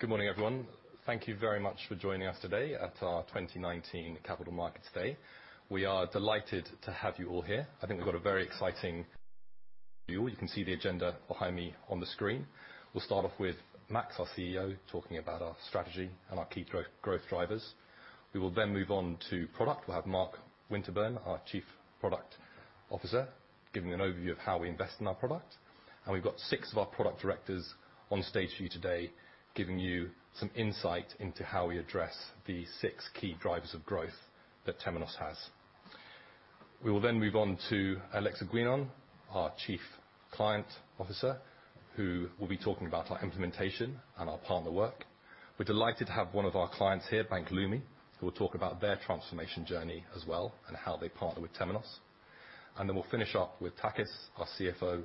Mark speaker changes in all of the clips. Speaker 1: Good morning, everyone. Thank you very much for joining us today at our 2019 Capital Markets Day. We are delighted to have you all here. I think we've got a very exciting day for you all. You can see the agenda behind me on the screen. We'll start off with Max, our CEO, talking about our strategy and our key growth drivers. We will move on to product. We'll have Mark Winterburn, our Chief Product Officer, giving an overview of how we invest in our product. We've got six of our product directors on stage for you today, giving you some insight into how we address the six key drivers of growth that Temenos has. We will move on to Alexa Guenoun, our Chief Client Officer, who will be talking about our implementation and our partner work. We're delighted to have one of our clients here, Bank Leumi, who will talk about their transformation journey as well and how they partner with Temenos. We'll finish up with Takis, our CFO,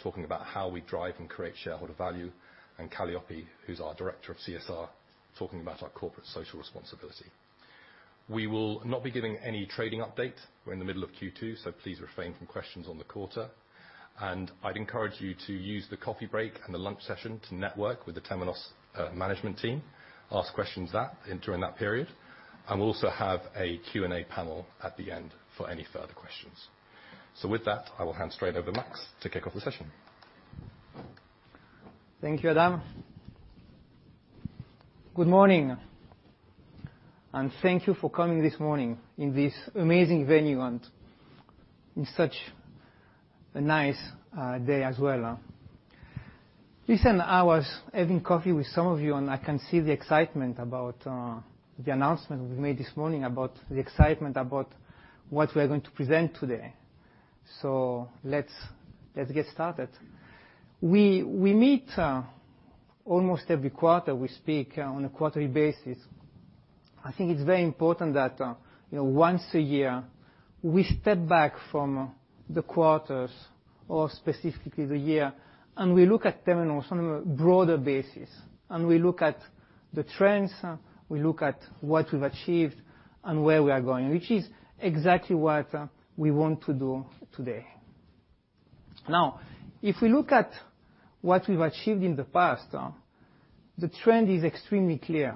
Speaker 1: talking about how we drive and create shareholder value, and Kalliopi, who's our Director of CSR, talking about our corporate social responsibility. We will not be giving any trading update. We're in the middle of Q2, so please refrain from questions on the quarter. I'd encourage you to use the coffee break and the lunch session to network with the Temenos management team, ask questions during that period. We'll also have a Q&A panel at the end for any further questions. With that, I will hand straight over to Max to kick off the session.
Speaker 2: Thank you, Adam. Good morning, thank you for coming this morning in this amazing venue, and on such a nice day as well. Listen, I was having coffee with some of you, and I can see the excitement about the announcement we made this morning, the excitement about what we are going to present today. Let's get started. We meet almost every quarter. We speak on a quarterly basis. I think it's very important that once a year, we step back from the quarters, or specifically the year, we look at Temenos on a broader basis, and we look at the trends, we look at what we've achieved and where we are going, which is exactly what we want to do today. If we look at what we've achieved in the past, the trend is extremely clear.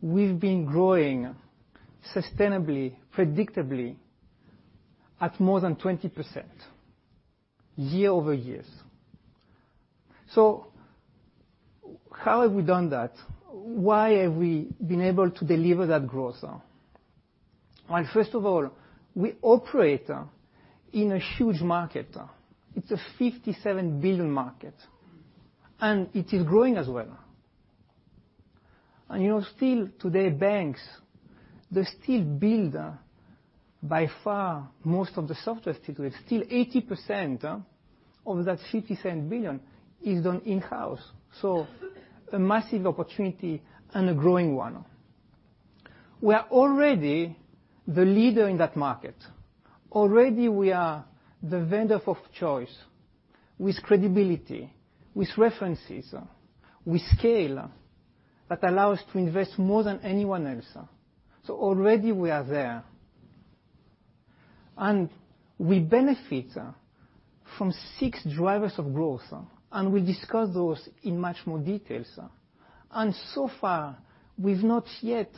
Speaker 2: We've been growing sustainably, predictably at more than 20% year-over-year. How have we done that? Why have we been able to deliver that growth? First of all, we operate in a huge market. It's a $57 billion market, and it is growing as well. Still today, banks, they still build by far most of the software still. It's still 80% of that $57 billion is done in-house. A massive opportunity and a growing one. We are already the leader in that market. Already, we are the vendor of choice with credibility, with references, with scale that allow us to invest more than anyone else. Already we are there. We benefit from six drivers of growth, and we'll discuss those in much more details. So far, we've not yet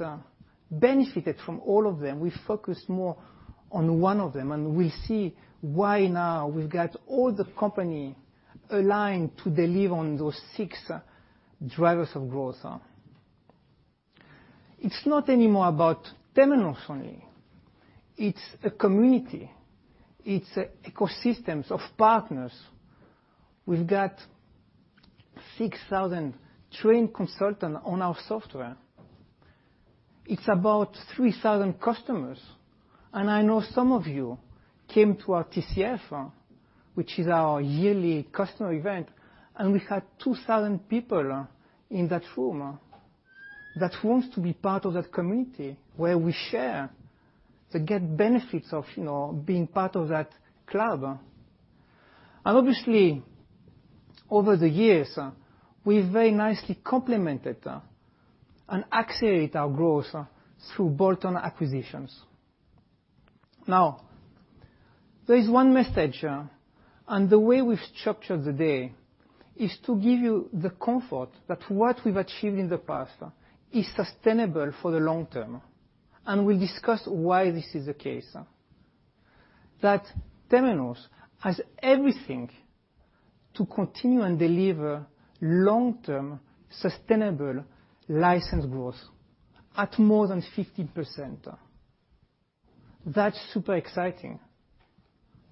Speaker 2: benefited from all of them. We focus more on one of them. We see why now we've got all the company aligned to deliver on those six drivers of growth. It's not anymore about Temenos only. It's a community. It's ecosystems of partners. We've got 6,000 trained consultant on our software. It's about 3,000 customers. I know some of you came to our TCF, which is our yearly customer event. We had 2,000 people in that room that wants to be part of that community where we share to get benefits of being part of that club. Obviously, over the years, we've very nicely complemented and accelerate our growth through bolt-on acquisitions. Now, there is one message, and the way we've structured the day is to give you the comfort that what we've achieved in the past is sustainable for the long term. We'll discuss why this is the case. That Temenos has everything to continue and deliver long-term, sustainable license growth at more than 15%.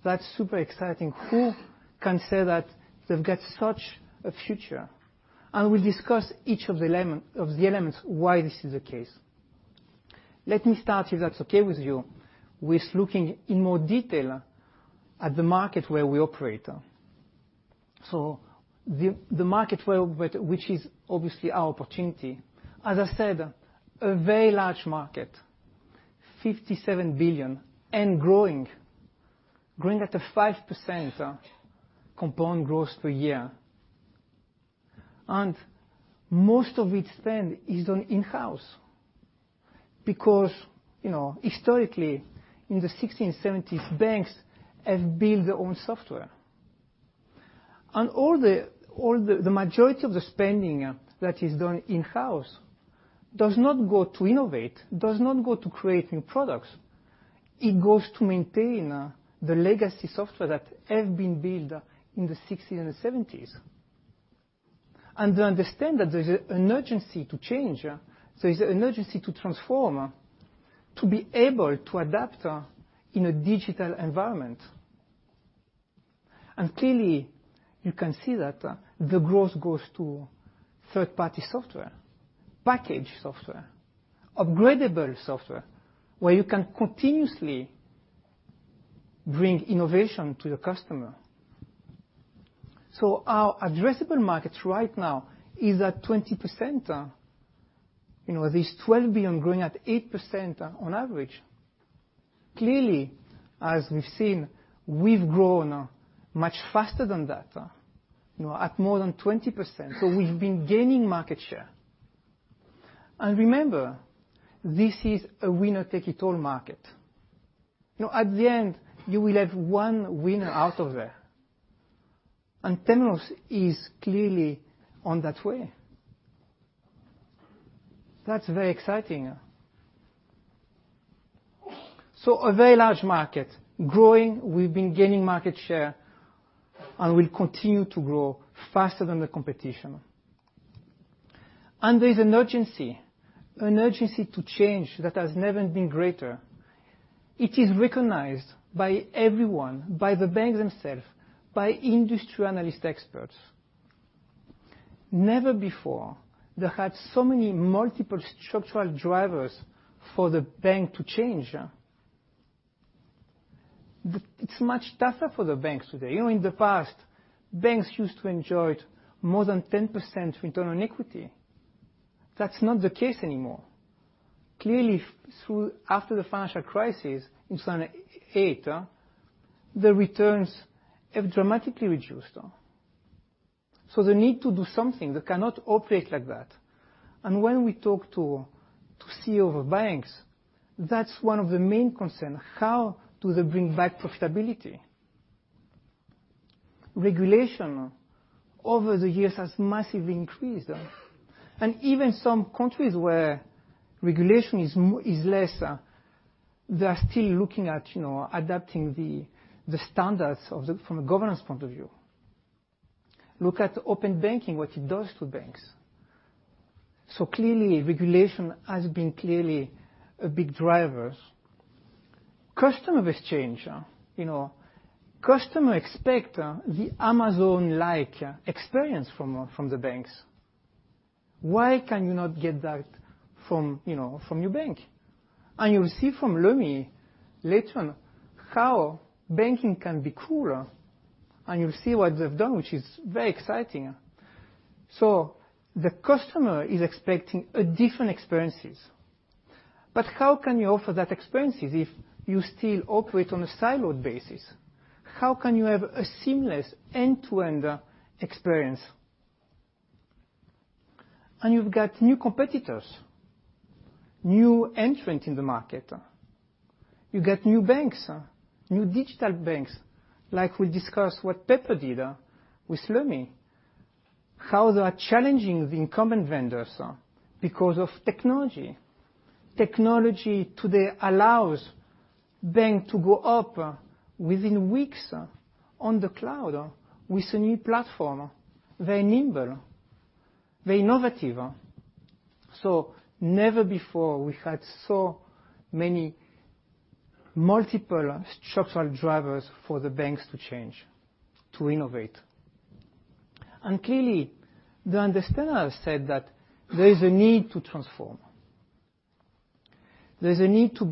Speaker 2: That's super exciting. Who can say that they've got such a future? We'll discuss each of the elements why this is the case. Let me start, if that's okay with you, with looking in more detail at the market where we operate. The market, which is obviously our opportunity. As I said, a very large market, $57 billion and growing. Growing at a 5% compound growth per year. Most of it spend is done in-house because historically, in the '60s and '70s, banks have built their own software. The majority of the spending that is done in-house does not go to innovate, does not go to create new products. It goes to maintain the legacy software that have been built in the '60s and '70s. They understand that there's an urgency to change. There is an urgency to transform, to be able to adapt in a digital environment. Clearly you can see that the growth goes to third-party software, package software, upgradable software, where you can continuously bring innovation to the customer. Our addressable market right now is at 20%. This $12 billion growing at 8% on average. Clearly, as we've seen, we've grown much faster than that, at more than 20%. We've been gaining market share. Remember, this is a winner-take-it-all market. At the end, you will have one winner out of there, and Temenos is clearly on that way. That's very exciting. A very large market, growing. We've been gaining market share and will continue to grow faster than the competition. There's an urgency to change that has never been greater. It is recognized by everyone, by the banks themselves, by industry analyst experts. Never before they had so many multiple structural drivers for the bank to change. It's much tougher for the banks today. In the past, banks used to enjoy more than 10% return on equity. That's not the case anymore. Clearly, after the financial crisis in 2008, the returns have dramatically reduced. They need to do something. They cannot operate like that. When we talk to CEO of banks, that's one of the main concern. How do they bring back profitability? Regulation over the years has massively increased. Even some countries where regulation is less, they are still looking at adapting the standards from a governance point of view. Look at open banking, what it does to banks. Clearly, regulation has been clearly a big driver. Customer has changed. Customer expect the Amazon-like experience from the banks. Why can you not get that from your bank? You will see from Leumi later on how banking can be cool, and you'll see what they've done, which is very exciting. The customer is expecting a different experiences. How can you offer that experiences if you still operate on a siloed basis? How can you have a seamless end-to-end experience? You've got new competitors, new entrant in the market. You get new banks, new digital banks, like we discussed what Pepper did with Leumi. How they are challenging the incumbent vendors because of technology. Technology today allows bank to go up within weeks on the cloud with a new platform. Very nimble, very innovative. Never before we had so many multiple structural drivers for the banks to change, to innovate. Clearly, they understand and said that there is a need to transform. There's a need to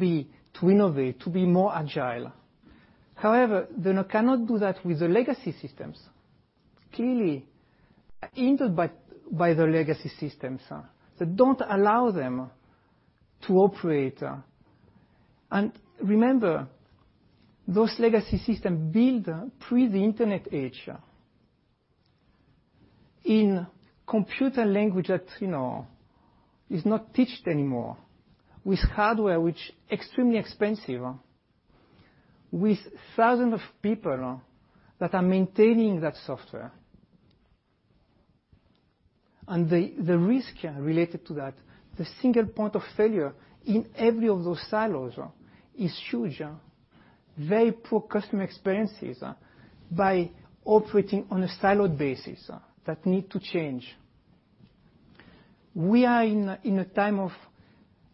Speaker 2: innovate, to be more agile. However, they now cannot do that with the legacy systems. Clearly hindered by the legacy systems that don't allow them to operate. Remember, those legacy system built pre the internet age in computer language that is not teached anymore, with hardware which extremely expensive, with thousands of people that are maintaining that software. The risk related to that, the single point of failure in every of those silos is huge. Very poor customer experiences by operating on a siloed basis that need to change. We are in a time of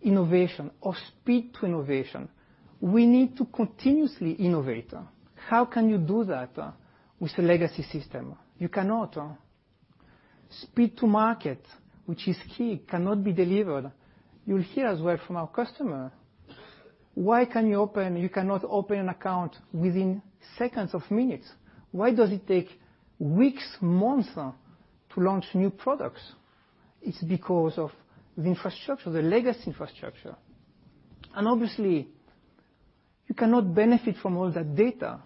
Speaker 2: innovation, of speed to innovation. We need to continuously innovate. How can you do that with a legacy system? You cannot. Speed to market, which is key, cannot be delivered. You'll hear as well from our customer. Why you cannot open an account within seconds of minutes? Why does it take weeks, months to launch new products? It's because of the infrastructure, the legacy infrastructure. Obviously, you cannot benefit from all that data.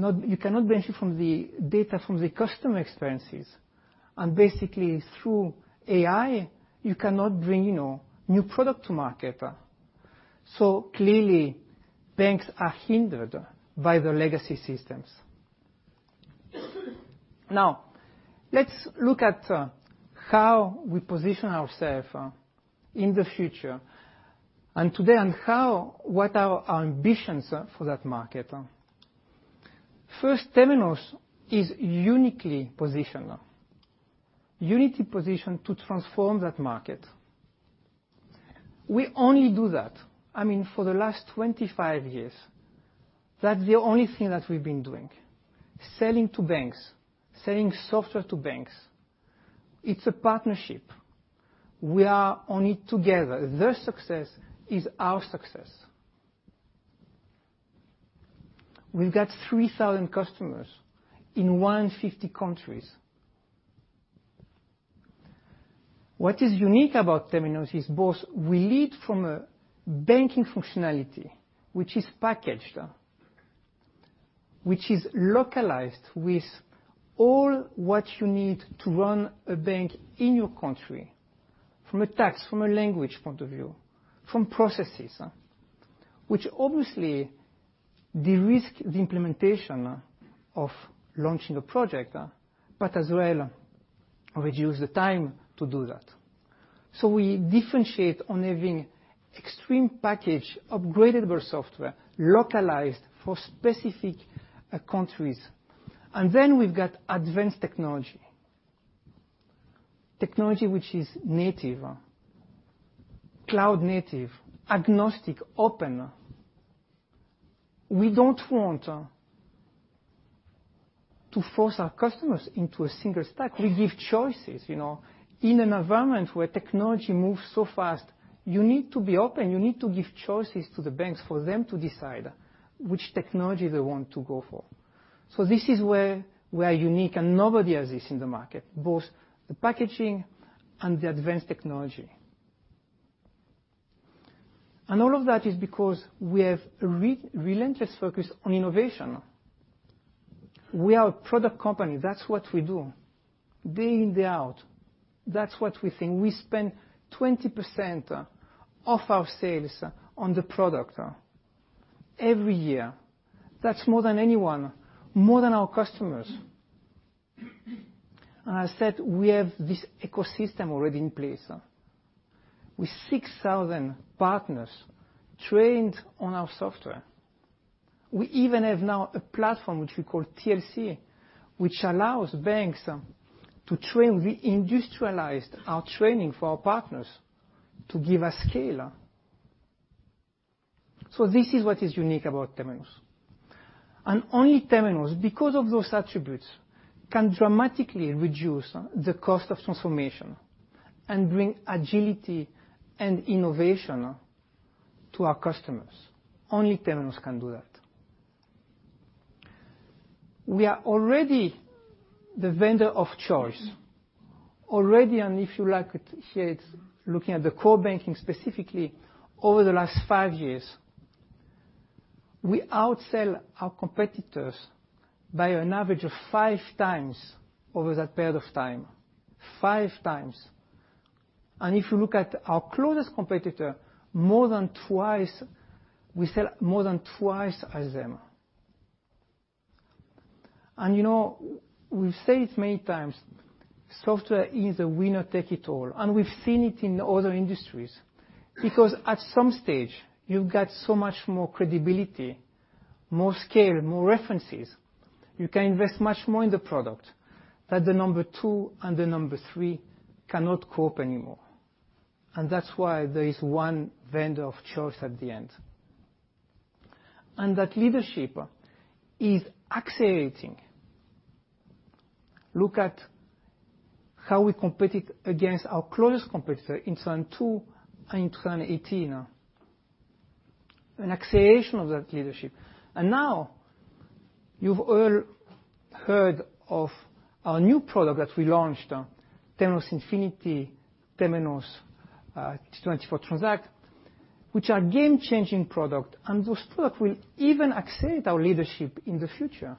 Speaker 2: You cannot benefit from the data from the customer experiences, and basically through AI, you cannot bring new product to market. Clearly, banks are hindered by their legacy systems. Let's look at how we position ourself in the future, and today, on what are our ambitions are for that market. First, Temenos is uniquely positioned. Uniquely positioned to transform that market. We only do that. For the last 25 years, that's the only thing that we've been doing, selling to banks, selling software to banks. It's a partnership. We are only together. Their success is our success. We've got 3,000 customers in 150 countries. What is unique about Temenos is both we lead from a banking functionality, which is packaged, which is localized with all what you need to run a bank in your country, from a tax, from a language point of view, from processes, which obviously de-risk the implementation of launching a project, but as well reduce the time to do that. We differentiate on having extreme package, upgradable software, localized for specific countries. Then we've got advanced technology. Technology which is native, cloud native, agnostic, open. We don't want to force our customers into a single stack. We give choices. In an environment where technology moves so fast, you need to be open. You need to give choices to the banks for them to decide which technology they want to go for. This is where we are unique, and nobody has this in the market, both the packaging and the advanced technology. All of that is because we have a relentless focus on innovation. We are a product company. That's what we do day in, day out. That's what we think. We spend 20% of our sales on the product every year. That's more than anyone, more than our customers. I said we have this ecosystem already in place, with 6,000 partners trained on our software. We even have now a platform which we call TLC, which allows banks to train. We industrialized our training for our partners to give a scale. This is what is unique about Temenos. Only Temenos, because of those attributes, can dramatically reduce the cost of transformation and bring agility and innovation to our customers. Only Temenos can do that. We are already the vendor of choice. Already, if you like it, here it's looking at the core banking specifically, over the last five years, we outsell our competitors by an average of five times over that period of time. Five times. If you look at our closest competitor, more than twice, we sell more than twice as them. We've said it many times, software is a winner take it all, and we've seen it in other industries because at some stage, you've got so much more credibility, more scale, more references. You can invest much more in the product, that the number 2 and the number 3 cannot cope anymore. That's why there is one vendor of choice at the end. That leadership is accelerating. Look at how we competed against our closest competitor in 2002 and 2018. An acceleration of that leadership. Now you've all heard of our new product that we launched, Temenos Infinity, Temenos T24 Transact, which are game-changing product, and those product will even accelerate our leadership in the future.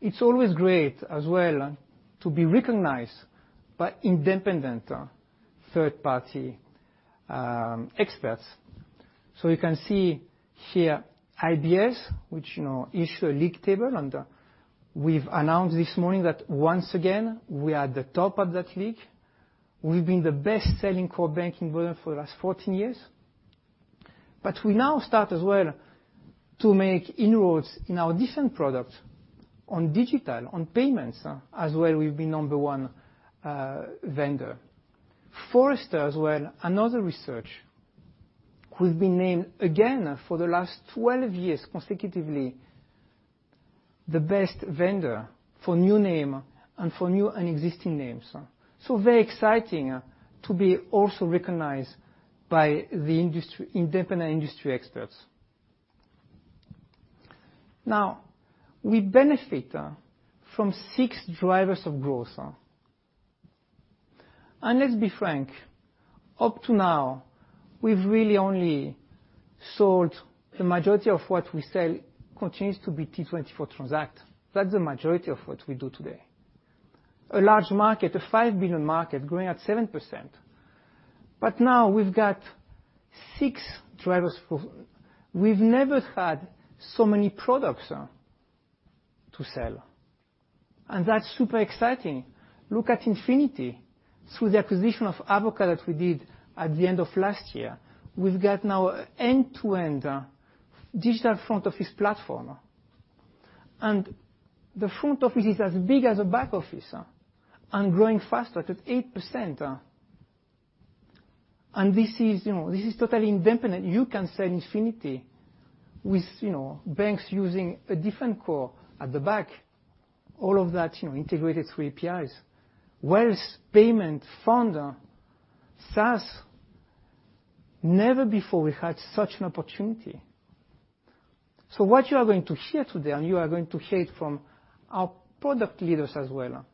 Speaker 2: It's always great as well to be recognized by independent third-party experts. You can see here IBS, which issue a league table, and we've announced this morning that once again, we are at the top of that league. We've been the best-selling core banking for the last 14 years. But we now start as well to make inroads in our different products on digital, on payments as well we've been number 1 vendor. Forrester as well, another research. We've been named again for the last 12 years consecutively the best vendor for new name and for new and existing names. Very exciting to be also recognized by the independent industry experts. Now, we benefit from six drivers of growth. Let's be frank, up to now, we've really only sold the majority of what we sell continues to be T24 Transact. That's the majority of what we do today. A large market, a $5 billion market growing at 7%. But now we've got six drivers. We've never had so many products to sell, and that's super exciting. Look at Infinity. Through the acquisition of Avoka that we did at the end of last year, we've got now end-to-end digital front office platform. The front office is as big as a back office and growing faster at 8%. This is totally independent. You can sell Infinity with banks using a different core at the back, all of that integrated through APIs. Wealth, payment, fund, SaaS, never before we had such an opportunity. What you are going to hear today, and you are going to hear it from our product leaders as well,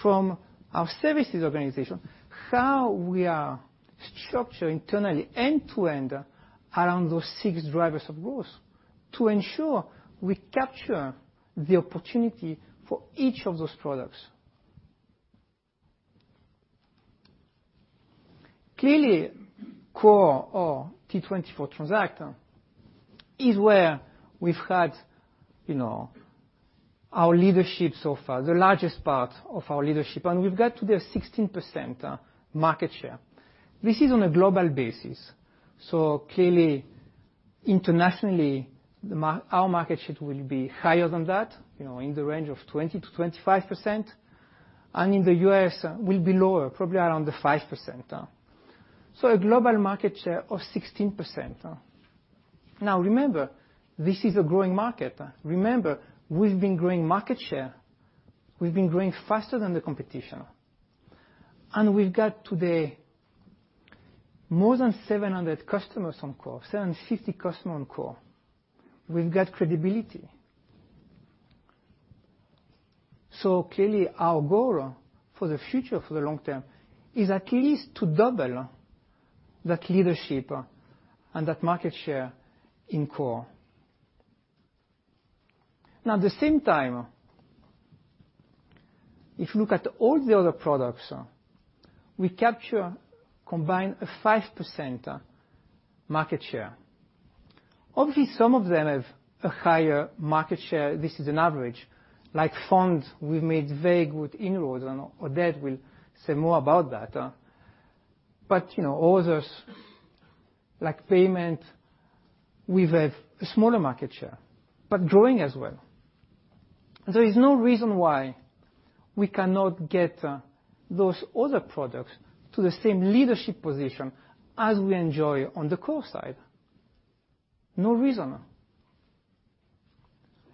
Speaker 2: from our services organization, how we are structured internally end-to-end around those six drivers of growth to ensure we capture the opportunity for each of those products. Clearly, core or T24 Transact is where we've had our leadership so far, the largest part of our leadership. We've got today a 16% market share. This is on a global basis. Clearly, internationally, our market share will be higher than that, in the range of 20%-25%. In the U.S., we'll be lower, probably around the 5%. A global market share of 16%. Remember, this is a growing market. Remember, we've been growing market share. We've been growing faster than the competition. We've got today more than 700 customers on core, 750 customers on core. We've got credibility. Clearly, our goal for the future, for the long term, is at least to double that leadership and that market share in core. At the same time, if you look at all the other products, we capture combined a 5% market share. Obviously, some of them have a higher market share. This is an average. Like funds, we've made very good inroads, and Oded will say more about that. Others, like payment, we've a smaller market share, but growing as well. There is no reason why we cannot get those other products to the same leadership position as we enjoy on the core side. No reason.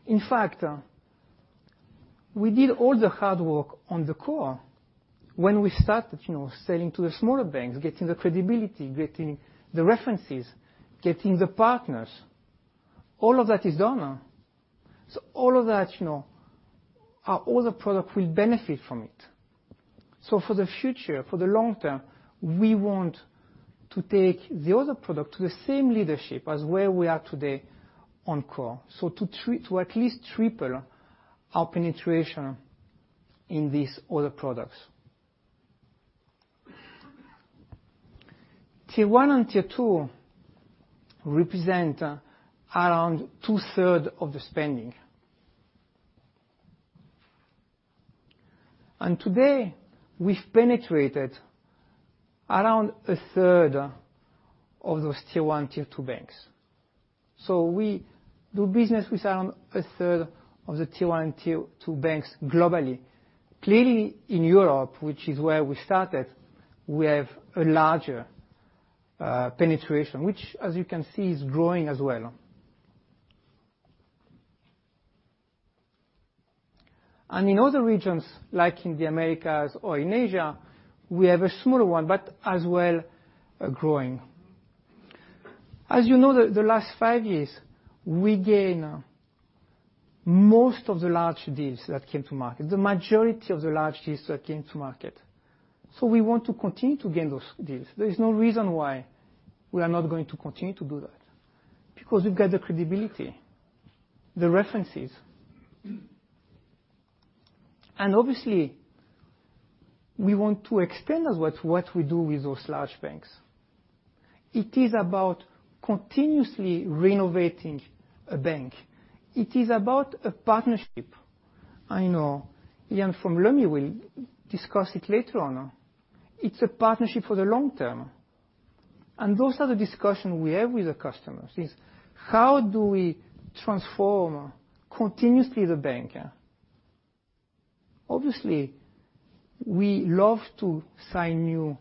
Speaker 2: In fact, we did all the hard work on the core when we started selling to the smaller banks, getting the credibility, getting the references, getting the partners. All of that is done. All of that, our other product will benefit from it. For the future, for the long term, we want to take the other product to the same leadership as where we are today on core. To at least triple our penetration in these other products. Tier 1 and Tier 2 represent around two-third of the spending. Today, we've penetrated around a third of those Tier 1, Tier 2 banks. We do business with around a third of the Tier 1, Tier 2 banks globally. Clearly, in Europe, which is where we started, we have a larger penetration, which as you can see, is growing as well. In other regions, like in the Americas or in Asia, we have a smaller one, but as well, growing. As you know, the last five years, we gain most of the large deals that came to market, the majority of the large deals that came to market. We want to continue to gain those deals. There is no reason why we are not going to continue to do that, because we've got the credibility, the references. Obviously, we want to extend as what we do with those large banks. It is about continuously renovating a bank. It is about a partnership. I know Ilan from Leumi will discuss it later on. It's a partnership for the long term. Those are the discussion we have with the customers, is how do we transform continuously the bank? Obviously, we love to sign new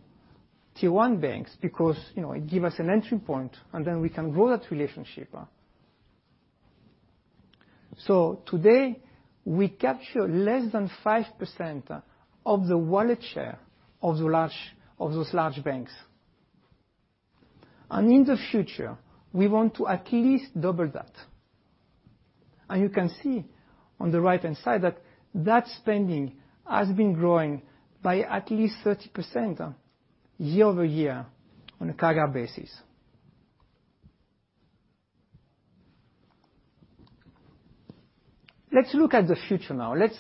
Speaker 2: Tier 1 banks because it gives us an entry point, then we can grow that relationship. Today, we capture less than 5% of the wallet share of those large banks. In the future, we want to at least double that. You can see on the right-hand side that that spending has been growing by at least 30% year-over-year on a CAGR basis. Let's look at the future now. Let's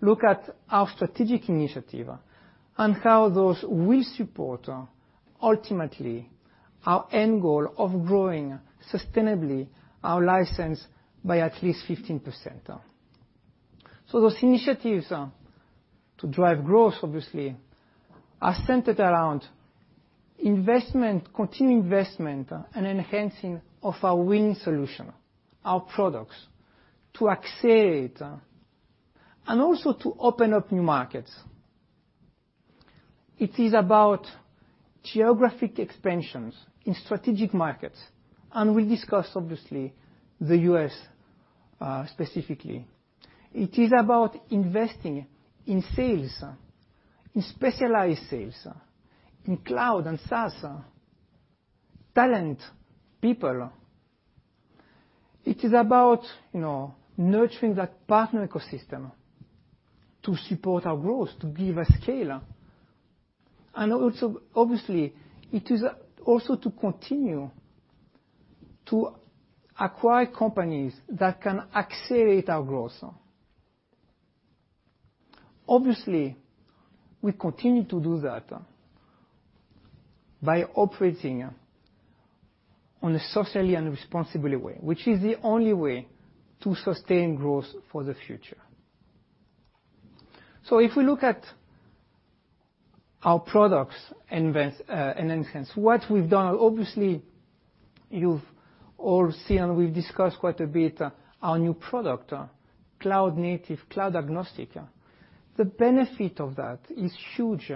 Speaker 2: look at our strategic initiatives and how those will support, ultimately, our end goal of growing, sustainably, our license by at least 15%. Those initiatives to drive growth, obviously, are centered around continued investment and enhancing of our winning solution, our products, to accelerate and also to open up new markets. It is about geographic expansions in strategic markets, and we discuss, obviously, the U.S. specifically. It is about investing in sales, in specialized sales, in cloud and SaaS, talent, people. It is about nurturing that partner ecosystem to support our growth, to give us scale. Obviously, it is to continue to acquire companies that can accelerate our growth. Obviously, we continue to do that by operating on a socially and responsible way, which is the only way to sustain growth for the future. If we look at our products and enhance what we have done, obviously, you have all seen, and we have discussed quite a bit, our new product, cloud-native, cloud-agnostic. The benefit of that is huge.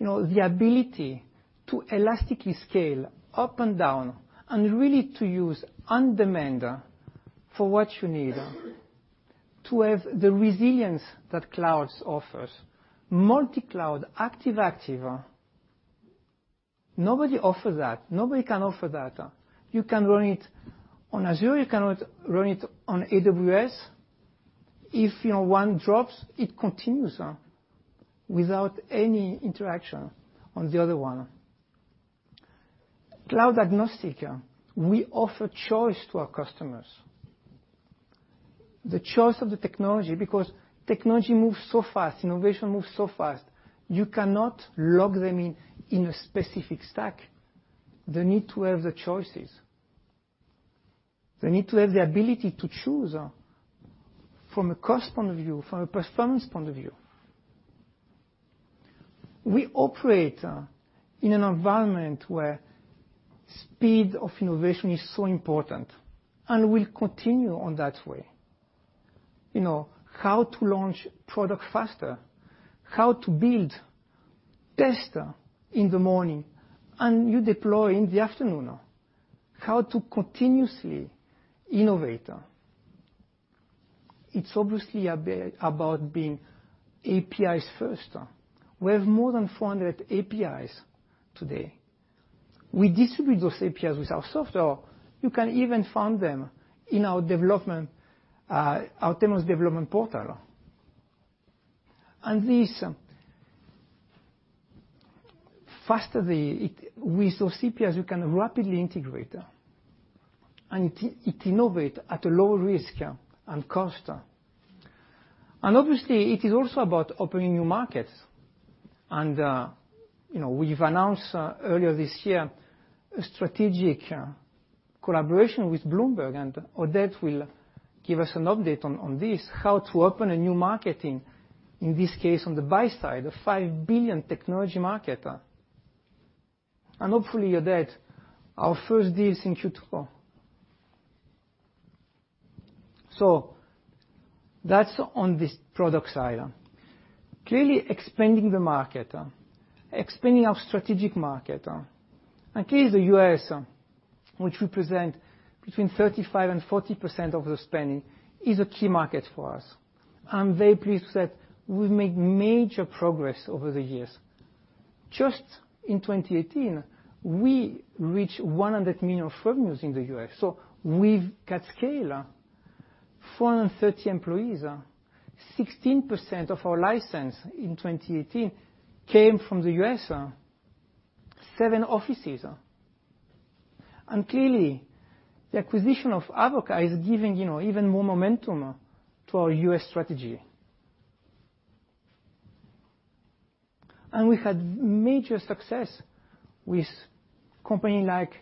Speaker 2: The ability to elastically scale up and down and really to use on-demand for what you need, to have the resilience that cloud offers. Multi-cloud, active-active. Nobody offers that. Nobody can offer that. You can run it on Azure. You can run it on AWS. If one drops, it continues without any interaction on the other one. Cloud-agnostic, we offer choice to our customers. The choice of the technology, because technology moves so fast, innovation moves so fast, you cannot lock them in a specific stack. They need to have the choice. They need to have the ability to choose from a cost point of view, from a performance point of view. We operate in an environment where speed of innovation is so important, and we will continue on that way. How to launch product faster, how to build, test in the morning and you deploy in the afternoon, how to continuously innovate. It is obviously about being APIs first. We have more than 400 APIs today. We distribute those APIs with our software. You can even find them in our Temenos Developer Portal. With those APIs, you can rapidly integrate and innovate at a lower risk and cost. Obviously, it is about opening new markets. We have announced earlier this year a strategic collaboration with Bloomberg, and Oded will give us an update on this, how to open a new market, in this case, on the buy side, a $5 billion technology market. Hopefully, Oded, our first deal is in Q2. That is on this product side. Clearly expanding the market, expanding our strategic market. Clearly the U.S., which represents between 35% and 40% of the spending, is a key market for us. I am very pleased that we have made major progress over the years. Just in 2018, we reached $100 million revenues in the U.S. We have got scale. 430 employees. 16% of our license in 2018 came from the U.S. 7 offices. Clearly, the acquisition of Avoka is giving even more momentum to our U.S. strategy. We've had major success with companies like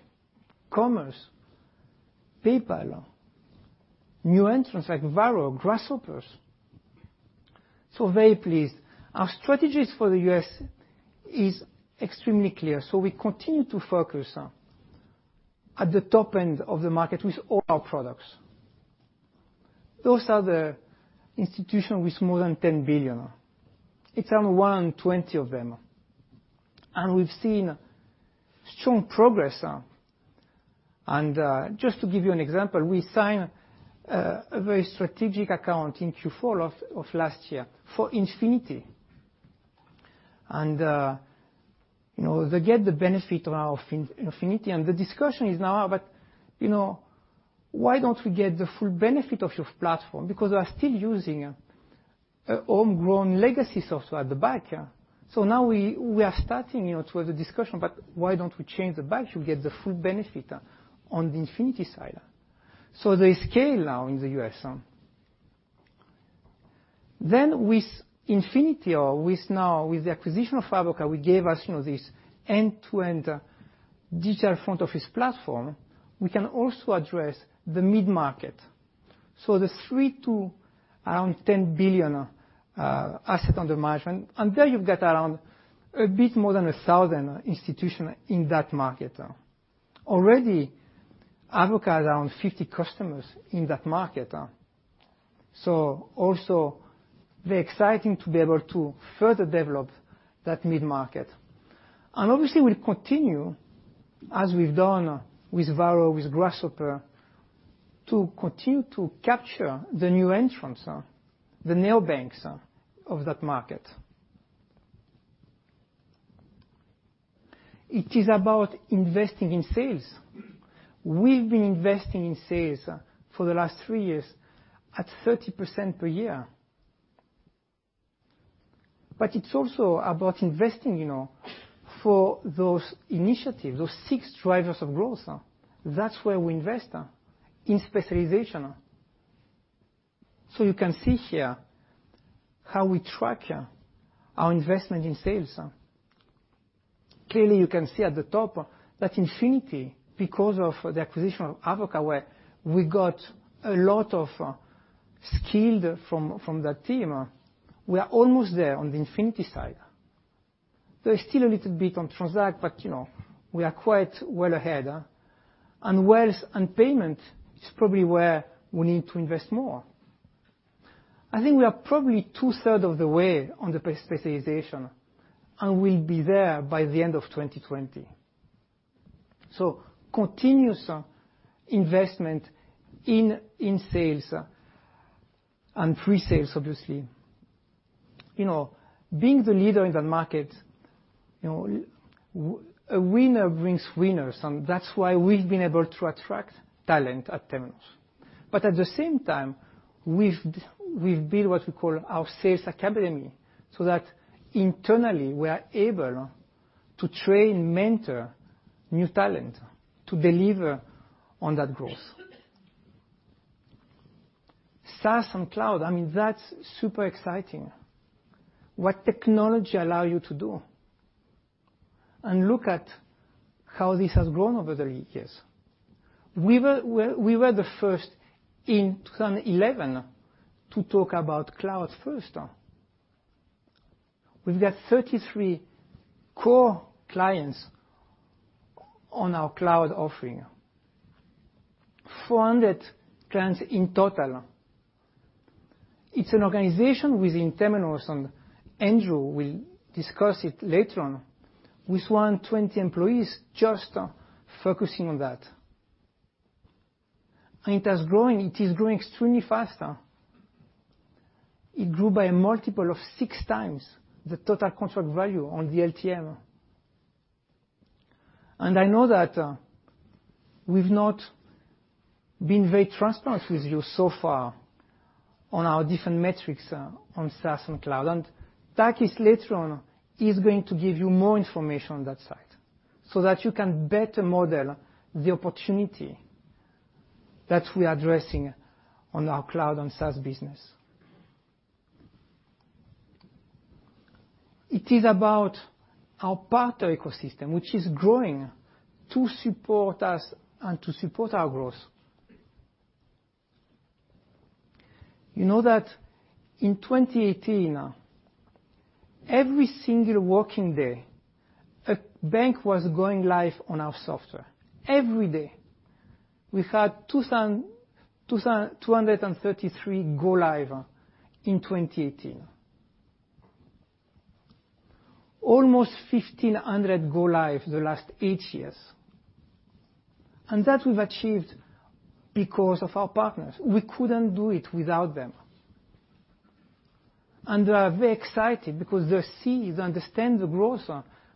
Speaker 2: Commerce Bank, PayPal, new entrants like Varo Bank, Grasshopper. Very pleased. Our strategies for the U.S. is extremely clear. We continue to focus at the top end of the market with all our products. Those are the institutions with more than $10 billion. It's around 120 of them. We've seen strong progress. Just to give you an example, we signed a very strategic account in Q4 of last year for Temenos Infinity. They get the benefit of our Temenos Infinity, and the discussion is now, why don't we get the full benefit of your platform? Because we are still using homegrown legacy software at the back. Now we are starting to have the discussion, why don't we change the back to get the full benefit on the Temenos Infinity side? They scale now in the U.S. With Temenos Infinity or with now the acquisition of Avoka, gave us this end-to-end digital front office platform. We can also address the mid-market, so the $3 billion to around $10 billion asset under management. There you've got around a bit more than 1,000 institutions in that market. Already, Avoka has around 50 customers in that market. Also very exciting to be able to further develop that mid-market. Obviously, we'll continue, as we've done with Varo Bank, with Grasshopper, to continue to capture the new entrants, the neobanks of that market. It is about investing in sales. We've been investing in sales for the last three years at 30% per year. It's also about investing for those initiatives, those six drivers of growth. That's where we invest, in specialization. You can see here how we track our investment in sales. Clearly, you can see at the top that Temenos Infinity, because of the acquisition of Avoka, where we got a lot of skilled from that team, we are almost there on the Temenos Infinity side. There is still a little bit on Transact, but we are quite well ahead. Wealth and Payment is probably where we need to invest more. I think we are probably two-thirds of the way on the specialization, and we'll be there by the end of 2020. Continuous investment in sales and pre-sales, obviously. Being the leader in the market, a winner wins winners, that's why we've been able to attract talent at Temenos. At the same time, we've built what we call our sales academy, so that internally, we are able to train, mentor new talent to deliver on that growth. SaaS and cloud, I mean, that's super exciting what technology allows you to do. Look at how this has grown over the years. We were the first in 2011 to talk about cloud first. We've got 33 core clients on our cloud offering, 400 clients in total. It's an organization within Temenos, and Andrew will discuss it later on, with 120 employees just focusing on that. It is growing extremely fast. It grew by a multiple of six times the total contract value on the LTM. I know that we've not been very transparent with you so far on our different metrics on SaaS and cloud. Takis later on is going to give you more information on that side so that you can better model the opportunity that we are addressing on our cloud and SaaS business. It is about our partner ecosystem, which is growing to support us and to support our growth. You know that in 2018, every single working day, a bank was going live on our software. Every day. We had 233 go live in 2018. Almost 1,500 go live the last eight years. That we've achieved because of our partners. We couldn't do it without them. They are very excited because they see, they understand the growth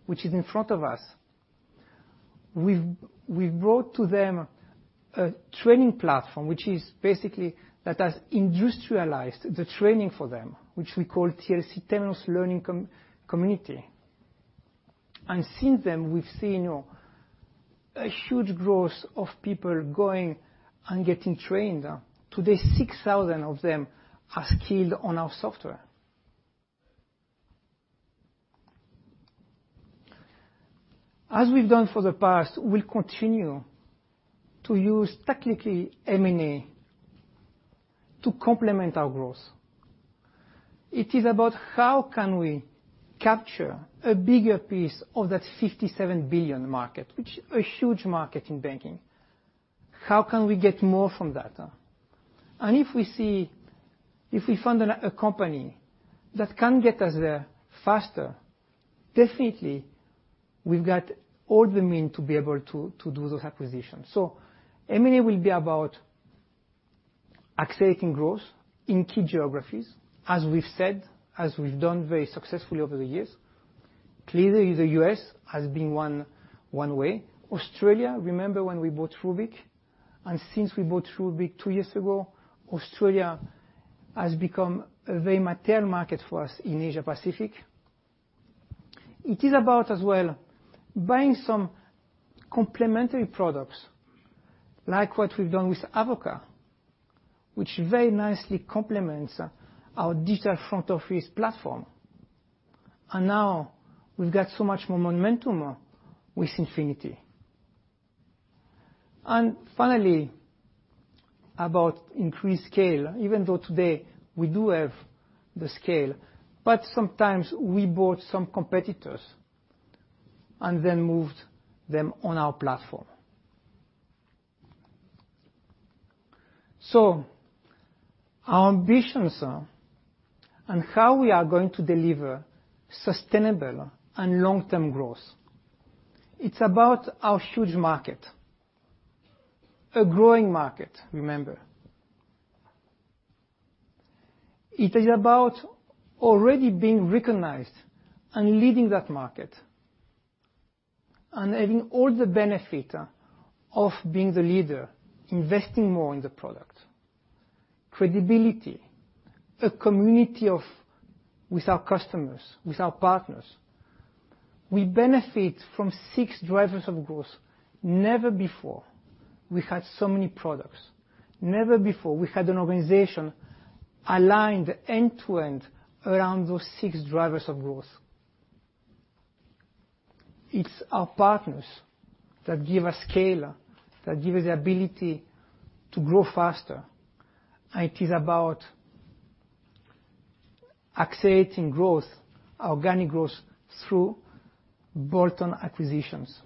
Speaker 2: which is in front of us. We've brought to them a training platform, which is basically that has industrialized the training for them, which we call TLC, Temenos Learning Community. Since then, we've seen a huge growth of people going and getting trained. Today, 6,000 of them are skilled on our software. As we've done for the past, we'll continue to use technically M&A to complement our growth. It is about how can we capture a bigger piece of that $57 billion market, which a huge market in banking. How can we get more from that? If we find a company that can get us there faster, definitely we've got all the means to be able to do those acquisitions. M&A will be about accelerating growth in key geographies, as we've said, as we've done very successfully over the years. Clearly, the U.S. has been one way. Australia, remember when we bought Rubik, and since we bought Rubik two years ago, Australia has become a very material market for us in Asia Pacific. It is about, as well, buying some complementary products, like what we've done with Avoka, which very nicely complements our digital front office platform. Now we've got so much more momentum with Infinity. Finally, about increased scale, even though today we do have the scale, but sometimes we bought some competitors and then moved them on our platform. Our ambitions are on how we are going to deliver sustainable and long-term growth. It's about our huge market, a growing market, remember. It is about already being recognized and leading that market and having all the benefit of being the leader, investing more in the product, credibility, a community with our customers, with our partners. We benefit from six drivers of growth. Never before we had so many products. Never before we had an organization aligned end-to-end around those six drivers of growth. It's our partners that give us scale, that give us the ability to grow faster. It is about accelerating growth, organic growth, through bolt-on acquisitions.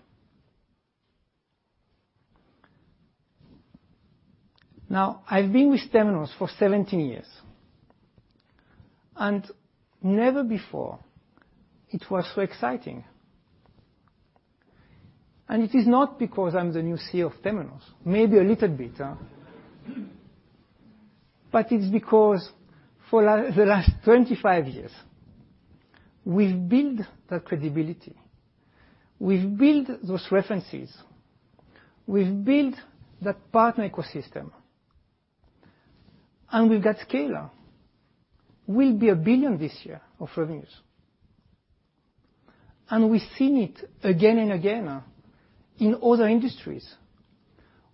Speaker 2: I've been with Temenos for 17 years. Never before it was so exciting. It is not because I'm the new CEO of Temenos. Maybe a little bit. It's because for the last 25 years, we've built that credibility, we've built those references, we've built that partner ecosystem, and we've got scale. We'll be $1 billion this year of revenues. We've seen it again and again in other industries.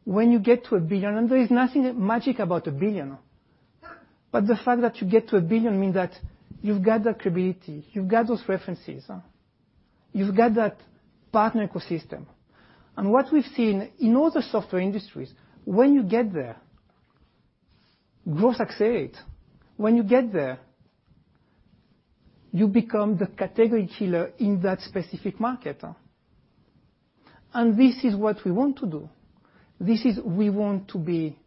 Speaker 2: When you get to $1 billion, and there is nothing magic about $1 billion, the fact that you get to $1 billion means that you've got that credibility, you've got those references, you've got that partner ecosystem. What we've seen in other software industries, when you get there, growth accelerates. When you get there, you become the category killer in that specific market. This is what we want to do. We want to be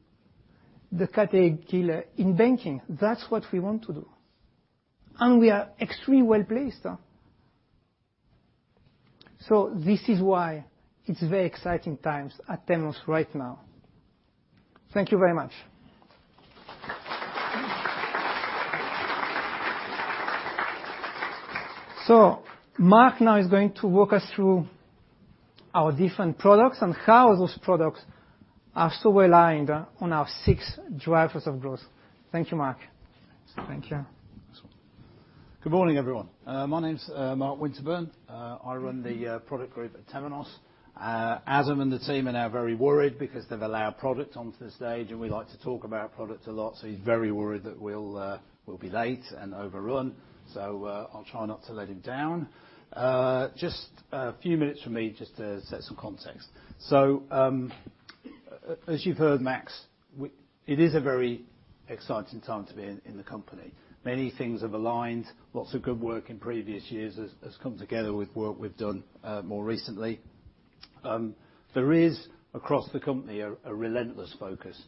Speaker 2: the category killer in banking. That's what we want to do. We are extremely well-placed. This is why it's very exciting times at Temenos right now. Thank you very much. Mark now is going to walk us through our different products and how those products are so aligned on our six drivers of growth. Thank you, Mark. Thank you.
Speaker 3: Good morning, everyone. My name's Mark Winterburn. I run the product group at Temenos. Adam and the team are now very worried because they've allowed product onto the stage. We like to talk about product a lot, he's very worried that we'll be late and overrun. I'll try not to let him down. Just a few minutes from me just to set some context. As you've heard Max, it is a very exciting time to be in the company. Many things have aligned. Lots of good work in previous years has come together with work we've done more recently. There is, across the company, a relentless focus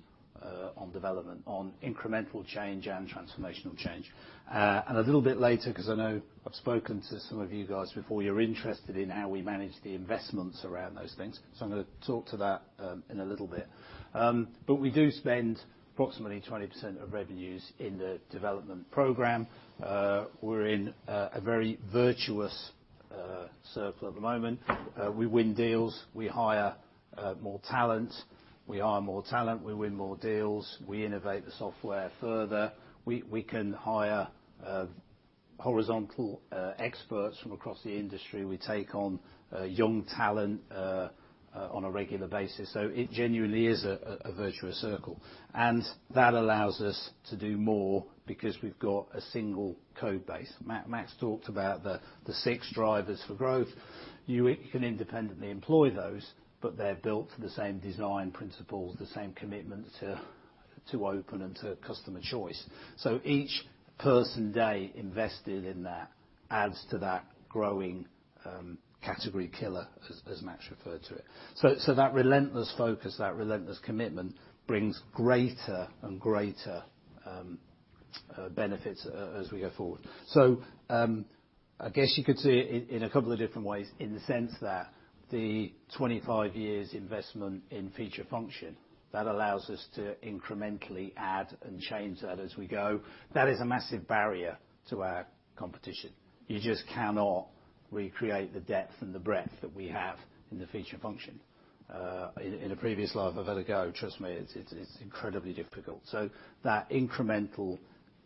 Speaker 3: on development, on incremental change and transformational change. A little bit later, because I know I've spoken to some of you guys before, you're interested in how we manage the investments around those things. I'm going to talk to that in a little bit. We do spend approximately 20% of revenues in the development program. We're in a very virtuous circle at the moment. We win deals, we hire more talent. We hire more talent, we win more deals. We innovate the software further. We can hire horizontal experts from across the industry. We take on young talent on a regular basis. It genuinely is a virtuous circle, and that allows us to do more because we've got a single code base. Max talked about the six drivers for growth. You can independently employ those, but they're built for the same design principles, the same commitment to open and to customer choice. Each person-day invested in that adds to that growing category killer, as Max referred to it. That relentless focus, that relentless commitment, brings greater and greater benefits as we go forward. I guess you could see it in a couple of different ways, in the sense that the 25 years investment in feature function, that allows us to incrementally add and change that as we go. That is a massive barrier to our competition. You just cannot recreate the depth and the breadth that we have in the feature function. In a previous life, I've had a go. Trust me, it's incredibly difficult. That incremental,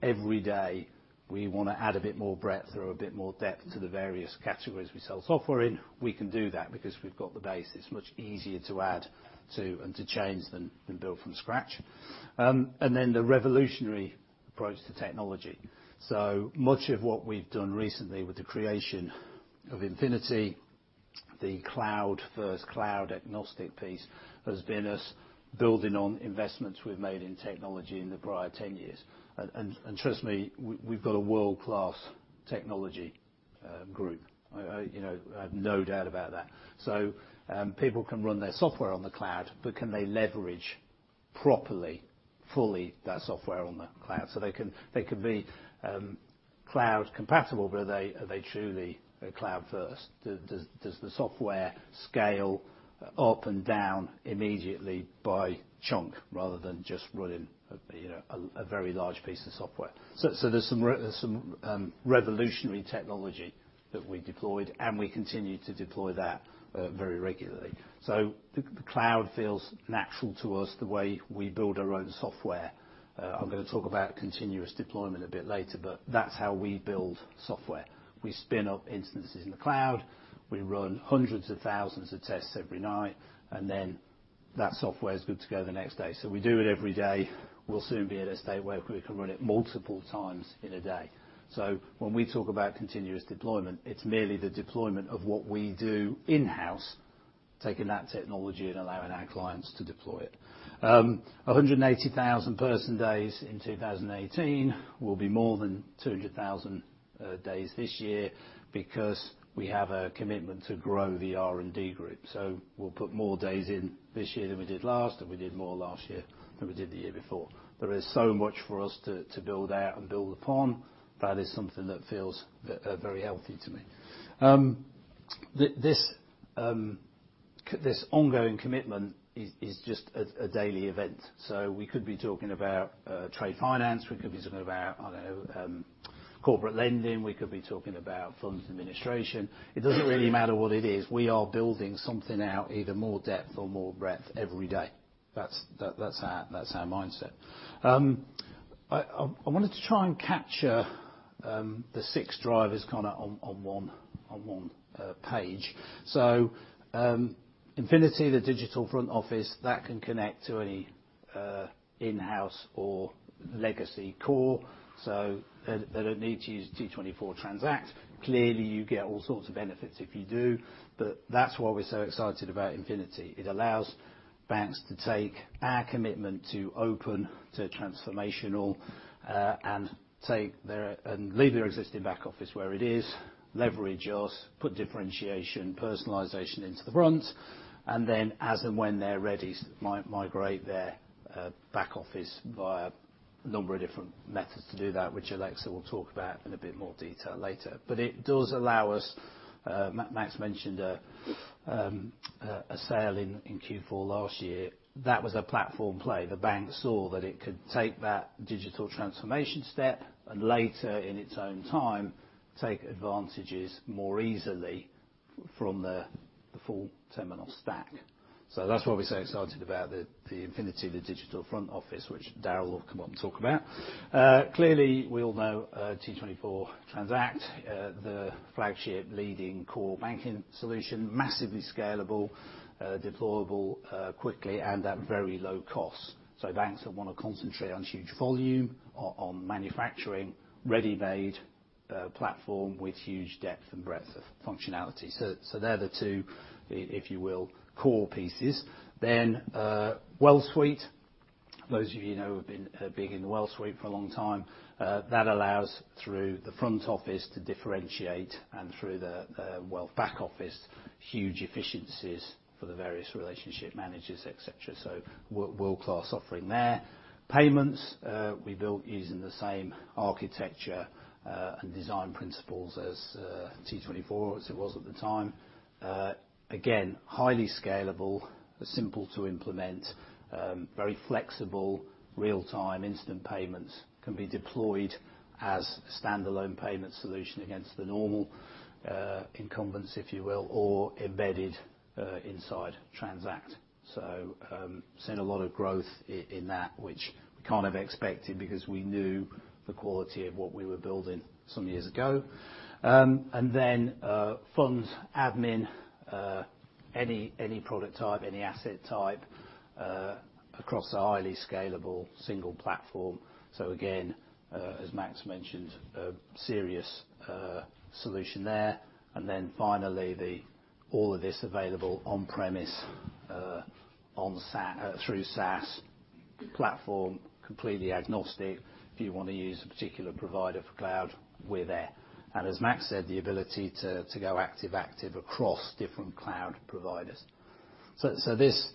Speaker 3: every day, we want to add a bit more breadth or a bit more depth to the various categories we sell software in. We can do that because we've got the base. It's much easier to add to and to change than build from scratch. Then the revolutionary approach to technology. Much of what we've done recently with the creation of Infinity, the cloud-first, cloud-agnostic piece, has been us building on investments we've made in technology in the prior 10 years. Trust me, we've got a world-class technology group. I have no doubt about that. People can run their software on the cloud, but can they leverage properly, fully, that software on the cloud? They can be cloud compatible, but are they truly cloud first? Does the software scale up and down immediately by chunk rather than just running a very large piece of software? There's some revolutionary technology that we deployed, and we continue to deploy that very regularly. The cloud feels natural to us, the way we build our own software. I'm going to talk about continuous deployment a bit later, but that's how we build software. We spin up instances in the cloud. We run hundreds of thousands of tests every night, that software is good to go the next day. We do it every day. We'll soon be at a state where we can run it multiple times in a day. When we talk about continuous deployment, it's merely the deployment of what we do in-house, taking that technology and allowing our clients to deploy it. 180,000 person days in 2018. We'll be more than 200,000 days this year because we have a commitment to grow the R&D group. We'll put more days in this year than we did last, and we did more last year than we did the year before. There is so much for us to build out and build upon. That is something that feels very healthy to me. This ongoing commitment is just a daily event. We could be talking about trade finance, we could be talking about corporate lending, we could be talking about funds administration. It doesn't really matter what it is. We are building something out, either more depth or more breadth every day. That's our mindset. I wanted to try and capture the six drivers kind of on one page. Infinity, the digital front office, that can connect to any in-house or legacy core. They don't need to use T24 Transact. Clearly, you get all sorts of benefits if you do, but that's why we're so excited about Infinity. It allows banks to take our commitment to open, to transformational, leave their existing back office where it is, leverage us, put differentiation, personalization into the front, as and when they're ready, migrate their back office via a number of different methods to do that, which Alexa will talk about in a bit more detail later. It does allow us. Max mentioned a sale in Q4 last year. That was a platform play. The bank saw that it could take that digital transformation step, and later, in its own time, take advantages more easily from the full Temenos stack. That's why we're so excited about the Infinity, the digital front office, which Darryl will come up and talk about. Clearly, we all know T24 Transact, the flagship leading core banking solution, massively scalable, deployable quickly, and at very low cost. Banks that want to concentrate on huge volume, on manufacturing, ready-made platform with huge depth and breadth of functionality. They're the two, if you will, core pieces. WealthSuite. Those of you who have been big in WealthSuite for a long time, that allows through the front office to differentiate and through the Wealth back office, huge efficiencies for the various relationship managers, et cetera. World-class offering there. Payments, we built using the same architecture and design principles as T24, as it was at the time. Again, highly scalable, simple to implement, very flexible, real-time instant payments. Can be deployed as a standalone payment solution against the normal incumbents, if you will, or embedded inside Transact. Seeing a lot of growth in that, which we kind of expected because we knew the quality of what we were building some years ago. Funds admin, any product type, any asset type, across a highly scalable single platform. Again, as Max mentioned, a serious solution there. Finally, all of this available on premise through SaaS. Platform completely agnostic. If you want to use a particular provider for cloud, we're there. As Max said, the ability to go active-active across different cloud providers. This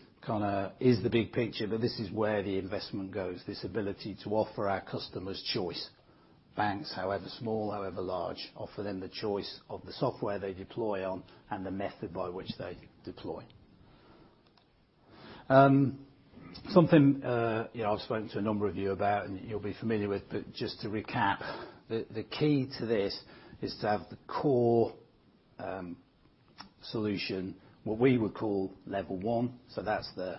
Speaker 3: is the big picture, but this is where the investment goes, this ability to offer our customers choice. Banks, however small, however large, offer them the choice of the software they deploy on and the method by which they deploy. Something I've spoken to a number of you about, and you'll be familiar with, but just to recap, the key to this is to have the core solution, what we would call level 1. That's the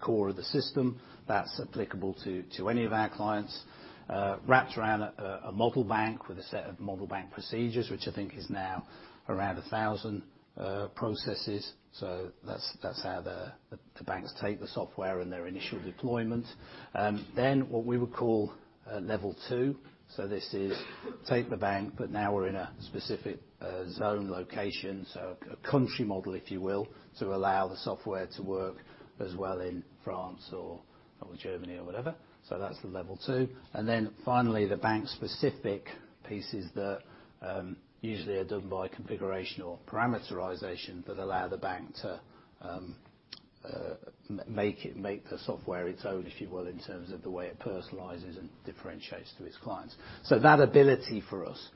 Speaker 3: core of the system that's applicable to any of our clients, wrapped around a Model Bank with a set of Model Bank procedures, which I think is now around 1,000 processes. That's how the banks take the software in their initial deployment. What we would call level 2, this is take the bank, but now we're in a specific zone location, a Country Model, if you will, to allow the software to work as well in France or Germany or whatever. That's the level 2. Finally, the bank-specific pieces that usually are done by configuration or parameterization that allow the bank to make the software its own, if you will, in terms of the way it personalizes and differentiates to its clients. That ability for us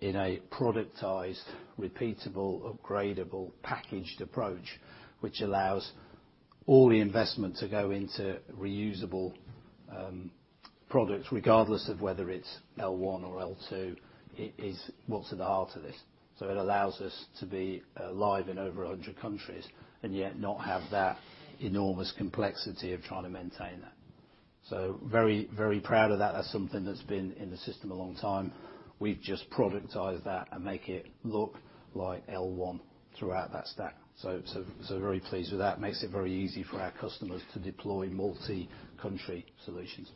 Speaker 3: in a productized, repeatable, upgradable, packaged approach, which allows all the investment to go into reusable products regardless of whether it's L1 or L2, is what's at the heart of this. It allows us to be live in over 100 countries, and yet not have that enormous complexity of trying to maintain that. Very proud of that. That's something that's been in the system a long time. We've just productized that and make it look like L1 throughout that stack. Very pleased with that. Makes it very easy for our customers to deploy multi-country solutions.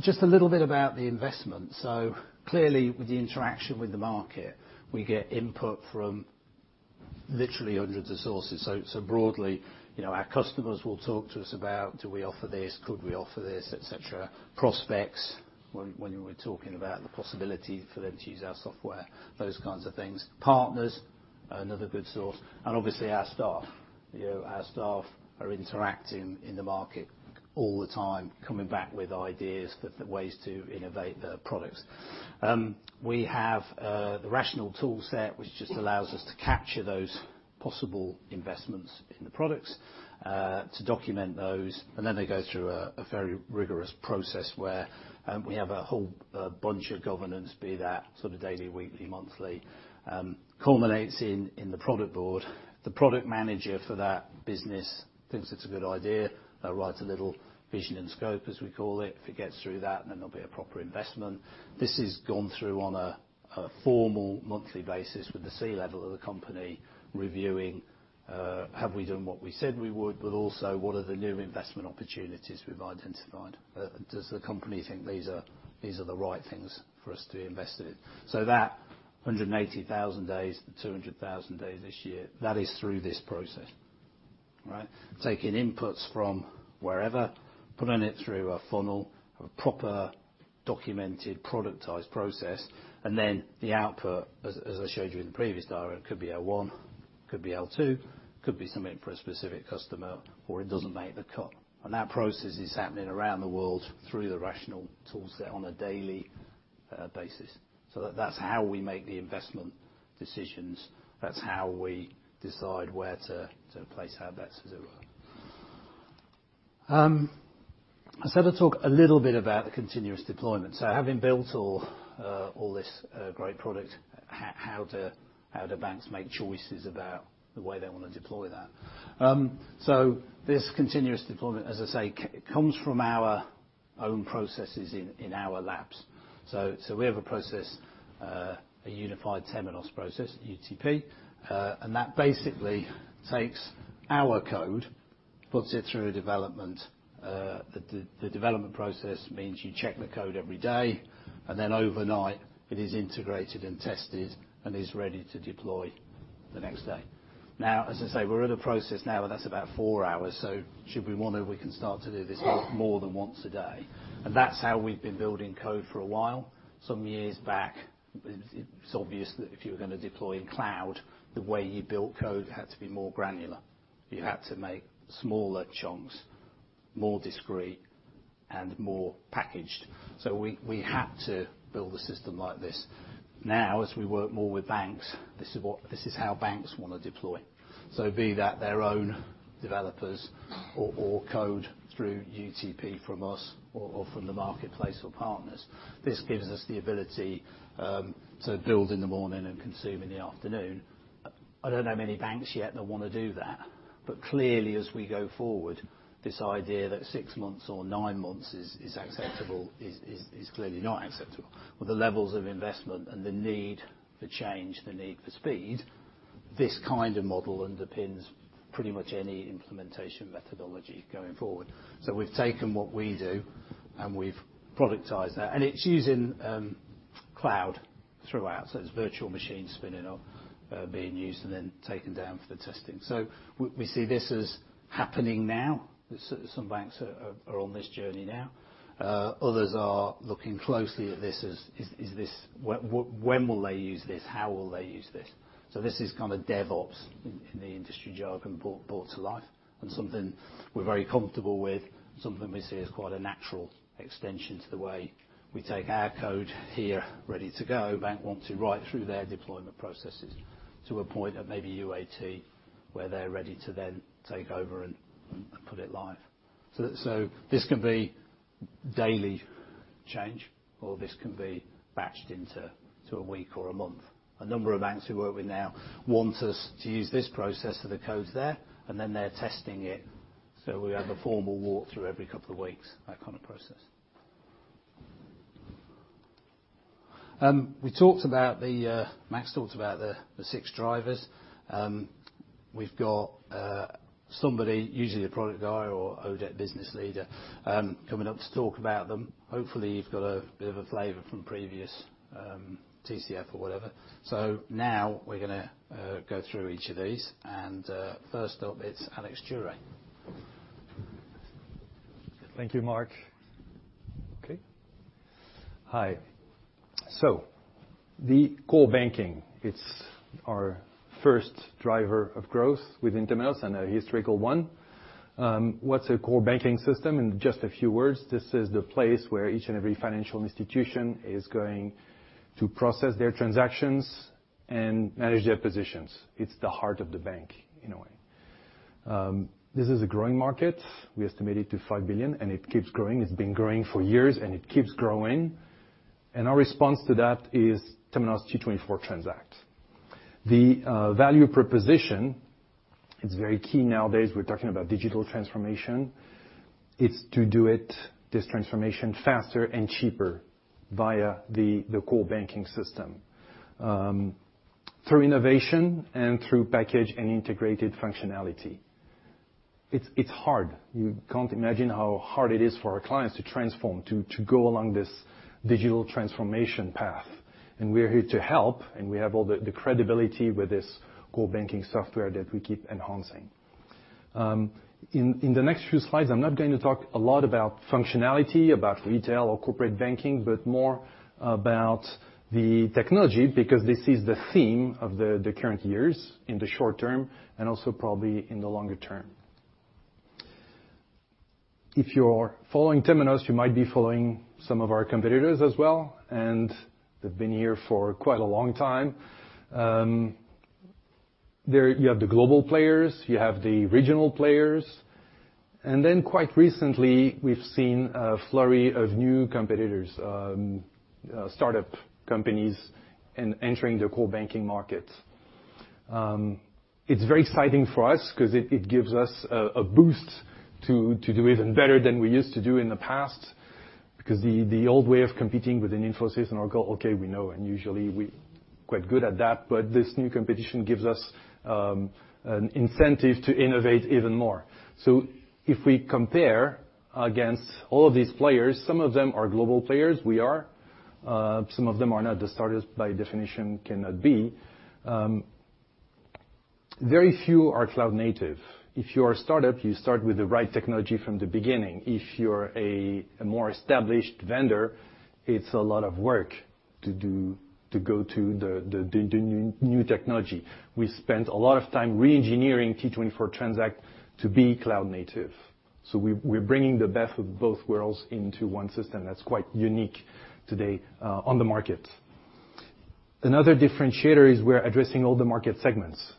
Speaker 3: Just a little bit about the investment. Clearly with the interaction with the market, we get input from literally hundreds of sources. Broadly, our customers will talk to us about, do we offer this? Could we offer this? Et cetera. Prospects, when we're talking about the possibility for them to use our software, those kinds of things. Partners, another good source. Obviously our staff. Our staff are interacting in the market all the time, coming back with ideas for ways to innovate the products. We have the rational tool set, which just allows us to capture those possible investments in the products, to document those, and then they go through a very rigorous process where we have a whole bunch of governance, be that sort of daily, weekly, monthly, culminates in the product board. The product manager for that business thinks it's a good idea. They'll write a little vision and scope, as we call it. If it gets through that, then there'll be a proper investment. This is gone through on a formal monthly basis with the C-level of the company reviewing, have we done what we said we would? Also, what are the new investment opportunities we've identified? Does the company think these are the right things for us to invest in? That 180,000 days to 200,000 days this year, that is through this process. Right? Taking inputs from wherever, putting it through a funnel, a proper documented, productized process, and then the output, as I showed you in the previous diagram, could be L1, could be L2, could be something for a specific customer, or it doesn't make the cut. That process is happening around the world through the rational tool set on a daily basis. That's how we make the investment decisions. That's how we decide where to place our bets, as it were. I said I'd talk a little bit about the continuous deployment. Having built all this great product, how do banks make choices about the way they want to deploy that? This continuous deployment, as I say, comes from our own processes in our labs. We have a process, a unified Temenos process, UTP, and that basically takes our code, puts it through a development. The development process means you check the code every day, and then overnight it is integrated and tested and is ready to deploy the next day. As I say, we're at a process now where that's about four hours. Should we want to, we can start to do this more than once a day. That's how we've been building code for a while. Some years back, it's obvious that if you were going to deploy in cloud, the way you built code had to be more granular. You had to make smaller chunks, more discrete, and more packaged. We had to build a system like this. As we work more with banks, this is how banks want to deploy. Be that their own developers or code through UTP from us or from the marketplace or partners. This gives us the ability to build in the morning and consume in the afternoon. I don't know many banks yet that want to do that, but clearly as we go forward, this idea that six months or nine months is acceptable is clearly not acceptable. With the levels of investment and the need for change, the need for speed, this kind of model underpins pretty much any implementation methodology going forward. We've taken what we do, we've productized that. It's using cloud throughout. It's virtual machines spinning up, being used and then taken down for the testing. We see this as happening now. Some banks are on this journey now. Others are looking closely at this as, when will they use this? How will they use this? This is kind of DevOps in the industry jargon brought to life and something we're very comfortable with, something we see as quite a natural extension to the way we take our code here ready to go. Bank want to write through their deployment processes to a point of maybe UAT, where they're ready to then take over and put it live. This can be daily change, or this can be batched into a week or a month. A number of banks we work with now want us to use this process for the codes there, then they're testing it. We have a formal walkthrough every couple of weeks, that kind of process. Max talks about the six drivers. We've got somebody, usually a product guy or Oded business leader, coming up to talk about them. Hopefully, you've got a bit of a flavor from previous TCF or whatever. Now, we're going to go through each of these, first up, it's Alex Duret.
Speaker 4: Thank you, Mark. Okay. Hi. The core banking, it's our first driver of growth with Temenos and a historical one. What's a core banking system? In just a few words, this is the place where each and every financial institution is going to process their transactions and manage their positions. It's the heart of the bank in a way. This is a growing market. We estimate it to $5 billion, it keeps growing. It's been growing for years, it keeps growing. Our response to that is Temenos T24 Transact. The value proposition is very key nowadays. We're talking about digital transformation. It's to do it, this transformation, faster and cheaper via the core banking system, through innovation through package and integrated functionality. It's hard. You can't imagine how hard it is for our clients to transform, to go along this digital transformation path. We are here to help, we have all the credibility with this core banking software that we keep enhancing. In the next few slides, I'm not going to talk a lot about functionality, about retail or corporate banking, but more about the technology, because this is the theme of the current years in the short term, also probably in the longer term. If you're following Temenos, you might be following some of our competitors as well, they've been here for quite a long time. You have the global players, you have the regional players, then quite recently, we've seen a flurry of new competitors, startup companies entering the core banking market. It's very exciting for us because it gives us a boost to do even better than we used to do in the past, because the old way of competing with Infosys and Oracle, okay, we're quite good at that, but this new competition gives us an incentive to innovate even more. If we compare against all of these players, some of them are global players, we are. Some of them are not. The startups, by definition, cannot be. Very few are cloud native. If you are a startup, you start with the right technology from the beginning. If you're a more established vendor, it's a lot of work to go to the new technology. We spent a lot of time re-engineering T24 Transact to be cloud native. We're bringing the best of both worlds into one system that's quite unique today on the market. Another differentiator is we're addressing all the market segments.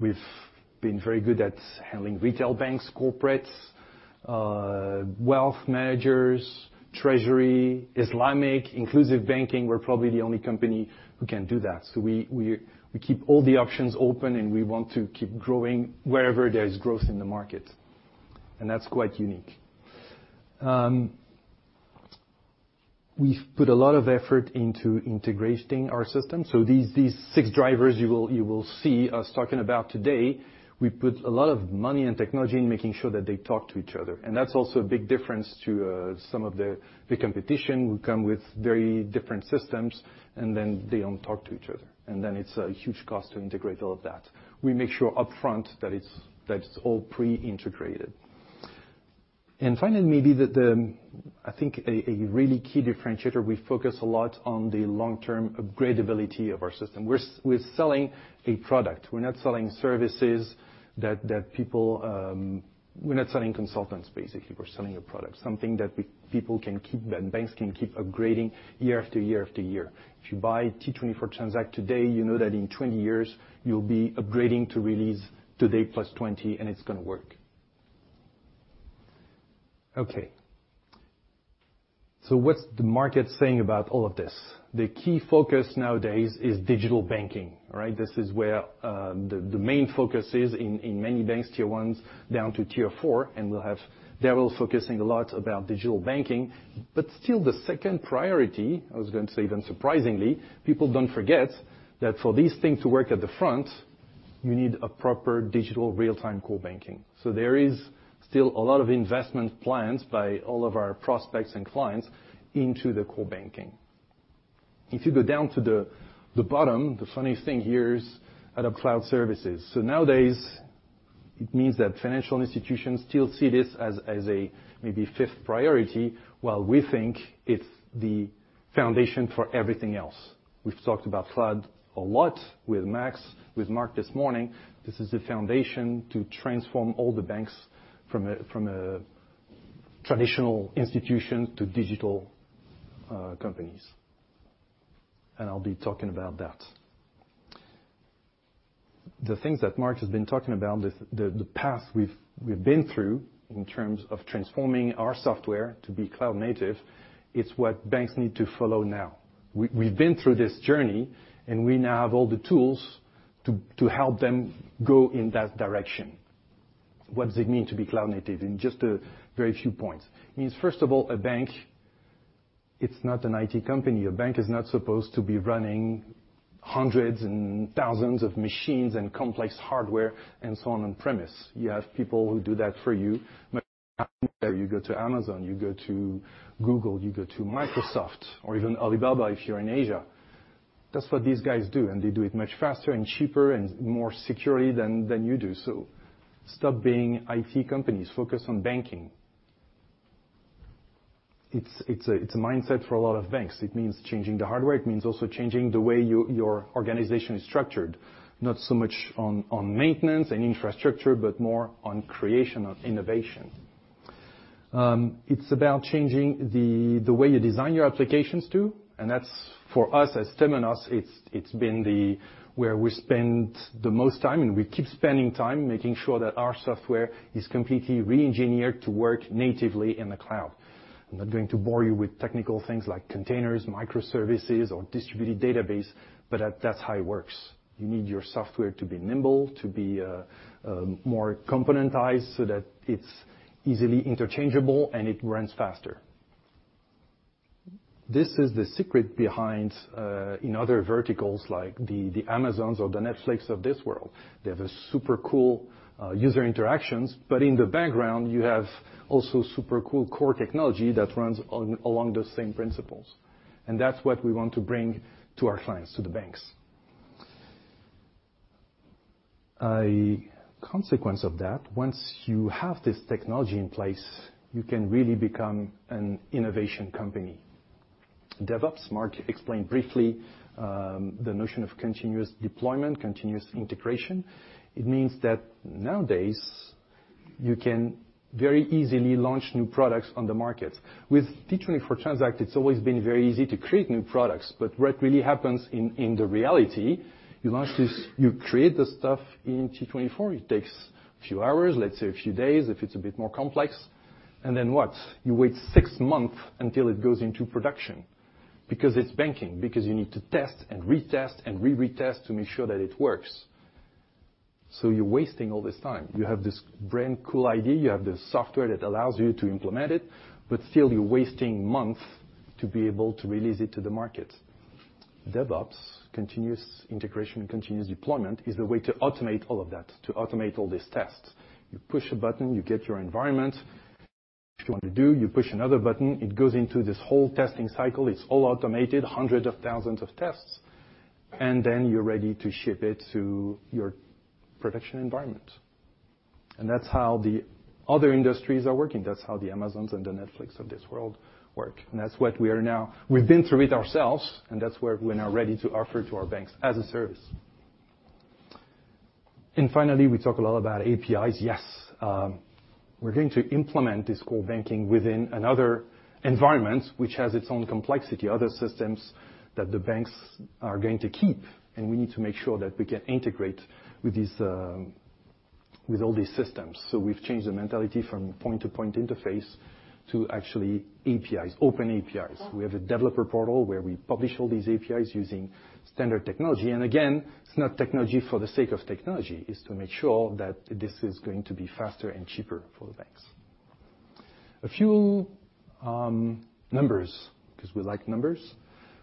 Speaker 4: We've been very good at handling retail banks, corporates, wealth managers, treasury, Islamic, inclusive banking. We're probably the only company who can do that. We keep all the options open, and we want to keep growing wherever there is growth in the market, and that's quite unique. We've put a lot of effort into integrating our system. These six drivers you will see us talking about today, we put a lot of money and technology in making sure that they talk to each other. That's also a big difference to some of the competition who come with very different systems, then they don't talk to each other. Then it's a huge cost to integrate all of that. We make sure upfront that it's all pre-integrated. Finally, maybe I think a really key differentiator, we focus a lot on the long-term upgradeability of our system. We're selling a product. We're not selling services that people. We're not selling consultants, basically. We're selling a product, something that banks can keep upgrading year after year after year. If you buy T24 Transact today, you know that in 20 years, you'll be upgrading to release today plus 20, and it's going to work. What's the market saying about all of this? The key focus nowadays is digital banking. This is where the main focus is in many banks, tier 1s down to tier 4, they're all focusing a lot about digital banking. Still the second priority, I was going to say even surprisingly, people don't forget that for this thing to work at the front-you need a proper digital real-time core banking. There is still a lot of investment plans by all of our prospects and clients into the core banking. If you go down to the bottom, the funniest thing here is out of cloud services. Nowadays, it means that financial institutions still see this as a maybe fifth priority, while we think it's the foundation for everything else. We've talked about cloud a lot with Max, with Mark this morning. This is the foundation to transform all the banks from a traditional institution to digital companies. I'll be talking about that. The things that Mark has been talking about, the path we've been through in terms of transforming our software to be cloud native, it's what banks need to follow now. We've been through this journey, we now have all the tools to help them go in that direction. What does it mean to be cloud native? In just a very few points. It means, first of all, a bank, it's not an IT company. A bank is not supposed to be running hundreds and thousands of machines and complex hardware and so on premise. You have people who do that for you go to Amazon, you go to Google, you go to Microsoft or even Alibaba, if you're in Asia. That's what these guys do, and they do it much faster and cheaper and more securely than you do. Stop being IT companies. Focus on banking. It's a mindset for a lot of banks. It means changing the hardware. It means also changing the way your organization is structured. Not so much on maintenance and infrastructure, but more on creation, on innovation. It's about changing the way you design your applications, too. That's for us as Temenos, it's been where we spend the most time, and we keep spending time making sure that our software is completely re-engineered to work natively in the cloud. I'm not going to bore you with technical things like containers, microservices, or distributed database, but that's how it works. You need your software to be nimble, to be more componentized so that it's easily interchangeable and it runs faster. This is the secret behind, in other verticals like the Amazons or the Netflix of this world, they have a super cool user interactions, but in the background, you have also super cool core technology that runs along the same principles. That's what we want to bring to our clients, to the banks. A consequence of that, once you have this technology in place, you can really become an innovation company. DevOps, Mark explained briefly the notion of continuous deployment, continuous integration. It means that nowadays, you can very easily launch new products on the market. With T24 Transact, it's always been very easy to create new products, but what really happens in the reality, you launch this, you create the stuff in T24. It takes a few hours, let's say a few days, if it's a bit more complex. Then what? You wait 6 months until it goes into production because it's banking, because you need to test and retest and re-retest to make sure that it works. You're wasting all this time. You have this brand cool idea. You have the software that allows you to implement it, still you're wasting months to be able to release it to the market. DevOps, continuous integration, continuous deployment is the way to automate all of that, to automate all these tests. You push a button, you get your environment. If you want to do, you push another button, it goes into this whole testing cycle. It's all automated, hundreds of thousands of tests, then you're ready to ship it to your production environment. That's how the other industries are working. That's how the Amazons and the Netflix of this world work. That's what we are now. We've been through it ourselves, that's where we are now ready to offer to our banks as a service. Finally, we talk a lot about APIs. Yes. We're going to implement this core banking within another environment which has its own complexity, other systems that the banks are going to keep. We need to make sure that we can integrate with all these systems. We've changed the mentality from point-to-point interface to actually APIs, open APIs. We have a Temenos Developer Portal where we publish all these APIs using standard technology. Again, it's not technology for the sake of technology. It's to make sure that this is going to be faster and cheaper for the banks. A few numbers, because we like numbers.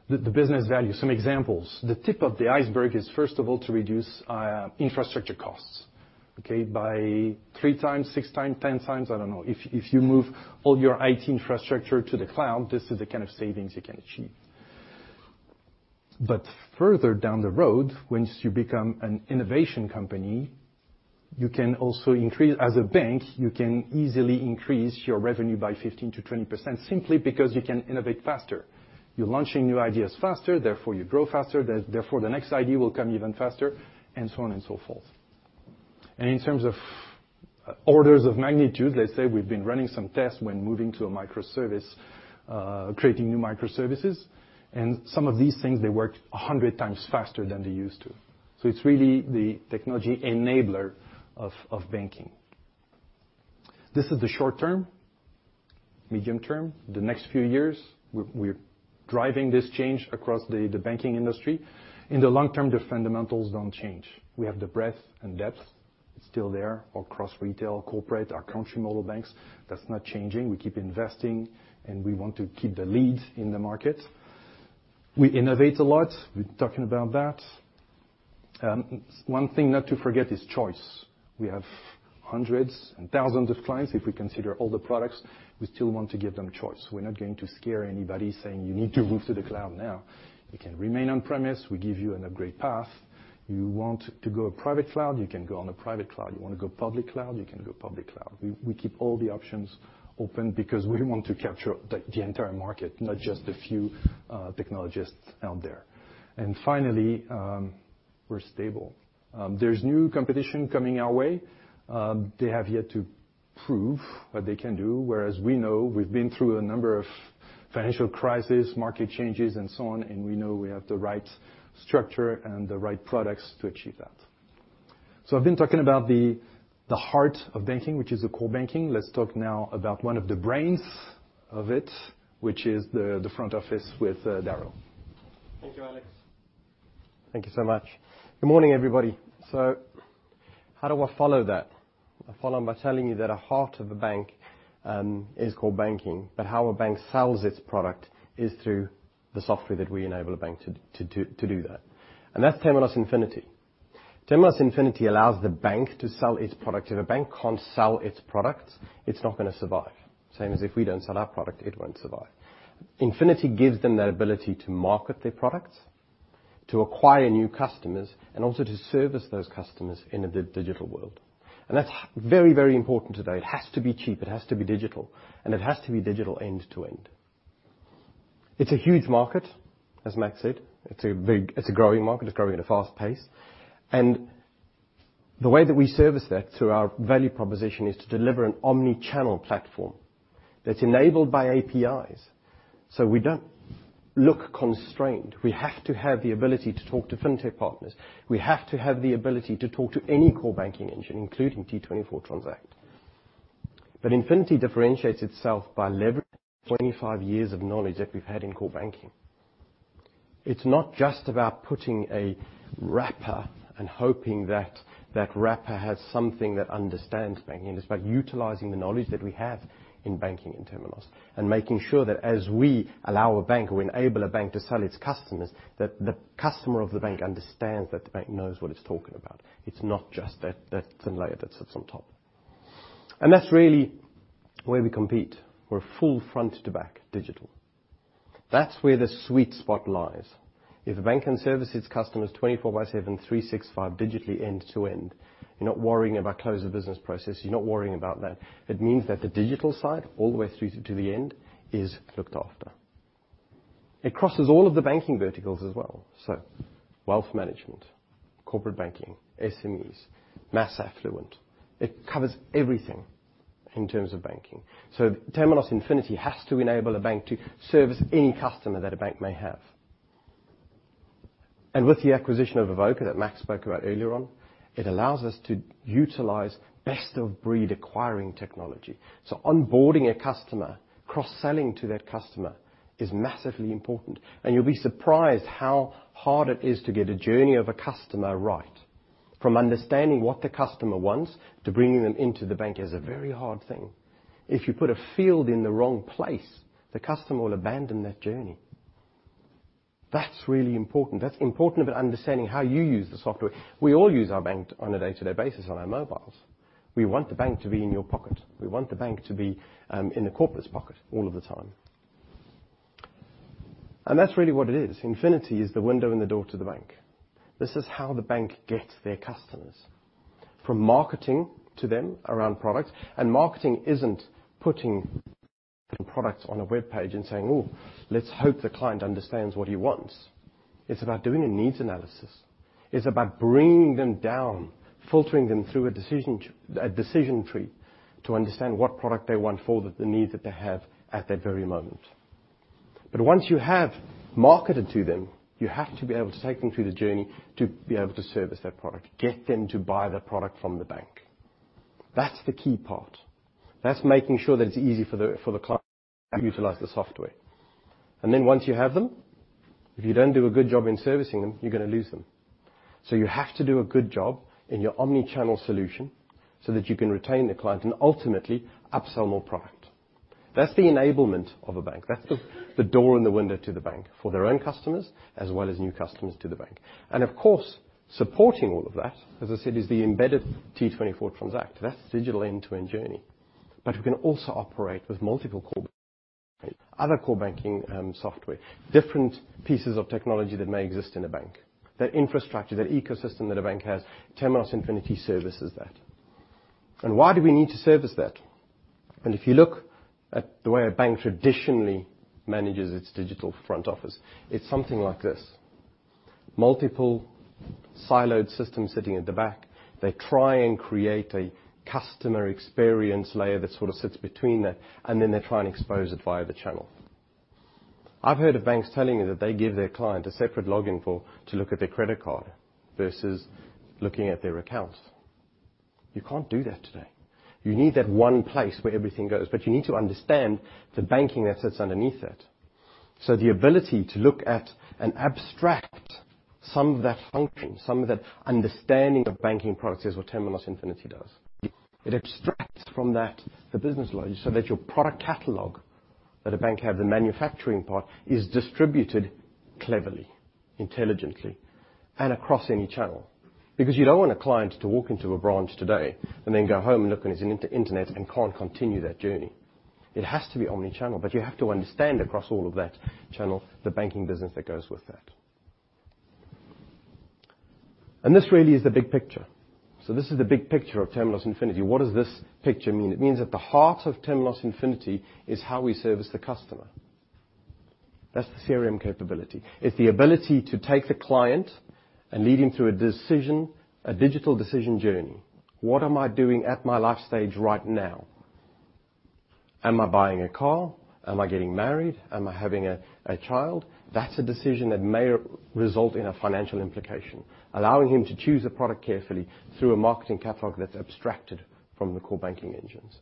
Speaker 4: The business value, some examples. The tip of the iceberg is, first of all, to reduce infrastructure costs, okay, by three times, six times, 10 times, I don't know. If you move all your IT infrastructure to the cloud, this is the kind of savings you can achieve. Further down the road, once you become an innovation company, you can also increase, as a bank, you can easily increase your revenue by 15%-20% simply because you can innovate faster. You're launching new ideas faster, therefore you grow faster, therefore, the next idea will come even faster, and so on and so forth. In terms of orders of magnitude, let's say we've been running some tests when moving to a microservice, creating new microservices, and some of these things, they work 100 times faster than they used to. It's really the technology enabler of banking. This is the short term, medium term. The next few years, we're driving this change across the banking industry. In the long term, the fundamentals don't change. We have the breadth and depth. It's still there across retail, corporate, our Country Model Banks. That's not changing. We keep investing. We want to keep the lead in the market. We innovate a lot. We're talking about that. One thing not to forget is choice. We have hundreds and thousands of clients, if we consider all the products. We still want to give them choice. We're not going to scare anybody saying, "You need to move to the cloud now." You can remain on-premise. We give you an upgrade path. You want to go private cloud, you can go on a private cloud. You want to go public cloud, you can go public cloud. We keep all the options open because we want to capture the entire market, not just a few technologists out there. Finally, we're stable. There's new competition coming our way. They have yet to prove what they can do, whereas we know we've been through a number of financial crisis, market changes, and so on. We know we have the right structure and the right products to achieve that. I've been talking about the heart of banking, which is the core banking. Let's talk now about one of the brains of it, which is the front office with Darryl.
Speaker 5: Thank you, Alex. Thank you so much. Good morning, everybody. How do I follow that? I follow by telling you that a heart of a bank is core banking, but how a bank sells its product is through the software that we enable a bank to do that. That's Temenos Infinity. Temenos Infinity allows the bank to sell its product. If a bank can't sell its products, it's not going to survive. Same as if we don't sell our product, it won't survive. Infinity gives them that ability to market their products, to acquire new customers, and also to service those customers in a digital world. That's very important today. It has to be cheap, it has to be digital, and it has to be digital end to end. It's a huge market, as Max said. It's a growing market. It's growing at a fast pace. The way that we service that through our value proposition is to deliver an omni-channel platform that's enabled by APIs. We don't look constrained. We have to have the ability to talk to fintech partners. We have to have the ability to talk to any core banking engine, including T24 Transact. Infinity differentiates itself by leveraging 25 years of knowledge that we've had in core banking. It's not just about putting a wrapper and hoping that that wrapper has something that understands banking. It's about utilizing the knowledge that we have in banking in Temenos, and making sure that as we allow a bank or enable a bank to sell its customers, that the customer of the bank understands that the bank knows what it's talking about. It's not just that thin layer that sits on top. That's really where we compete. We're full front to back digital. That's where the sweet spot lies. If a bank can service its customers 24 by seven, 365 digitally end to end, you're not worrying about close of business process. You're not worrying about that. It means that the digital side all the way through to the end is looked after. It crosses all of the banking verticals as well. Wealth management, corporate banking, SMEs, mass affluent. It covers everything in terms of banking. Temenos Infinity has to enable a bank to service any customer that a bank may have. With the acquisition of Avoka that Max spoke about earlier on, it allows us to utilize best of breed acquiring technology. Onboarding a customer, cross-selling to that customer is massively important. You'll be surprised how hard it is to get a journey of a customer right. From understanding what the customer wants to bringing them into the bank is a very hard thing. If you put a field in the wrong place, the customer will abandon that journey. That's really important. That's important about understanding how you use the software. We all use our bank on a day-to-day basis on our mobiles. We want the bank to be in your pocket. We want the bank to be in the corporate's pocket all of the time. That's really what it is. Infinity is the window and the door to the bank. This is how the bank gets their customers, from marketing to them around products. Marketing isn't putting products on a webpage and saying, "Oh, let's hope the client understands what he wants." It's about doing a needs analysis. It's about bringing them down, filtering them through a decision tree to understand what product they want for the need that they have at that very moment. Once you have marketed to them, you have to be able to take them through the journey to be able to service that product, get them to buy the product from the bank. That's the key part. That's making sure that it's easy for the client to utilize the software. Once you have them, if you don't do a good job in servicing them, you're going to lose them. You have to do a good job in your omni-channel solution so that you can retain the client and ultimately upsell more product. That's the enablement of a bank. That's the door and the window to the bank for their own customers as well as new customers to the bank. Of course, supporting all of that, as I said, is the embedded T24 Transact. That's digital end-to-end journey. We can also operate with multiple core banking, other core banking software, different pieces of technology that may exist in a bank. That infrastructure, that ecosystem that a bank has, Temenos Infinity services that. Why do we need to service that? If you look at the way a bank traditionally manages its digital front office, it's something like this. Multiple siloed systems sitting at the back. They try and create a customer experience layer that sort of sits between that, and then they try and expose it via the channel. I've heard of banks telling me that they give their client a separate login to look at their credit card versus looking at their accounts. You can't do that today. You need that one place where everything goes, but you need to understand the banking that sits underneath it. The ability to look at an abstract some of that function, some of that understanding of banking products is what Temenos Infinity does. It abstracts from that the business logic, so that your product catalog that a bank has, the manufacturing part, is distributed cleverly, intelligently, and across any channel. You don't want a client to walk into a branch today and then go home and look on his internet and can't continue that journey. It has to be omni-channel, but you have to understand across all of that channel the banking business that goes with that. This really is the big picture. This is the big picture of Temenos Infinity. What does this picture mean? It means at the heart of Temenos Infinity is how we service the customer. That's the CRM capability. It's the ability to take the client and lead him through a decision, a digital decision journey. What am I doing at my life stage right now? Am I buying a car? Am I getting married? Am I having a child? That's a decision that may result in a financial implication, allowing him to choose a product carefully through a marketing catalog that's abstracted from the core banking engines.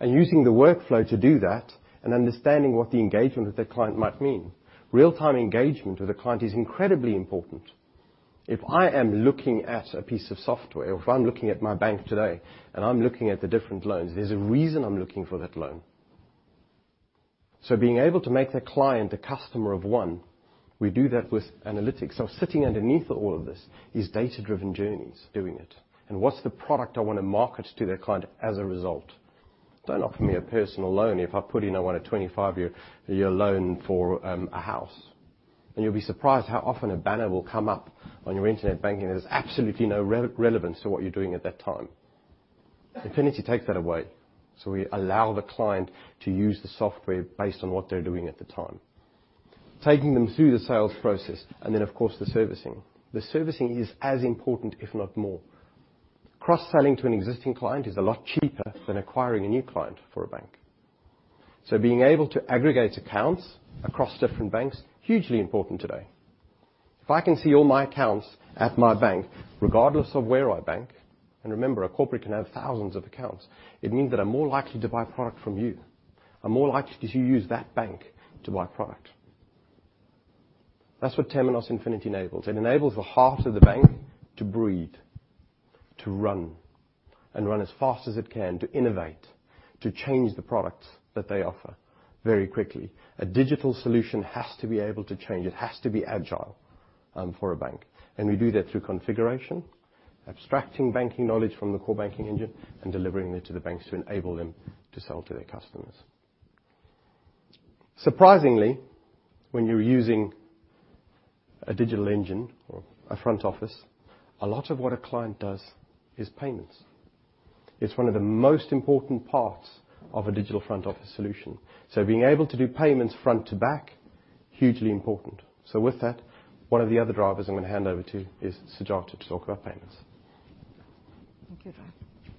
Speaker 5: Using the workflow to do that and understanding what the engagement with that client might mean. Real-time engagement with a client is incredibly important. If I am looking at a piece of software, or if I'm looking at my bank today, and I'm looking at the different loans, there's a reason I'm looking for that loan. Being able to make that client a customer of one, we do that with analytics. Sitting underneath all of this is data-driven journeys doing it. What's the product I want to market to that client as a result? Don't offer me a personal loan if I put in I want a 25-year loan for a house. You'll be surprised how often a banner will come up on your internet banking that has absolutely no relevance to what you're doing at that time. Infinity takes that away. We allow the client to use the software based on what they're doing at the time, taking them through the sales process, and then, of course, the servicing. The servicing is as important, if not more. Cross-selling to an existing client is a lot cheaper than acquiring a new client for a bank. Being able to aggregate accounts across different banks, hugely important today. If I can see all my accounts at my bank, regardless of where I bank, and remember, a corporate can have thousands of accounts, it means that I'm more likely to buy product from you. I'm more likely to use that bank to buy product. That's what Temenos Infinity enables. It enables the heart of the bank to breathe, to run, and run as fast as it can to innovate, to change the products that they offer very quickly. A digital solution has to be able to change. It has to be agile for a bank. We do that through configuration, abstracting banking knowledge from the core banking engine, and delivering it to the banks to enable them to sell to their customers. Surprisingly, when you're using a digital engine or a front office, a lot of what a client does is payments. It's one of the most important parts of a digital front-office solution. Being able to do payments front to back, hugely important. With that, one of the other drivers I'm going to hand over to is Sujatha to talk about payments.
Speaker 6: Thank you, [Zach].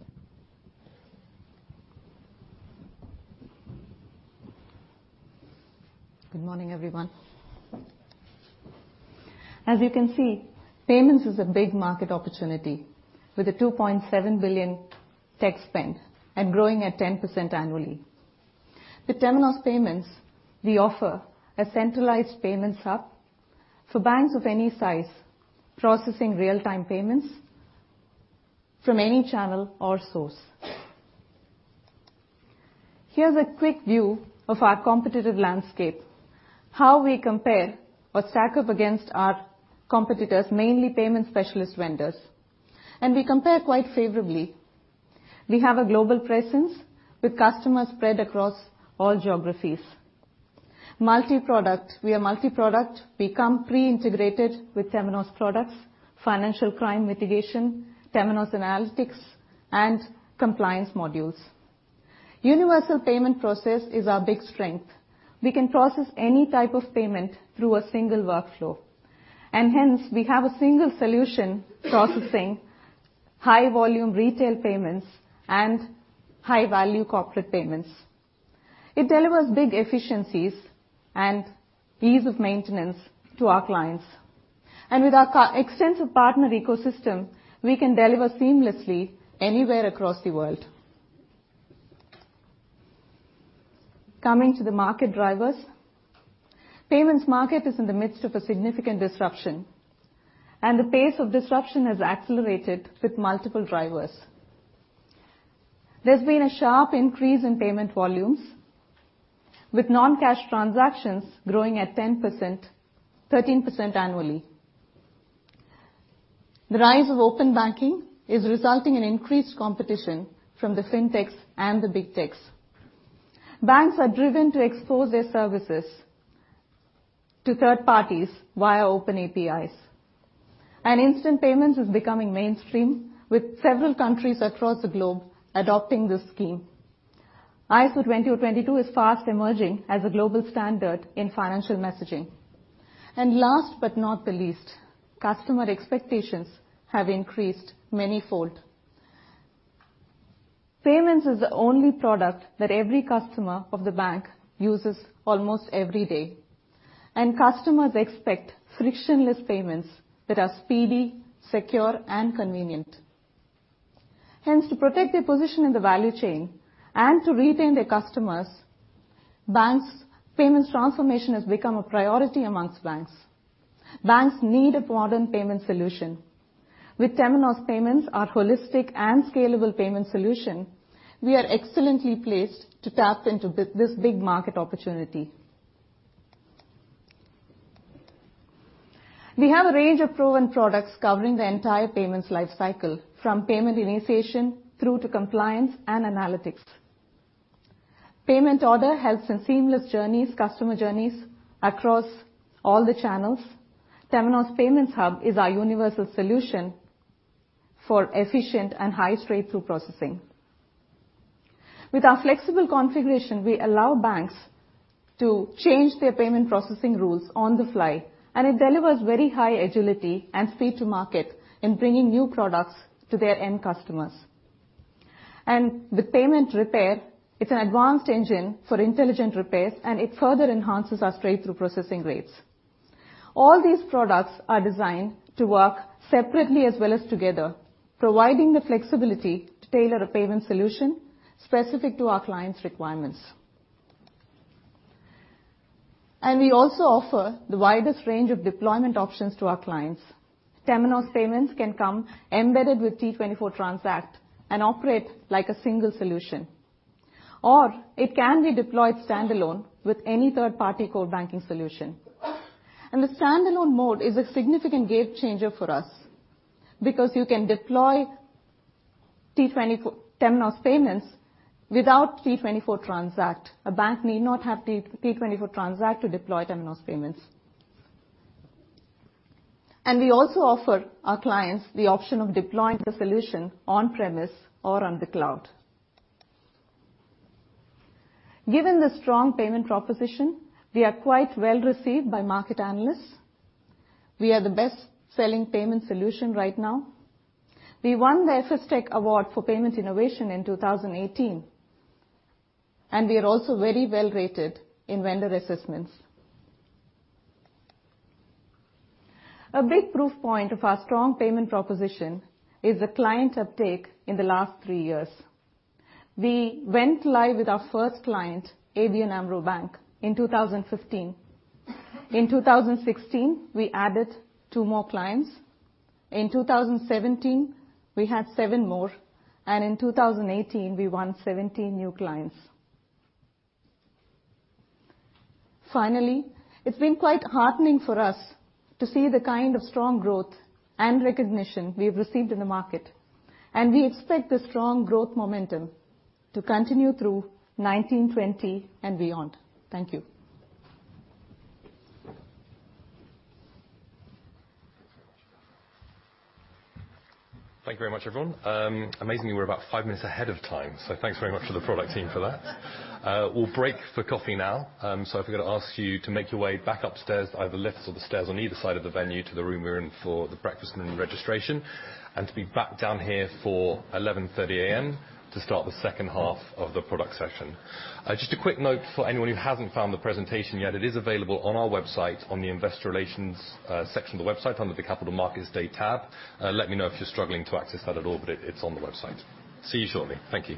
Speaker 6: Good morning, everyone. As you can see, payments is a big market opportunity with a $2.7 billion tech spend and growing at 10% annually. With Temenos Payments, we offer a centralized payments hub for banks of any size, processing real-time payments from any channel or source. Here's a quick view of our competitive landscape, how we compare or stack up against our competitors, mainly payment specialist vendors. We compare quite favorably. We have a global presence with customers spread across all geographies. Multi-product. We are multi-product. We come pre-integrated with Temenos products, financial crime mitigation, Temenos Analytics, and compliance modules. Universal payment process is our big strength. We can process any type of payment through a single workflow. Hence, we have a single solution processing high-volume retail payments and high-value corporate payments. It delivers big efficiencies and ease of maintenance to our clients. With our extensive partner ecosystem, we can deliver seamlessly anywhere across the world. Coming to the market drivers. Temenos Payments market is in the midst of a significant disruption, and the pace of disruption has accelerated with multiple drivers. There's been a sharp increase in payment volumes, with non-cash transactions growing at 13% annually. The rise of open banking is resulting in increased competition from the fintechs and the big techs. Banks are driven to expose their services to third parties via open APIs. Instant payments is becoming mainstream, with several countries across the globe adopting this scheme. ISO 20022 is fast emerging as a global standard in financial messaging. Last but not the least, customer expectations have increased many fold. Payments is the only product that every customer of the bank uses almost every day, and customers expect frictionless payments that are speedy, secure, convenient. Hence, to protect their position in the value chain and to retain their customers, payments transformation has become a priority amongst banks. Banks need a modern payment solution. With Temenos Payments, our holistic and scalable payment solution, we are excellently placed to tap into this big market opportunity. We have a range of proven products covering the entire payments life cycle, from payment initiation through to compliance and analytics. Temenos Payment Order helps in seamless customer journeys across all the channels. Temenos Payments Hub is our universal solution for efficient and high straight-through processing. With our flexible configuration, we allow banks to change their payment processing rules on the fly, and it delivers very high agility and speed to market in bringing new products to their end customers. The Payments Repair, it's an advanced engine for intelligent repairs, and it further enhances our straight-through processing rates. All these products are designed to work separately as well as together, providing the flexibility to tailor a payment solution specific to our clients' requirements. We also offer the widest range of deployment options to our clients. Temenos Payments can come embedded with T24 Transact and operate like a single solution. It can be deployed standalone with any third-party core banking solution. The standalone mode is a significant game changer for us because you can deploy Temenos Payments without T24 Transact. A bank may not have T24 Transact to deploy Temenos Payments. We also offer our clients the option of deploying the solution on-premise or on the cloud. Given the strong payment proposition, we are quite well-received by market analysts. We are the best-selling payment solution right now. We won the FinTech Award for Payment Innovation in 2018, and we are also very well-rated in vendor assessments. A big proof point of our strong payment proposition is the client uptake in the last three years. We went live with our first client, ABN AMRO Bank, in 2015. In 2016, we added two more clients. In 2017, we had seven more, and in 2018, we won 17 new clients. Finally, it's been quite heartening for us to see the kind of strong growth and recognition we have received in the market, and we expect this strong growth momentum to continue through 2019, 2020, and beyond. Thank you.
Speaker 1: Thank you very much. Thank you very much, everyone. Amazingly, we're about five minutes ahead of time, thanks very much to the product team for that. We'll break for coffee now, if we could ask you to make your way back upstairs, either the lifts or the stairs on either side of the venue to the room we were in for the breakfast and registration, and to be back down here for 11:30 A.M. to start the second half of the product session. Just a quick note for anyone who hasn't found the presentation yet, it is available on our website on the Investor Relations section of the website under the Capital Markets Day tab. Let me know if you're struggling to access that at all, but it's on the website. See you shortly. Thank you.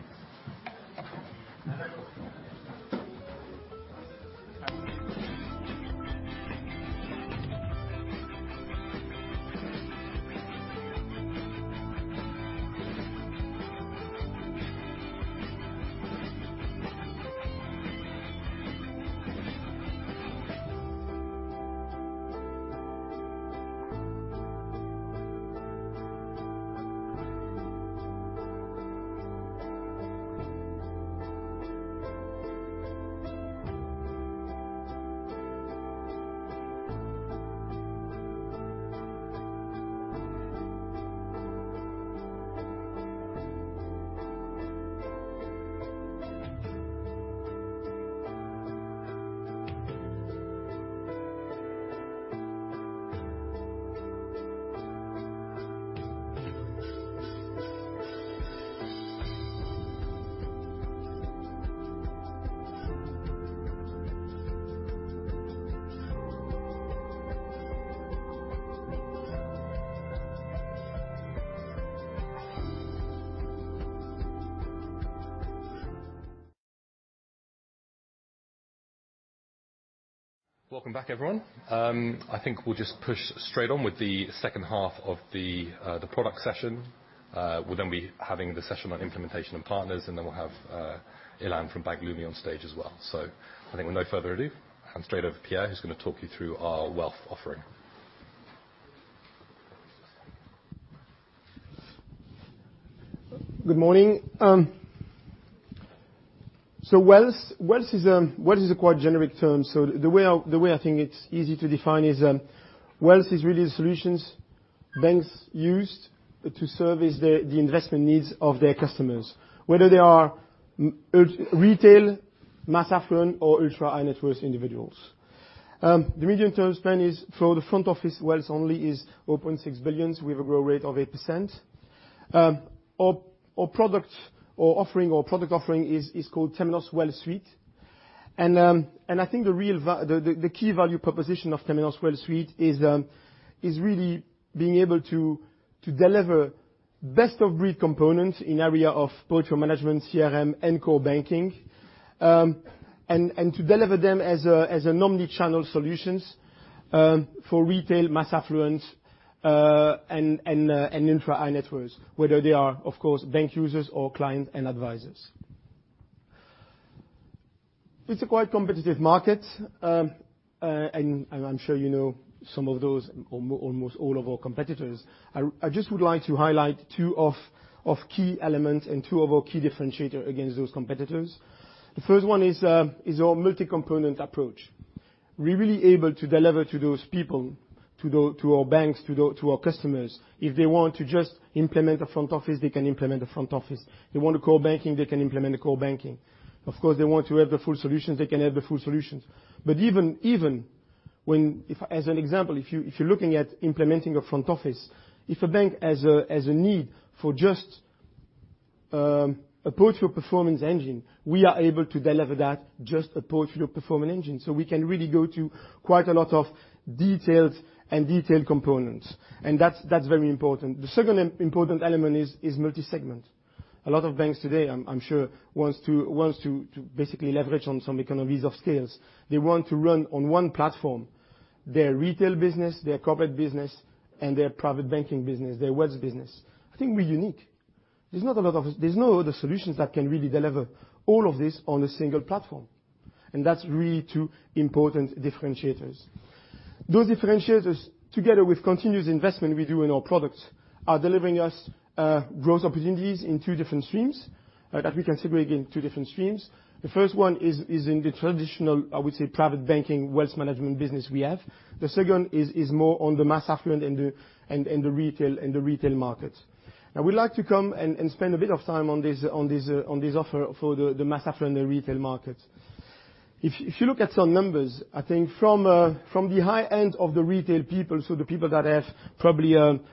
Speaker 1: Welcome back, everyone. I think we'll just push straight on with the second half of the product session. We'll then be having the session on implementation and partners, and then we'll have Ilan from Bank Leumi on stage as well. I think with no further ado, hand straight over to Pierre, who's going to talk you through our wealth offering.
Speaker 7: Good morning. Wealth is a quite generic term, the way I think it's easy to define is wealth is really the solutions banks use to service the investment needs of their customers, whether they are retail, mass affluent, or ultra-high-net-worth individuals. The medium-term plan for the front office wealth only is $4.6 billion, with a growth rate of 8%. Our product offering is called Temenos WealthSuite. I think the key value proposition of Temenos WealthSuite is really being able to deliver best-of-breed components in area of portfolio management, CRM, and core banking, and to deliver them as an omnichannel solutions for retail, mass affluent, and ultra-high-net-worth, whether they are, of course, bank users or clients and advisors. It's a quite competitive market, I'm sure you know some of those, almost all of our competitors. I just would like to highlight two of key elements and two of our key differentiator against those competitors. The first one is our multi-component approach. We're really able to deliver to those people, to our banks, to our customers. If they want to just implement a front office, they can implement a front office. They want a core banking, they can implement a core banking. Of course, they want to have the full solutions, they can have the full solutions. Even when, as an example, if you're looking at implementing a front office, if a bank has a need for just a portfolio performance engine, we are able to deliver that, just a portfolio performance engine. We can really go to quite a lot of details and detailed components, and that's very important. The second important element is multi-segment. A lot of banks today, I'm sure, want to basically leverage on some economies of scale. They want to run on one platform, their retail business, their corporate business, and their private banking business, their wealth business. I think we're unique. There's no other solutions that can really deliver all of this on a single platform. That's really two important differentiators. Those differentiators together with continuous investment we do in our products, are delivering us growth opportunities in two different streams, that we can segregate in two different streams. The first one is in the traditional, I would say, private banking, wealth management business we have. The second is more on the mass affluent and the retail market. We like to come and spend a bit of time on this offer for the mass affluent and retail market. If you look at some numbers, I think from the high end of the retail people, so the people that have probably around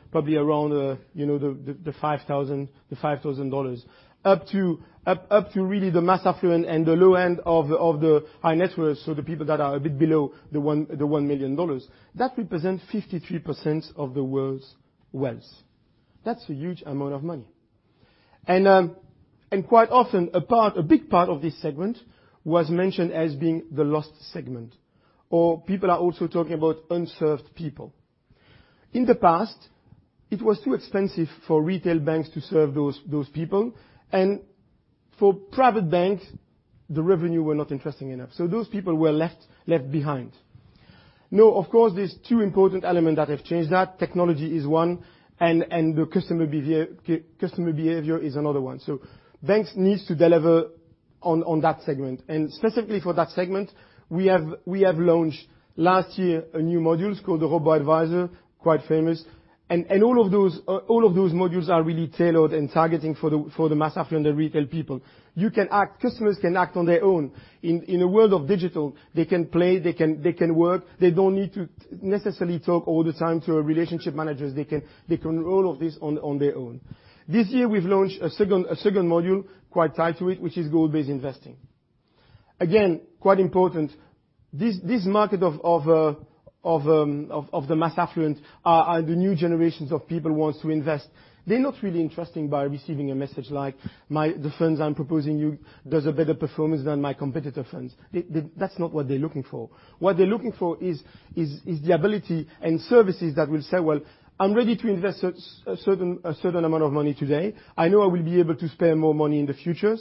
Speaker 7: the $5,000 up to really the mass affluent and the low end of the high-net-worth, so the people that are a bit below the $1 million. That represents 53% of the world's wealth. That's a huge amount of money. Quite often, a big part of this segment was mentioned as being the lost segment, or people are also talking about unserved people. In the past, it was too expensive for retail banks to serve those people, and for private banks, the revenue were not interesting enough. Those people were left behind. Of course, there's two important elements that have changed that. Technology is one and the customer behavior is another one. Banks need to deliver on that segment. Specifically for that segment, we have launched last year a new module called the Robo-Advisor, quite famous. All of those modules are really tailored and targeting for the mass affluent, the retail people. Customers can act on their own. In a world of digital, they can play, they can work. They don't need to necessarily talk all the time to relationship managers. They can roll all of this on their own. This year, we've launched a second module, quite tied to it, which is goal-based investing. Again, quite important. This market of the mass affluent are the new generations of people want to invest. They're not really interested by receiving a message like, "The funds I'm proposing you does a better performance than my competitor funds." That's not what they're looking for. What they're looking for is the ability and services that will say, "Well, I'm ready to invest a certain amount of money today. I know I will be able to spare more money in the future,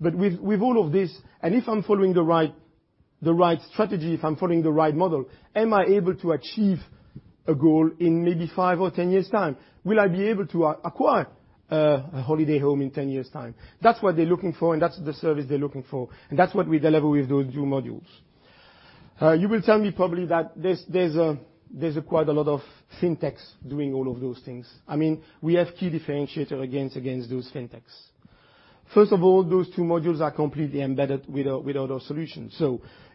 Speaker 7: but with all of this, and if I'm following the right strategy, if I'm following the right model, am I able to achieve a goal in maybe 5 or 10 years' time? Will I be able to acquire a holiday home in 10 years' time?" That's what they're looking for and that's the service they're looking for. That's what we deliver with those new modules. You will tell me probably that there's quite a lot of fintechs doing all of those things. We have key differentiators against those fintechs. First of all, those two modules are completely embedded with other solutions.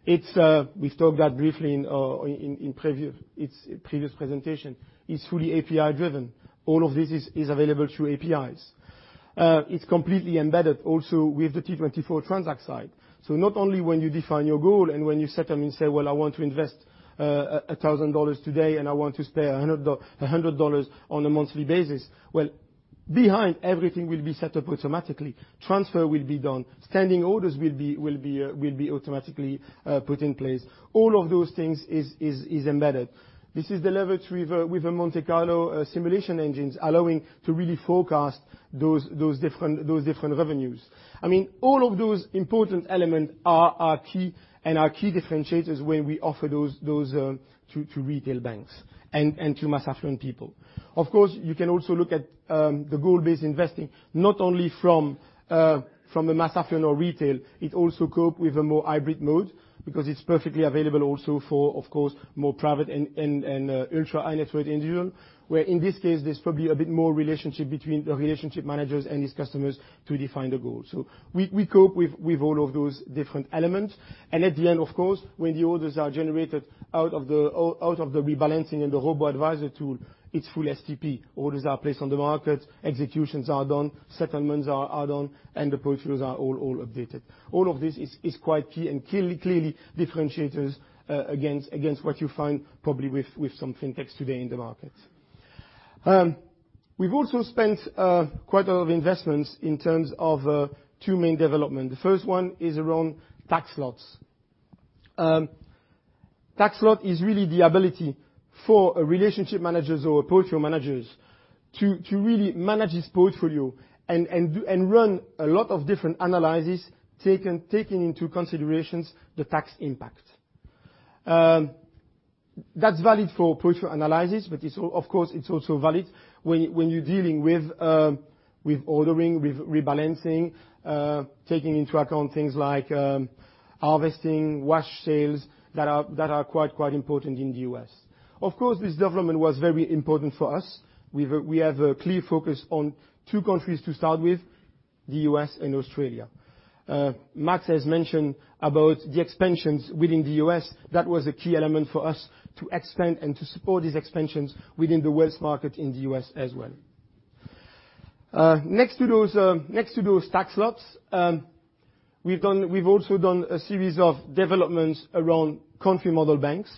Speaker 7: We've talked that briefly in its previous presentation, it's fully API-driven. All of this is available through APIs. It's completely embedded also with the Temenos T24 Transact side. Not only when you define your goal and when you set them and say, "Well, I want to invest $1,000 today and I want to spare $100 on a monthly basis." Well, behind, everything will be set up automatically. Transfer will be done, standing orders will be automatically put in place. All of those things is embedded. This is delivered with a Monte Carlo simulation engines allowing to really forecast those different revenues. All of those important elements are key and are key differentiators when we offer those to retail banks and to mass affluent people. Of course, you can also look at the goal-based investing, not only from a mass affluent or retail, it also cope with a more hybrid mode because it's perfectly available also for, of course, more private and ultra high-net-worth individual, where in this case, there's probably a bit more relationship between the relationship managers and these customers to define the goal. We cope with all of those different elements. At the end, of course, when the orders are generated out of the rebalancing and the Robo-Advisor tool, it's full STP. Orders are placed on the market, executions are done, settlements are done, and the portfolios are all updated. All of this is quite key and clearly differentiators against what you find probably with some fintechs today in the market. We've also spent quite a lot of investments in terms of two main development. The first one is around tax lots. Tax lot is really the ability for relationship managers or portfolio managers to really manage this portfolio and run a lot of different analysis, taking into considerations the tax impact. That's valid for portfolio analysis, but of course, it's also valid when you're dealing with ordering, with rebalancing, taking into account things like harvesting, wash sales, that are quite important in the U.S. Of course, this development was very important for us. We have a clear focus on two countries to start with, the U.S. and Australia. Max has mentioned about the expansions within the U.S. That was a key element for us to expand and to support these expansions within the wealth market in the U.S. as well. Next to those tax lots, we've also done a series of developments around Country Model Banks.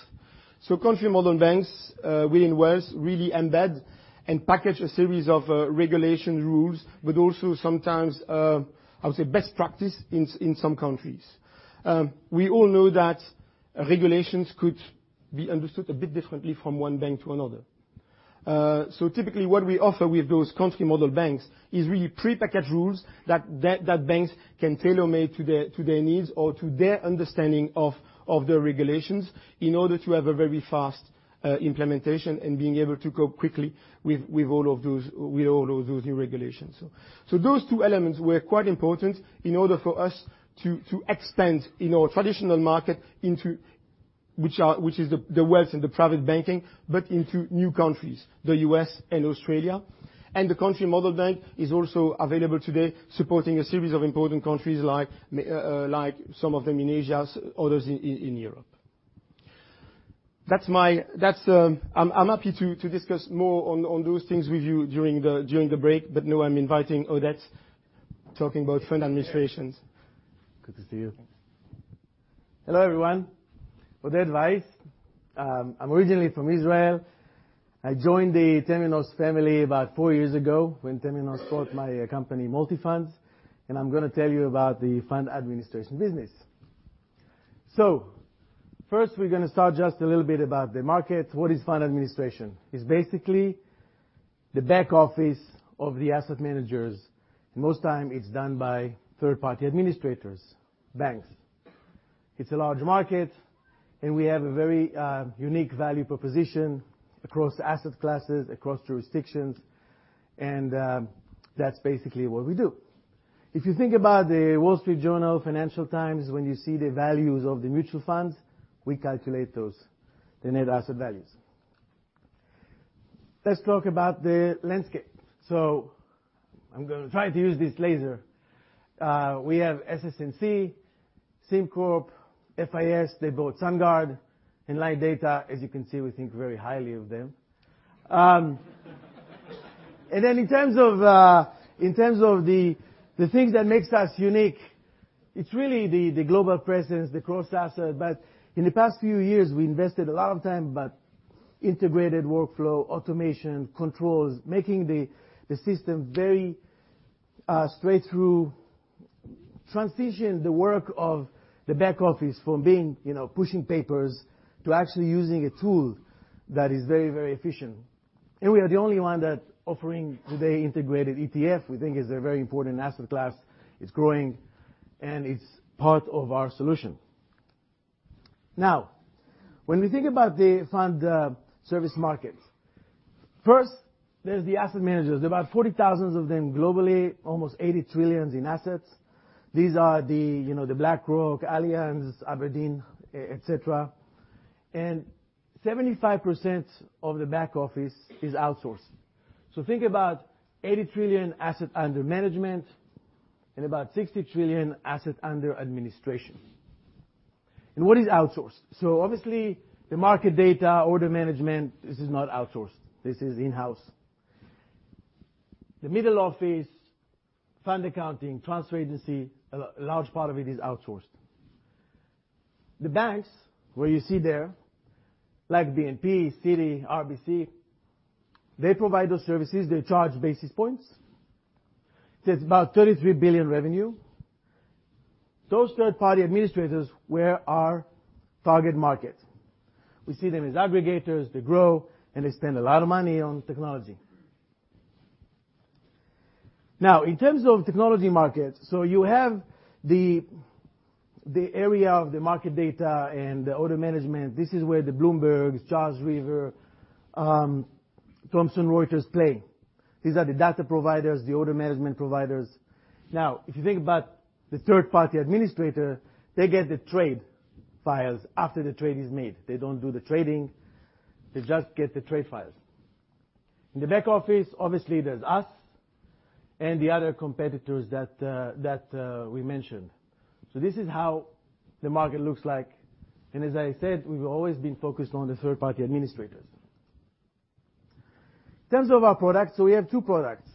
Speaker 7: Country Model Banks within wealth really embed and package a series of regulation rules, but also sometimes, I would say, best practice in some countries. We all know that regulations could be understood a bit differently from one bank to another. Typically, what we offer with those Country Model Banks is really pre-packaged rules that banks can tailor-make to their needs or to their understanding of their regulations in order to have a very fast implementation and being able to go quickly with all of those new regulations. Those two elements were quite important in order for us to expand in our traditional market, which is the wealth and the private banking, but into new countries, the U.S. and Australia. The Country Model Bank is also available today supporting a series of important countries like some of them in Asia, others in Europe. I'm happy to discuss more on those things with you during the break. Now I'm inviting Oded, talking about fund administrations.
Speaker 8: Good to see you. Hello, everyone. Oded Weiss. I'm originally from Israel. I joined the Temenos family about four years ago when Temenos bought my company, Multifonds, and I'm going to tell you about the fund administration business. First, we're going to start just a little bit about the market. What is fund administration? It's basically the back office of the asset managers. Most time it's done by third-party administrators, banks. It's a large market, and we have a very unique value proposition across asset classes, across jurisdictions, and that's basically what we do. If you think about The Wall Street Journal, Financial Times, when you see the values of the mutual funds, we calculate those, the net asset values. Let's talk about the landscape. I'm going to try to use this laser. We have SS&C, SimCorp, FIS, they bought SunGard, Enlight Data. As you can see, we think very highly of them. Then in terms of the things that makes us unique, it's really the global presence, the cross asset. In the past few years, we invested a lot of time about integrated workflow, automation, controls, making the system very straight through. Transition the work of the back office from pushing papers to actually using a tool that is very efficient. We are the only one that offering today integrated ETF, we think is a very important asset class, is growing, and it's part of our solution. Now, when we think about the fund service market, first, there's the asset managers. There's about 40,000 of them globally, almost $80 trillion in assets. These are BlackRock, Allianz, Aberdeen, et cetera. 75% of the back office is outsourced. Think about $80 trillion asset under management and about $60 trillion asset under administration. What is outsourced? Obviously, the market data, order management, this is not outsourced. This is in-house. The middle office, fund accounting, transfer agency, a large part of it is outsourced. The banks, where you see there, like BNP, Citi, RBC, they provide those services, they charge basis points. It's about $33 billion revenue. Those third-party administrators were our target market. We see them as aggregators. They grow, and they spend a lot of money on technology. Now, in terms of technology market, you have the area of the market data and the order management. This is where the Bloombergs, Charles River, Thomson Reuters play. These are the data providers, the order management providers. Now, if you think about the third-party administrator, they get the trade files after the trade is made. They don't do the trading. They just get the trade files. In the back office, obviously, there's us and the other competitors that we mentioned. This is how the market looks like. As I said, we've always been focused on the third-party administrators. In terms of our products, we have two products.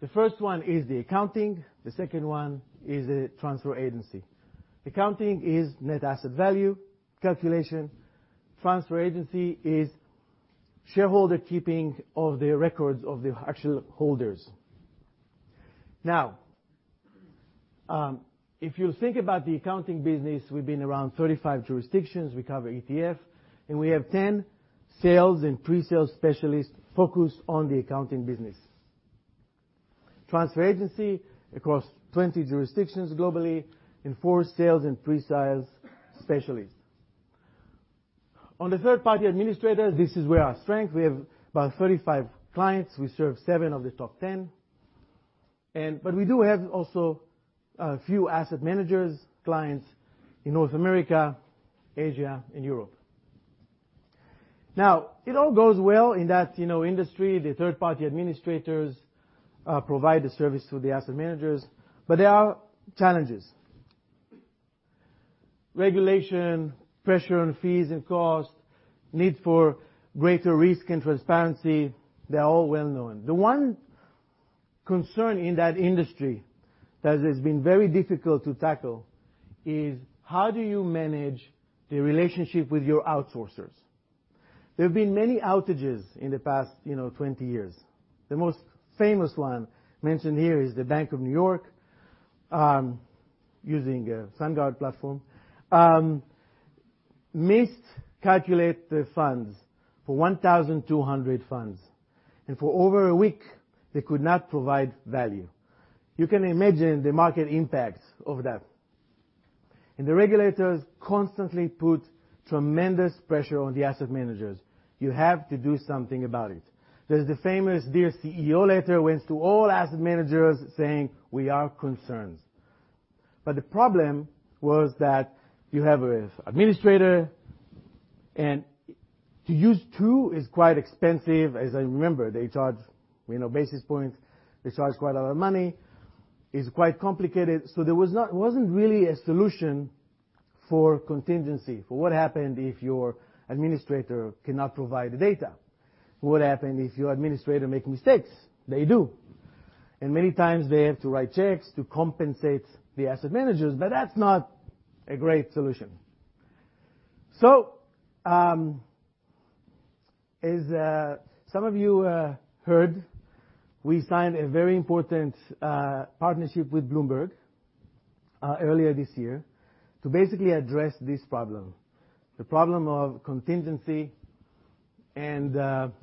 Speaker 8: The first one is the accounting, the second one is the transfer agency. Accounting is net asset value calculation. Transfer agency is shareholder keeping of the records of the actual holders. If you think about the accounting business, we've been around 35 jurisdictions, we cover ETF, and we have 10 sales and pre-sales specialists focused on the accounting business. Transfer agency across 20 jurisdictions globally, four sales and pre-sales specialists. On the third-party administrators, this is where our strength, we have about 35 clients. We serve seven of the top 10. We do have also a few asset managers, clients in North America, Asia, and Europe. It all goes well in that industry. The third-party administrators provide the service to the asset managers. There are challenges. Regulation, pressure on fees and cost, need for greater risk and transparency, they're all well-known. The one concern in that industry that has been very difficult to tackle is, how do you manage the relationship with your outsourcers? There have been many outages in the past 20 years. The most famous one mentioned here is the Bank of New York, using a SunGard platform, missed calculate the funds for 1,200 funds. For over a week, they could not provide value. You can imagine the market impact of that. The regulators constantly put tremendous pressure on the asset managers. You have to do something about it. There's the famous Dear CEO letter went to all asset managers saying, "We are concerned." The problem was that you have an administrator, and to use two is quite expensive, as I remember. They charge basis points. They charge quite a lot of money. It's quite complicated. There wasn't really a solution for contingency, for what happened if your administrator cannot provide the data. What happened if your administrator make mistakes? They do. Many times they have to write checks to compensate the asset managers. That's not a great solution. As some of you heard, we signed a very important partnership with Bloomberg earlier this year to basically address this problem, the problem of contingency and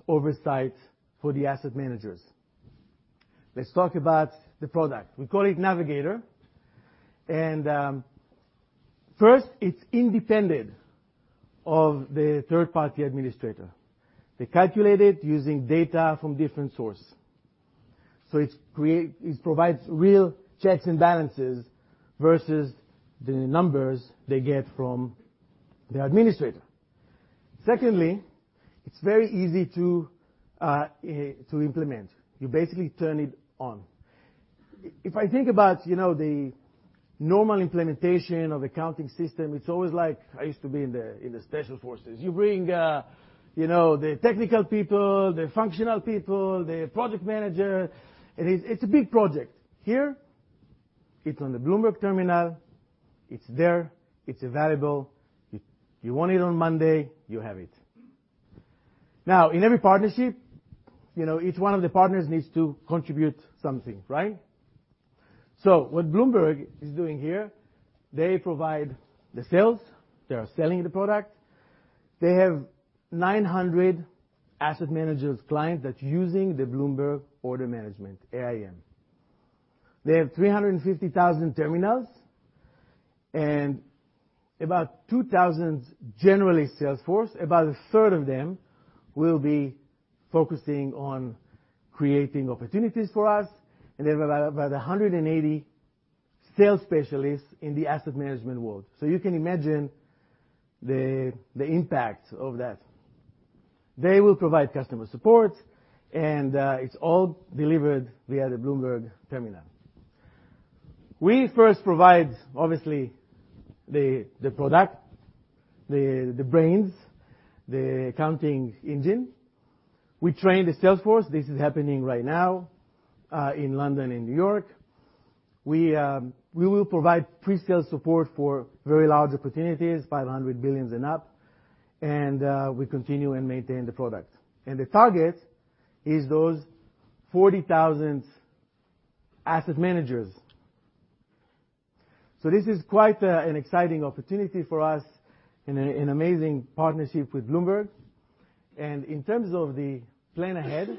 Speaker 8: oversight for the asset managers. Let's talk about the product. We call it Navigator. First, it's independent of the third-party administrator. They calculate it using data from different source. It provides real checks and balances versus the numbers they get from the administrator. Secondly, it's very easy to implement. You basically turn it on. If I think about the normal implementation of accounting system, it's always like I used to be in the special forces. You bring the technical people, the functional people, the project manager. It's a big project. Here, it's on the Bloomberg Terminal. It's there, it's available. You want it on Monday, you have it. In every partnership, each one of the partners needs to contribute something, right? What Bloomberg is doing here, they provide the sales. They are selling the product. They have 900 asset managers client that's using the Bloomberg Order Management, AIM. They have 350,000 terminals and about 2,000 generally sales force. About a third of them will be focusing on creating opportunities for us, they have about 180 sales specialists in the asset management world. You can imagine the impact of that. They will provide customer support, and it is all delivered via the Bloomberg Terminal. We first provide, obviously, the product, the brains, the accounting engine. We train the sales force. This is happening right now, in London and New York. We will provide pre-sales support for very large opportunities, $500 billion and up, and we continue and maintain the product. The target is those 40,000 asset managers. This is quite an exciting opportunity for us, an amazing partnership with Bloomberg. In terms of the plan ahead,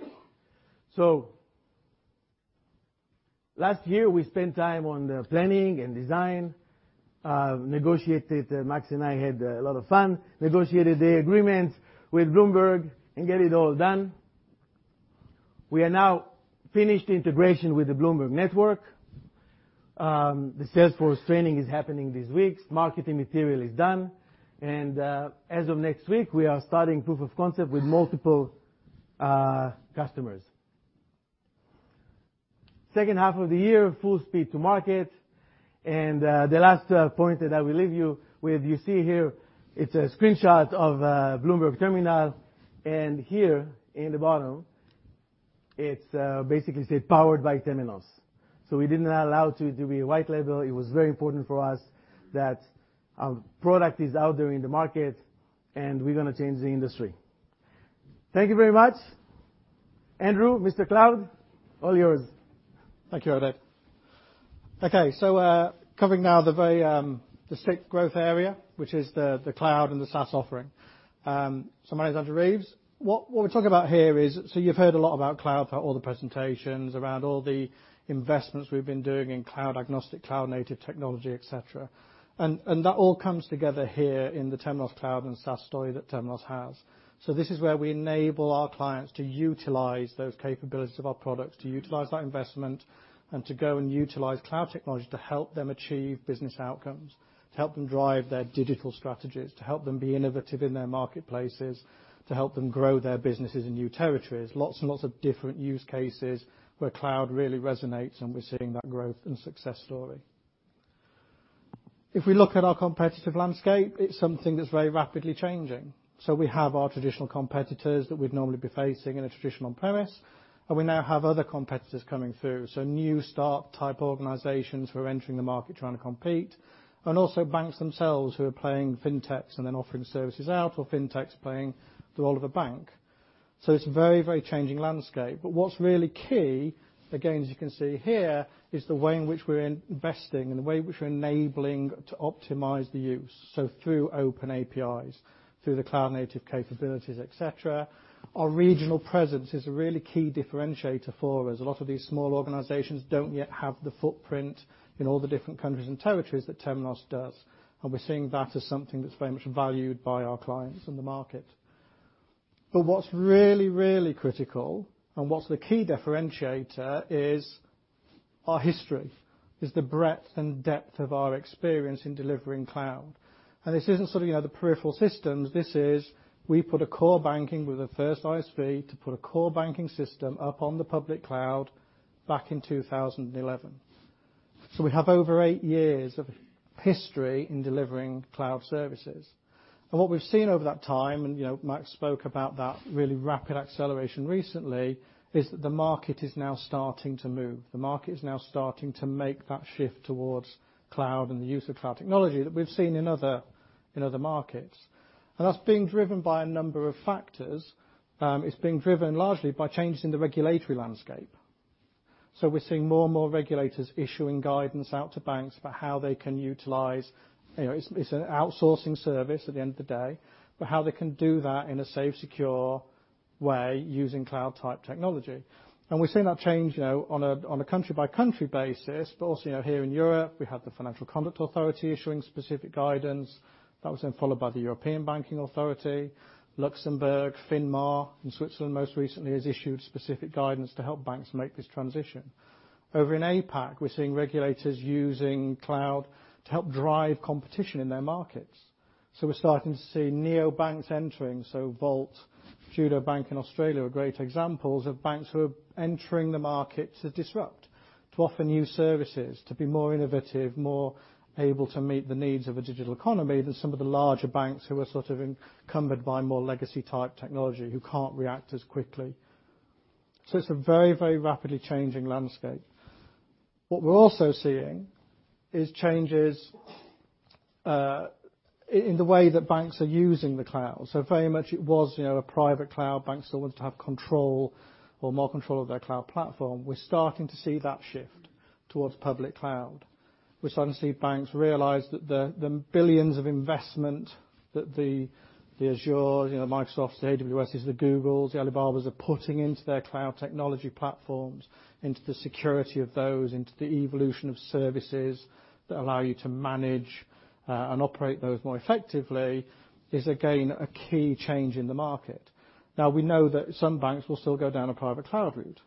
Speaker 8: last year, we spent time on the planning and design, negotiated, Max and I had a lot of fun, negotiated the agreements with Bloomberg and get it all done. We are now finished the integration with the Bloomberg network. The sales force training is happening these weeks. Marketing material is done. As of next week, we are starting proof of concept with multiple customers. Second half of the year, full speed to market. The last point that I will leave you with, you see here, it is a screenshot of Bloomberg Terminal, and here in the bottom, it is basically say, "Powered by Temenos." We did not allow it to be a white label. It was very important for us that our product is out there in the market, and we are going to change the industry. Thank you very much. Andrew, Mr. Cloud, all yours.
Speaker 9: Thank you, Oded. Covering now the sixth growth area, which is the cloud and the SaaS offering. My name is Andrew Reeves. What we are talking about here is, you have heard a lot about cloud, all the presentations, around all the investments we have been doing in cloud agnostic, cloud-native technology, et cetera. That all comes together here in the Temenos Cloud and SaaS story that Temenos has. This is where we enable our clients to utilize those capabilities of our products, to utilize that investment, and to go and utilize cloud technology to help them achieve business outcomes, to help them drive their digital strategies, to help them be innovative in their marketplaces, to help them grow their businesses in new territories. Lots and lots of different use cases where cloud really resonates, and we are seeing that growth and success story. We look at our competitive landscape, it's something that's very rapidly changing. We have our traditional competitors that we'd normally be facing in a traditional premise. We now have other competitors coming through, new start type organizations who are entering the market trying to compete, also banks themselves who are playing fintechs and then offering services out, or fintechs playing the role of a bank. It's a very changing landscape. What's really key, again, as you can see here, is the way in which we're investing and the way in which we're enabling to optimize the use. Through open APIs, through the cloud-native capabilities, et cetera. Our regional presence is a really key differentiator for us. A lot of these small organizations don't yet have the footprint in all the different countries and territories that Temenos does. We're seeing that as something that's very much valued by our clients and the market. What's really critical, and what's the key differentiator is our history, is the breadth and depth of our experience in delivering cloud. This isn't sort of the peripheral systems. This is, we're the first ISV to put a core banking system up on the public cloud back in 2011. We have over eight years of history in delivering cloud services. What we've seen over that time, Max spoke about that really rapid acceleration recently, is that the market is now starting to move. The market is now starting to make that shift towards cloud and the use of cloud technology that we've seen in other markets. That's being driven by a number of factors. It's being driven largely by changes in the regulatory landscape. We're seeing more and more regulators issuing guidance out to banks about how they can utilize. It's an outsourcing service at the end of the day, but how they can do that in a safe, secure way using cloud type technology. We're seeing that change on a country-by-country basis, but also, here in Europe, we have the Financial Conduct Authority issuing specific guidance. That was then followed by the European Banking Authority. Luxembourg, FINMA, and Switzerland most recently has issued specific guidance to help banks make this transition. Over in APAC, we're seeing regulators using cloud to help drive competition in their markets. We're starting to see neobanks entering, Volt, Judo Bank in Australia are great examples of banks who are entering the market to disrupt, to offer new services, to be more innovative, more able to meet the needs of a digital economy than some of the larger banks who are sort of encumbered by more legacy type technology who can't react as quickly. It's a very rapidly changing landscape. What we're also seeing is changes in the way that banks are using the cloud. Very much it was a private cloud, banks still want to have control or more control of their cloud platform. We're starting to see that shift towards public cloud. We're starting to see banks realize that the billions of investment that the Azure, the Microsoft, the AWS, the Google, the Alibaba are putting into their cloud technology platforms, into the security of those, into the evolution of services that allow you to manage and operate those more effectively is again, a key change in the market. We know that some banks will still go down a private cloud route,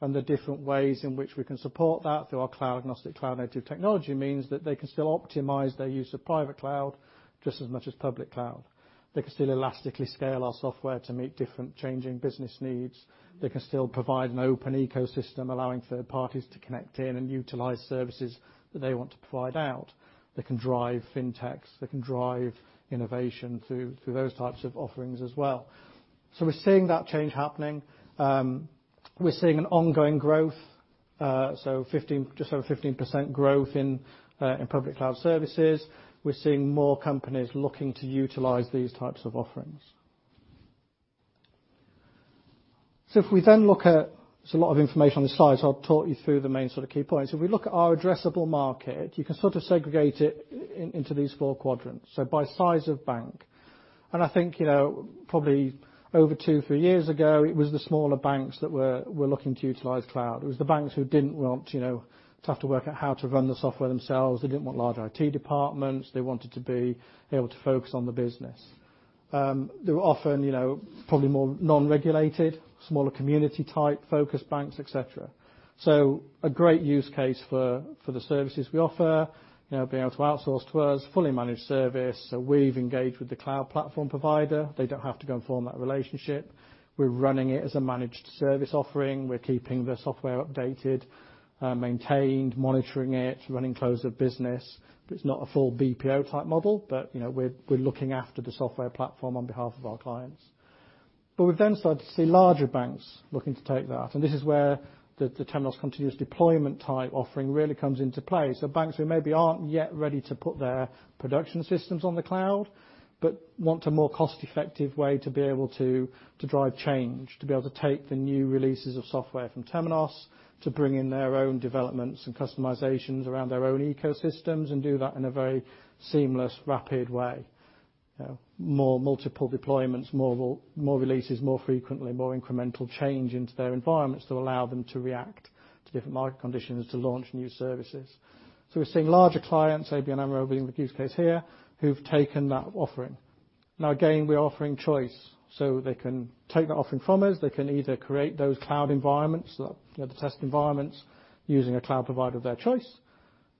Speaker 9: and the different ways in which we can support that through our cloud agnostic, cloud-native technology means that they can still optimize their use of private cloud just as much as public cloud. They can still elastically scale our software to meet different changing business needs. They can still provide an open ecosystem allowing third parties to connect in and utilize services that they want to provide out, that can drive fintechs, that can drive innovation through those types of offerings as well. We're seeing that change happening. We're seeing an ongoing growth, just over 15% growth in public cloud services. We're seeing more companies looking to utilize these types of offerings. If we then look at There's a lot of information on the slide, so I'll talk you through the main sort of key points. If we look at our addressable market, you can sort of segregate it into these four quadrants, by size of bank. I think, probably over two, three years ago, it was the smaller banks that were looking to utilize cloud. It was the banks who didn't want to have to work out how to run the software themselves. They didn't want large IT departments. They wanted to be able to focus on the business. They were often probably more non-regulated, smaller community type focused banks, et cetera. A great use case for the services we offer, being able to outsource to us, fully managed service. We've engaged with the cloud platform provider. They don't have to go and form that relationship. We're running it as a managed service offering. We're keeping the software updated, maintained, monitoring it, running close of business. It's not a full BPO type model, but we're looking after the software platform on behalf of our clients. We've then started to see larger banks looking to take that, and this is where the Temenos Continuous Deployment type offering really comes into play. Banks who maybe aren't yet ready to put their production systems on the cloud, but want a more cost-effective way to be able to drive change, to be able to take the new releases of software from Temenos, to bring in their own developments and customizations around their own ecosystems, and do that in a very seamless, rapid way. More multiple deployments, more releases, more frequently, more incremental change into their environments to allow them to react to different market conditions to launch new services. We're seeing larger clients, ABN AMRO being the use case here, who've taken that offering. Again, we're offering choice. They can take that offering from us. They can either create those cloud environments, the test environments, using a cloud provider of their choice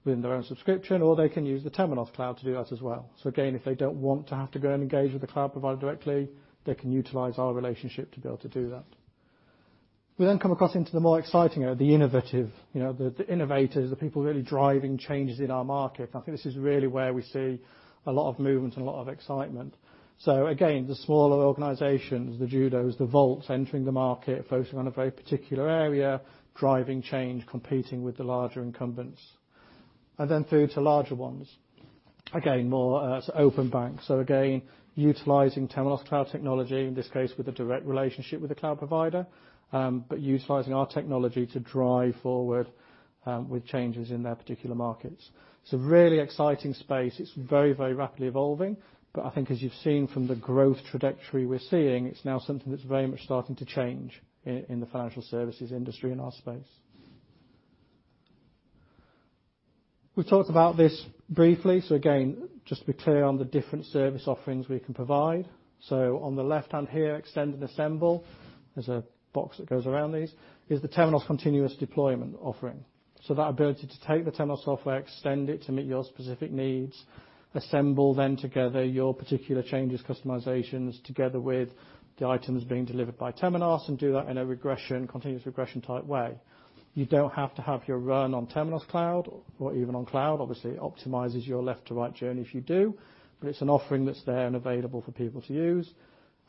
Speaker 9: within their own subscription, or they can use the Temenos cloud to do that as well. If they don't want to have to go and engage with the cloud provider directly, they can utilize our relationship to be able to do that. We come across into the more exciting area, the innovative, the innovators, the people really driving changes in our market. I think this is really where we see a lot of movement and a lot of excitement. Again, the smaller organizations, the Judos, the Volts entering the market, focusing on a very particular area, driving change, competing with the larger incumbents. Again, more open banks. Again, utilizing Temenos cloud technology, in this case with a direct relationship with the cloud provider, but utilizing our technology to drive forward with changes in their particular markets. It's a really exciting space. It's very, very rapidly evolving, I think as you've seen from the growth trajectory we're seeing, it's now something that's very much starting to change in the financial services industry in our space. We've talked about this briefly, just to be clear on the different service offerings we can provide. On the left-hand here, extend and assemble, there's a box that goes around these, is the Temenos Continuous Deployment offering. That ability to take the Temenos software, extend it to meet your specific needs, assemble then together your particular changes, customizations together with the items being delivered by Temenos, and do that in a continuous regression type way. You don't have to have your run on Temenos cloud or even on cloud. Obviously, it optimizes your left to right journey if you do, but it's an offering that's there and available for people to use.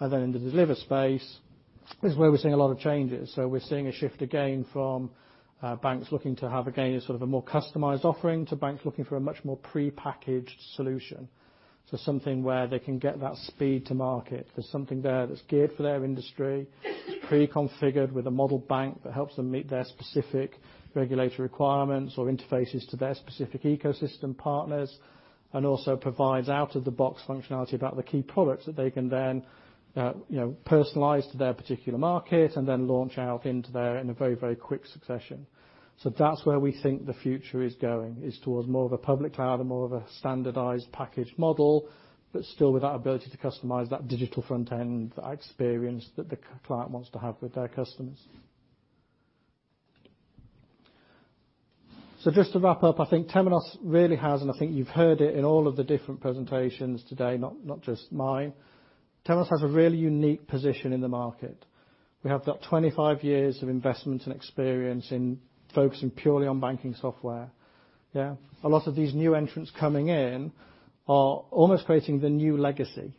Speaker 9: In the deliver space is where we're seeing a lot of changes. We're seeing a shift again from banks looking to have, again, a more customized offering to banks looking for a much more prepackaged solution. Something where they can get that speed to market. There's something there that's geared for their industry, pre-configured with a Model Bank that helps them meet their specific regulatory requirements or interfaces to their specific ecosystem partners, and also provides out-of-the-box functionality about the key products that they can then personalize to their particular market and then launch out into there in a very, very quick succession. That's where we think the future is going, is towards more of a public cloud and more of a standardized package model, still with that ability to customize that digital front end, that experience that the client wants to have with their customers. Just to wrap up, I think Temenos really has, and I think you've heard it in all of the different presentations today, not just mine, Temenos has a really unique position in the market. We have got 25 years of investment and experience in focusing purely on banking software. Yeah. A lot of these new entrants coming in are almost creating the new legacy.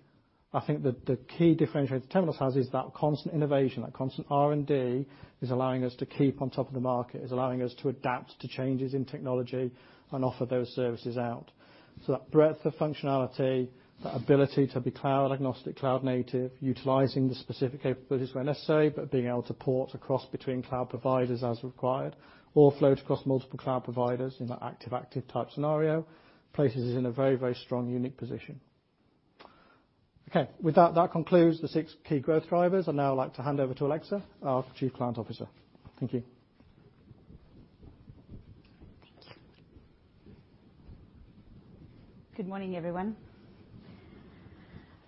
Speaker 9: I think that the key differentiator that Temenos has is that constant innovation, that constant R&D, is allowing us to keep on top of the market, is allowing us to adapt to changes in technology and offer those services out. That breadth of functionality, that ability to be cloud agnostic, cloud native, utilizing the specific capabilities where necessary, but being able to port across between cloud providers as required, or float across multiple cloud providers in that active type scenario, places us in a very, very strong, unique position. Okay. With that concludes the six key growth drivers. I'd now like to hand over to Alexa, our Chief Client Officer. Thank you.
Speaker 10: Thank you. Good morning, everyone.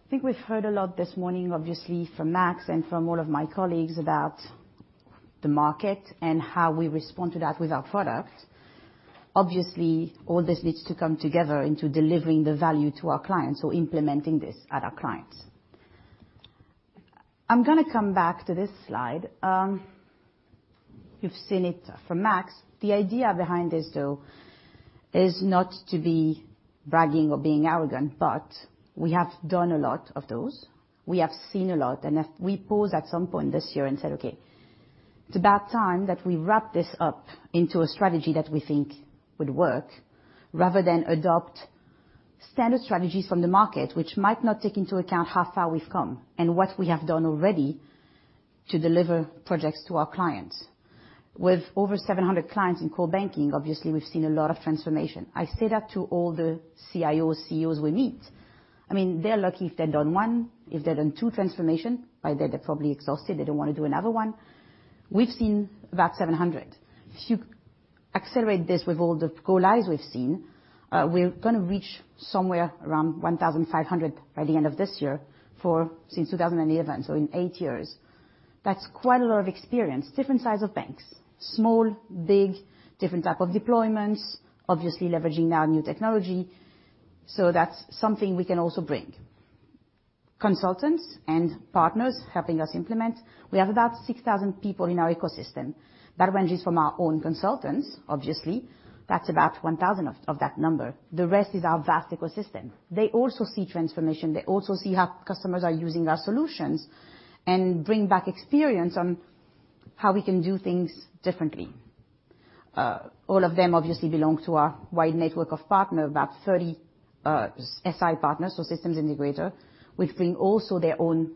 Speaker 10: I think we've heard a lot this morning, obviously from Max and from all of my colleagues about the market and how we respond to that with our product. Obviously, all this needs to come together into delivering the value to our clients or implementing this at our clients. I'm going to come back to this slide. You've seen it from Max. The idea behind this, though, is not to be bragging or being arrogant, but we have done a lot of those. We have seen a lot, and we paused at some point this year and said, "Okay, it's about time that we wrap this up into a strategy that we think would work rather than adopt standard strategies from the market," which might not take into account how far we've come and what we have done already to deliver projects to our clients. With over 700 clients in core banking, obviously, we've seen a lot of transformation. I say that to all the CIOs, CEOs we meet. They're lucky if they've done one, if they've done two transformation. By then, they're probably exhausted, they don't want to do another one. We've seen about 700. If you accelerate this with all the go-lives we've seen, we're going to reach somewhere around 1,500 by the end of this year, since 2011. In eight years. That's quite a lot of experience. Different size of banks, small, big, different type of deployments, obviously leveraging now new technology. That's something we can also bring. Consultants and partners helping us implement. We have about 6,000 people in our ecosystem. That ranges from our own consultants, obviously. That's about 1,000 of that number. The rest is our vast ecosystem. They also see transformation. They also see how customers are using our solutions and bring back experience on how we can do things differently. All of them obviously belong to our wide network of partners, about 30 SI partners, so systems integrator, who bring also their own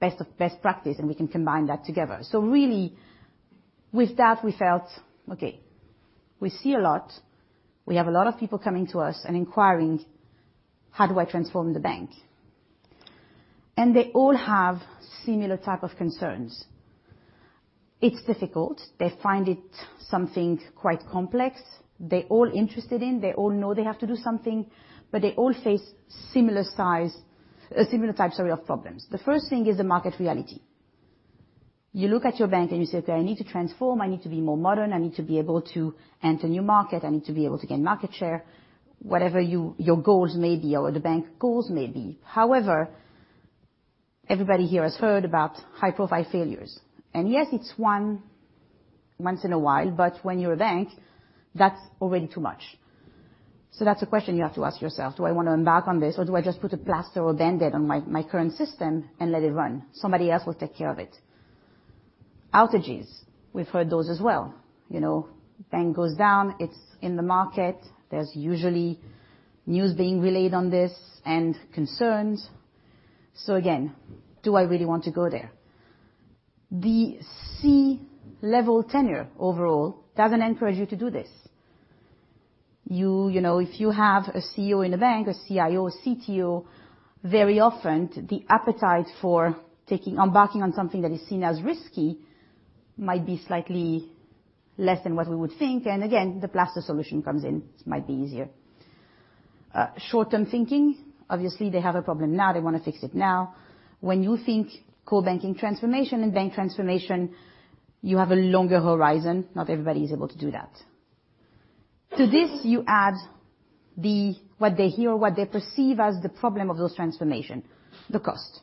Speaker 10: best practice, and we can combine that together. Really, with that, we felt, okay, we see a lot. We have a lot of people coming to us and inquiring, "How do I transform the bank?" They all have similar type of concerns. It's difficult. They find it something quite complex. They're all interested in, they all know they have to do something, but they all face similar types of real problems. The first thing is the market reality. You look at your bank and you say, "Okay, I need to transform, I need to be more modern, I need to be able to enter new market, I need to be able to gain market share," whatever your goals may be, or the bank goals may be. Everybody here has heard about high-profile failures. Yes, it's once in a while, but when you're a bank, that's already too much. That's a question you have to ask yourself: Do I want to embark on this, or do I just put a plaster or Band-Aid on my current system and let it run? Somebody else will take care of it. Outages, we've heard those as well. Bank goes down, it's in the market, there's usually news being relayed on this, and concerns. Again, do I really want to go there? The C-level tenure overall doesn't encourage you to do this. If you have a CEO in a bank, a CIO, CTO, very often, the appetite for embarking on something that is seen as risky might be slightly less than what we would think. Again, the plaster solution comes in. It might be easier. Short-term thinking, obviously, they have a problem now. They want to fix it now. When you think core banking transformation and bank transformation, you have a longer horizon. Not everybody is able to do that. To this, you add what they hear, what they perceive as the problem of those transformation, the cost.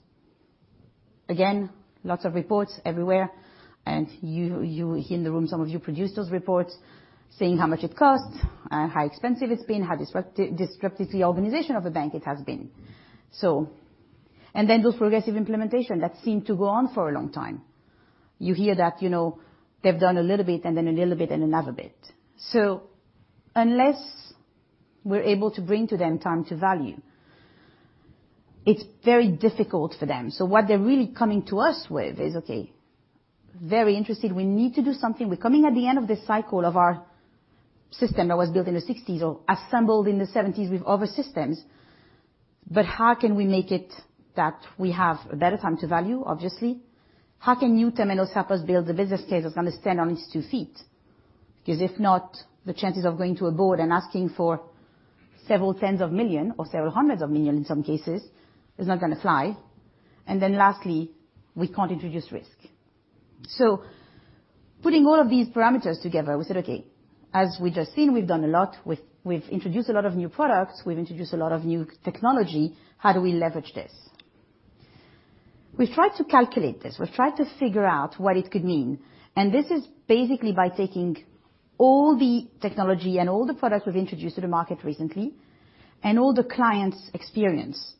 Speaker 10: Lots of reports everywhere. Here in the room, some of you produce those reports saying how much it costs, how expensive it's been, how disruptive to the organization of the bank it has been. Those progressive implementation that seem to go on for a long time. You hear that they've done a little bit and then a little bit and another bit. Unless we're able to bring to them time to value, it's very difficult for them. What they're really coming to us with is, okay, very interested. We need to do something. We're coming at the end of this cycle of our system that was built in the '60s or assembled in the '70s with other systems. How can we make it that we have a better time to value, obviously? How can new Temenos help us build a business case that's going to stand on its two feet? Because if not, the chances of going to a board and asking for several tens of million or several hundreds of million in some cases is not going to fly. Lastly, we can't introduce risk. Putting all of these parameters together, we said, okay, as we just seen, we've done a lot, we've introduced a lot of new products, we've introduced a lot of new technology. How do we leverage this? We've tried to calculate this. We've tried to figure out what it could mean. This is basically by taking all the technology and all the products we've introduced to the market recently and all the clients' experience.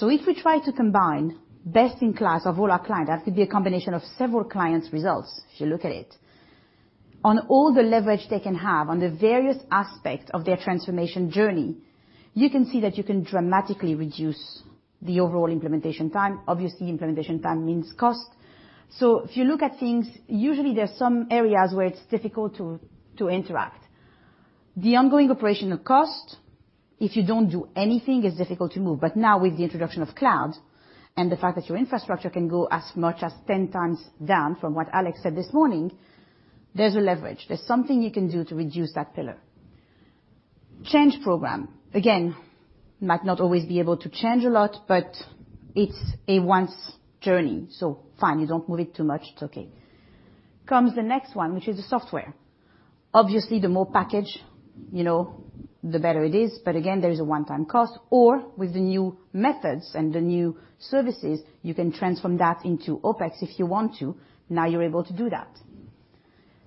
Speaker 10: If we try to combine best in class of all our clients, it has to be a combination of several clients' results, if you look at it. On all the leverage they can have on the various aspects of their transformation journey, you can see that you can dramatically reduce the overall implementation time. Obviously, implementation time means cost. If you look at things, usually, there are some areas where it's difficult to interact. The ongoing operational cost, if you don't do anything, is difficult to move. Now with the introduction of cloud and the fact that your infrastructure can go as much as 10 times down from what Alex said this morning, there's a leverage. There's something you can do to reduce that pillar. Change program, again, might not always be able to change a lot, but it's a once journey, so fine, you don't move it too much. It's okay. Comes the next one, which is the software. Obviously, the more package, the better it is. Again, there is a one-time cost, or with the new methods and the new services, you can transform that into OpEx if you want to. You're able to do that.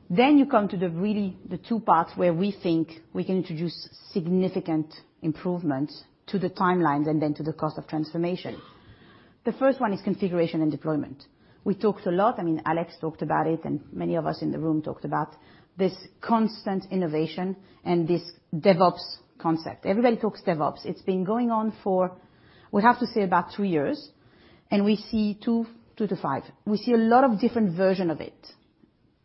Speaker 10: You come to the really the two parts where we think we can introduce significant improvements to the timelines and to the cost of transformation. The first one is configuration and deployment. We talked a lot, Alex talked about it, and many of us in the room talked about this constant innovation and this DevOps concept. Everybody talks DevOps. It's been going on for, we have to say, about three years, and we see two to five. We see a lot of different versions of it,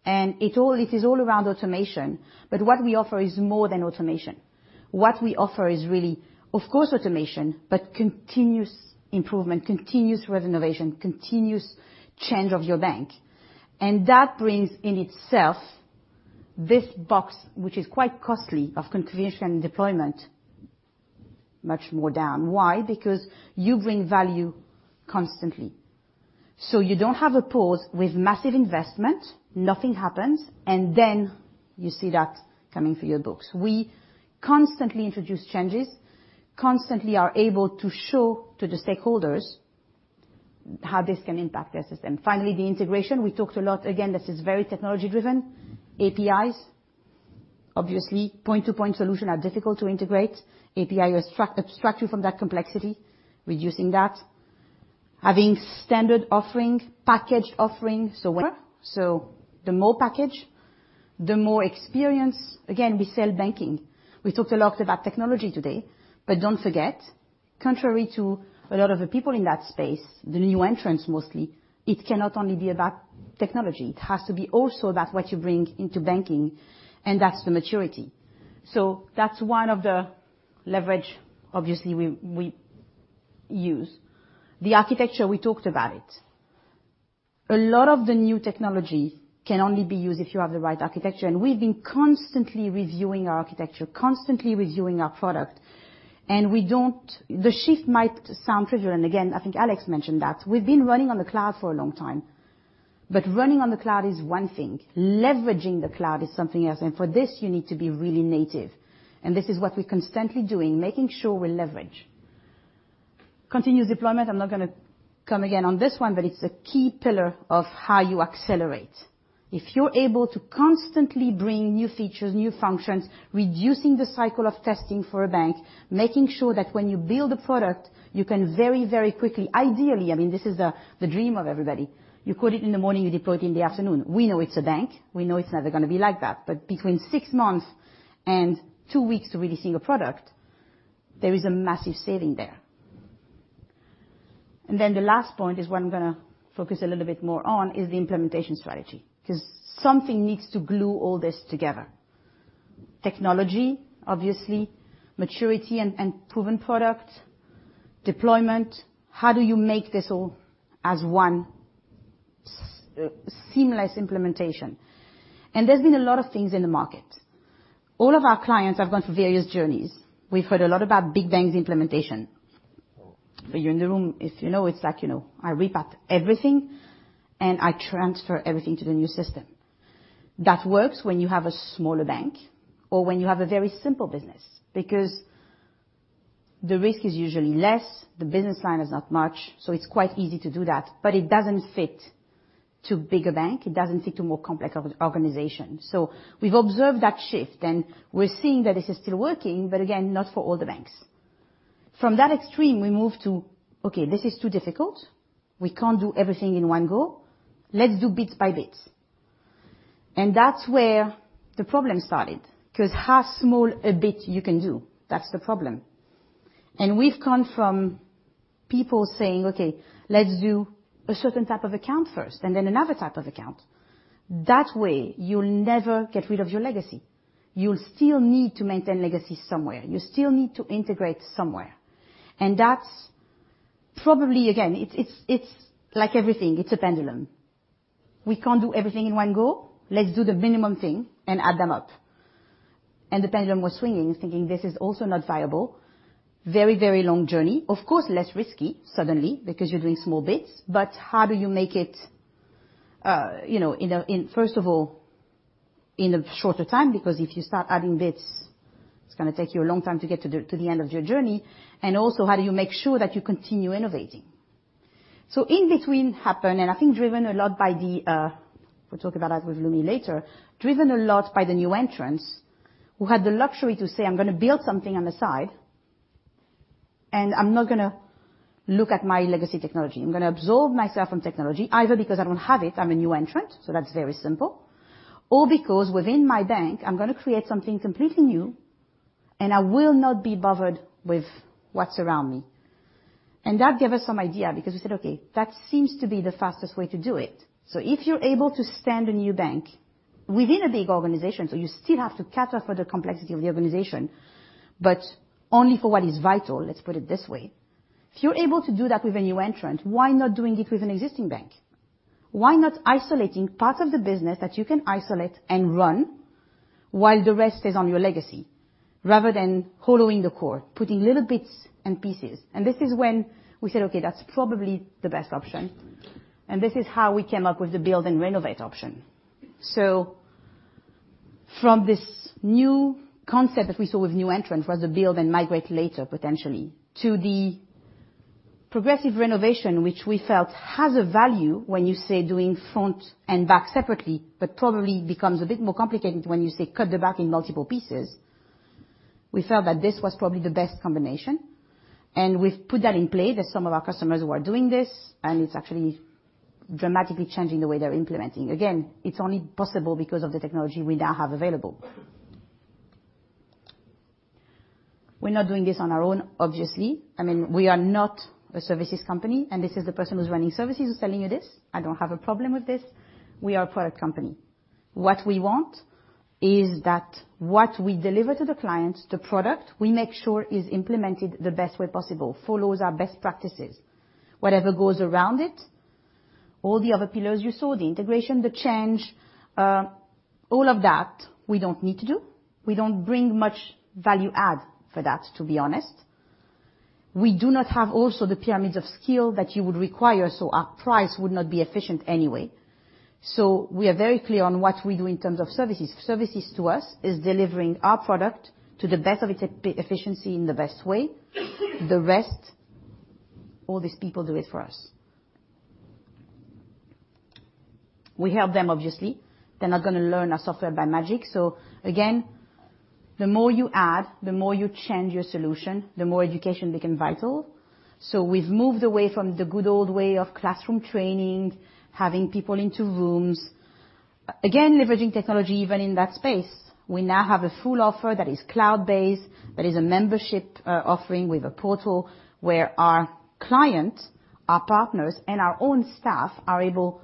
Speaker 10: and it is all around automation. What we offer is more than automation. What we offer is really, of course, automation, but continuous improvement, continuous renovation, continuous change of your bank. That brings in itself this box, which is quite costly of configuration and deployment, much more down. Why? Because you bring value constantly. You don't have a pause with massive investment, nothing happens, and then you see that coming through your books. We constantly introduce changes, constantly are able to show to the stakeholders how this can impact their system. Finally, the integration. We talked a lot. Again, this is very technology driven. APIs, obviously, point-to-point solutions are difficult to integrate. API abstract you from that complexity, reducing that, having standard offering, packaged offering. The more package, the more experience. Again, we sell banking. We talked a lot about technology today. Don't forget, contrary to a lot of the people in that space, the new entrants mostly, it cannot only be about technology. It has to be also about what you bring into banking. That's the maturity. That's one of the leverage, obviously, we use. The architecture, we talked about it. A lot of the new technologies can only be used if you have the right architecture. We've been constantly reviewing our architecture, constantly reviewing our product. The shift might sound trivial. I think Alex mentioned that. We've been running on the cloud for a long time. Running on the cloud is one thing. Leveraging the cloud is something else. For this, you need to be really native. This is what we're constantly doing, making sure we leverage. Continuous Deployment, I'm not going to come again on this one, it's a key pillar of how you accelerate. If you're able to constantly bring new features, new functions, reducing the cycle of testing for a bank, making sure that when you build a product, you can very quickly, ideally, this is the dream of everybody, you code it in the morning, you deploy it in the afternoon. We know it's a bank. We know it's never going to be like that. Between 6 months and 2 weeks to really see a product, there is a massive saving there. The last point is one I'm going to focus a little bit more on, is the implementation strategy, because something needs to glue all this together. Technology, obviously, maturity and proven product, deployment. How do you make this all as one seamless implementation? There's been a lot of things in the market. All of our clients have gone through various journeys. We've heard a lot about big bang implementation. For you in the room, if you know, it's like I repack everything and I transfer everything to the new system. That works when you have a smaller bank or when you have a very simple business, because the risk is usually less, the business line is not much, so it's quite easy to do that, but it doesn't fit to bigger bank. It doesn't fit to more complex organization. We've observed that shift, and we're seeing that this is still working, but again, not for all the banks. From that extreme, we move to, okay, this is too difficult. We can't do everything in one go. Let's do bits by bits. That's where the problem started, because how small a bit you can do, that's the problem. We've gone from people saying, "Okay, let's do a certain type of account first, and then another type of account." That way, you'll never get rid of your legacy. You'll still need to maintain legacy somewhere. You still need to integrate somewhere. That's probably, again, it's like everything. It's a pendulum. We can't do everything in one go. Let's do the minimum thing and add them up. The pendulum was swinging, thinking this is also not viable. Very long journey. Of course, less risky suddenly because you're doing small bits, but how do you make it, first of all, in a shorter time? Because if you start adding bits, it's going to take you a long time to get to the end of your journey. Also, how do you make sure that you continue innovating? In between happen, and I think driven a lot by the, we'll talk about that with Leumi later, driven a lot by the new entrants who had the luxury to say, "I'm going to build something on the side, and I'm not going to look at my legacy technology. I'm going to absorb myself from technology, either because I don't have it, I'm a new entrant, so that's very simple. Or because within my bank, I'm going to create something completely new, and I will not be bothered with what's around me." That gave us some idea because we said, okay, that seems to be the fastest way to do it. If you're able to stand a new bank within a big organization, so you still have to cater for the complexity of the organization, but only for what is vital, let's put it this way. If you're able to do that with a new entrant, why not doing it with an existing bank? Why not isolating parts of the business that you can isolate and run while the rest is on your legacy, rather than hollowing the core, putting little bits and pieces? This is when we said, "Okay, that's probably the best option." This is how we came up with the build and renovate option. From this new concept that we saw with new entrant, rather build then migrate later, potentially, to the progressive renovation, which we felt has a value when you say doing front and back separately, but probably becomes a bit more complicated when you say cut the back in multiple pieces. We felt that this was probably the best combination, and we've put that in play that some of our customers who are doing this, and it's actually dramatically changing the way they're implementing. Again, it's only possible because of the technology we now have available. We're not doing this on our own, obviously. We are not a services company, and this is the person who's running services who's telling you this. I don't have a problem with this. We are a product company. What we want is that what we deliver to the client, the product, we make sure is implemented the best way possible, follows our best practices. Whatever goes around it, all the other pillars you saw, the integration, the change, all of that, we don't need to do. We don't bring much value add for that, to be honest. We do not have also the pyramids of skill that you would require, so our price would not be efficient anyway. We are very clear on what we do in terms of services. Services to us is delivering our product to the best of its efficiency in the best way. The rest, all these people do it for us. We help them obviously. They're not going to learn our software by magic. Again, the more you add, the more you change your solution, the more education becomes vital. We've moved away from the good old way of classroom training, having people into rooms, again, leveraging technology even in that space. We now have a full offer that is cloud-based, that is a membership offering with a portal where our clients, our partners, and our own staff are able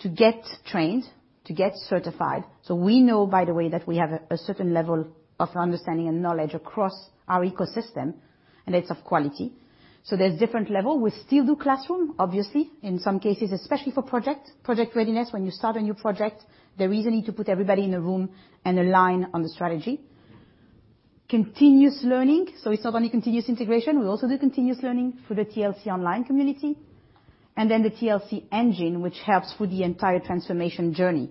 Speaker 10: to get trained, to get certified. We know, by the way, that we have a certain level of understanding and knowledge across our ecosystem, and it's of quality. There's different levels. We still do classroom, obviously, in some cases, especially for project readiness. When you start a new project, there is a need to put everybody in a room and align on the strategy. Continuous learning. It's not only continuous integration, we also do continuous learning through the TLC online community. The TLC engine, which helps with the entire transformation journey,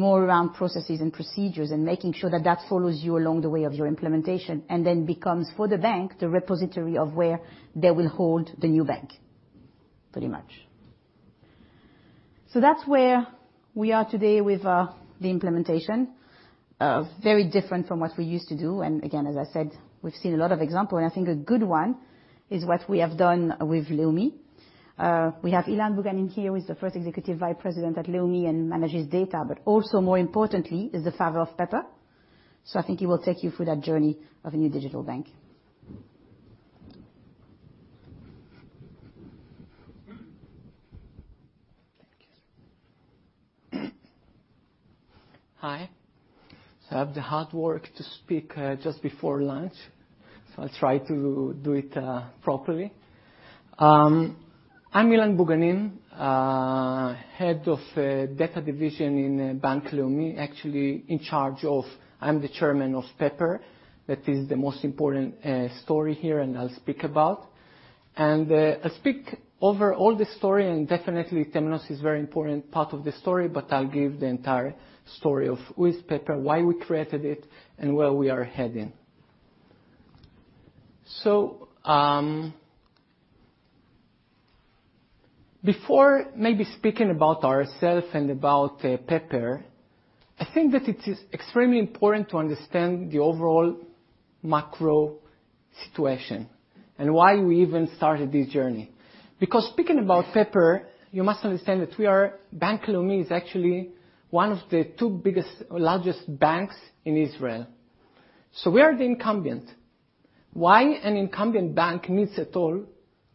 Speaker 10: more around processes and procedures and making sure that that follows you along the way of your implementation, then becomes, for the bank, the repository of where they will hold the new bank, pretty much. That's where we are today with the implementation. Very different from what we used to do. Again, as I said, we've seen a lot of examples, I think a good one is what we have done with Leumi. We have Ilan Buganim here, who is the First Executive Vice President at Leumi and manages data, but also more importantly, is the father of Pepper. I think he will take you through that journey of a new digital bank.
Speaker 11: Thank you. Hi. I have the hard work to speak just before lunch, I'll try to do it properly. I'm Ilan Buganim, head of data division in Bank Leumi, I'm the Chairman of Pepper. That is the most important story here, I'll speak about. I speak over all the story, definitely Temenos is very important part of the story, but I'll give the entire story of who is Pepper, why we created it, and where we are heading. Before maybe speaking about ourself and about Pepper, I think that it is extremely important to understand the overall macro situation and why we even started this journey. Because speaking about Pepper, you must understand that we are, Bank Leumi, is actually one of the two biggest, largest banks in Israel. We are the incumbent. Why an incumbent bank needs at all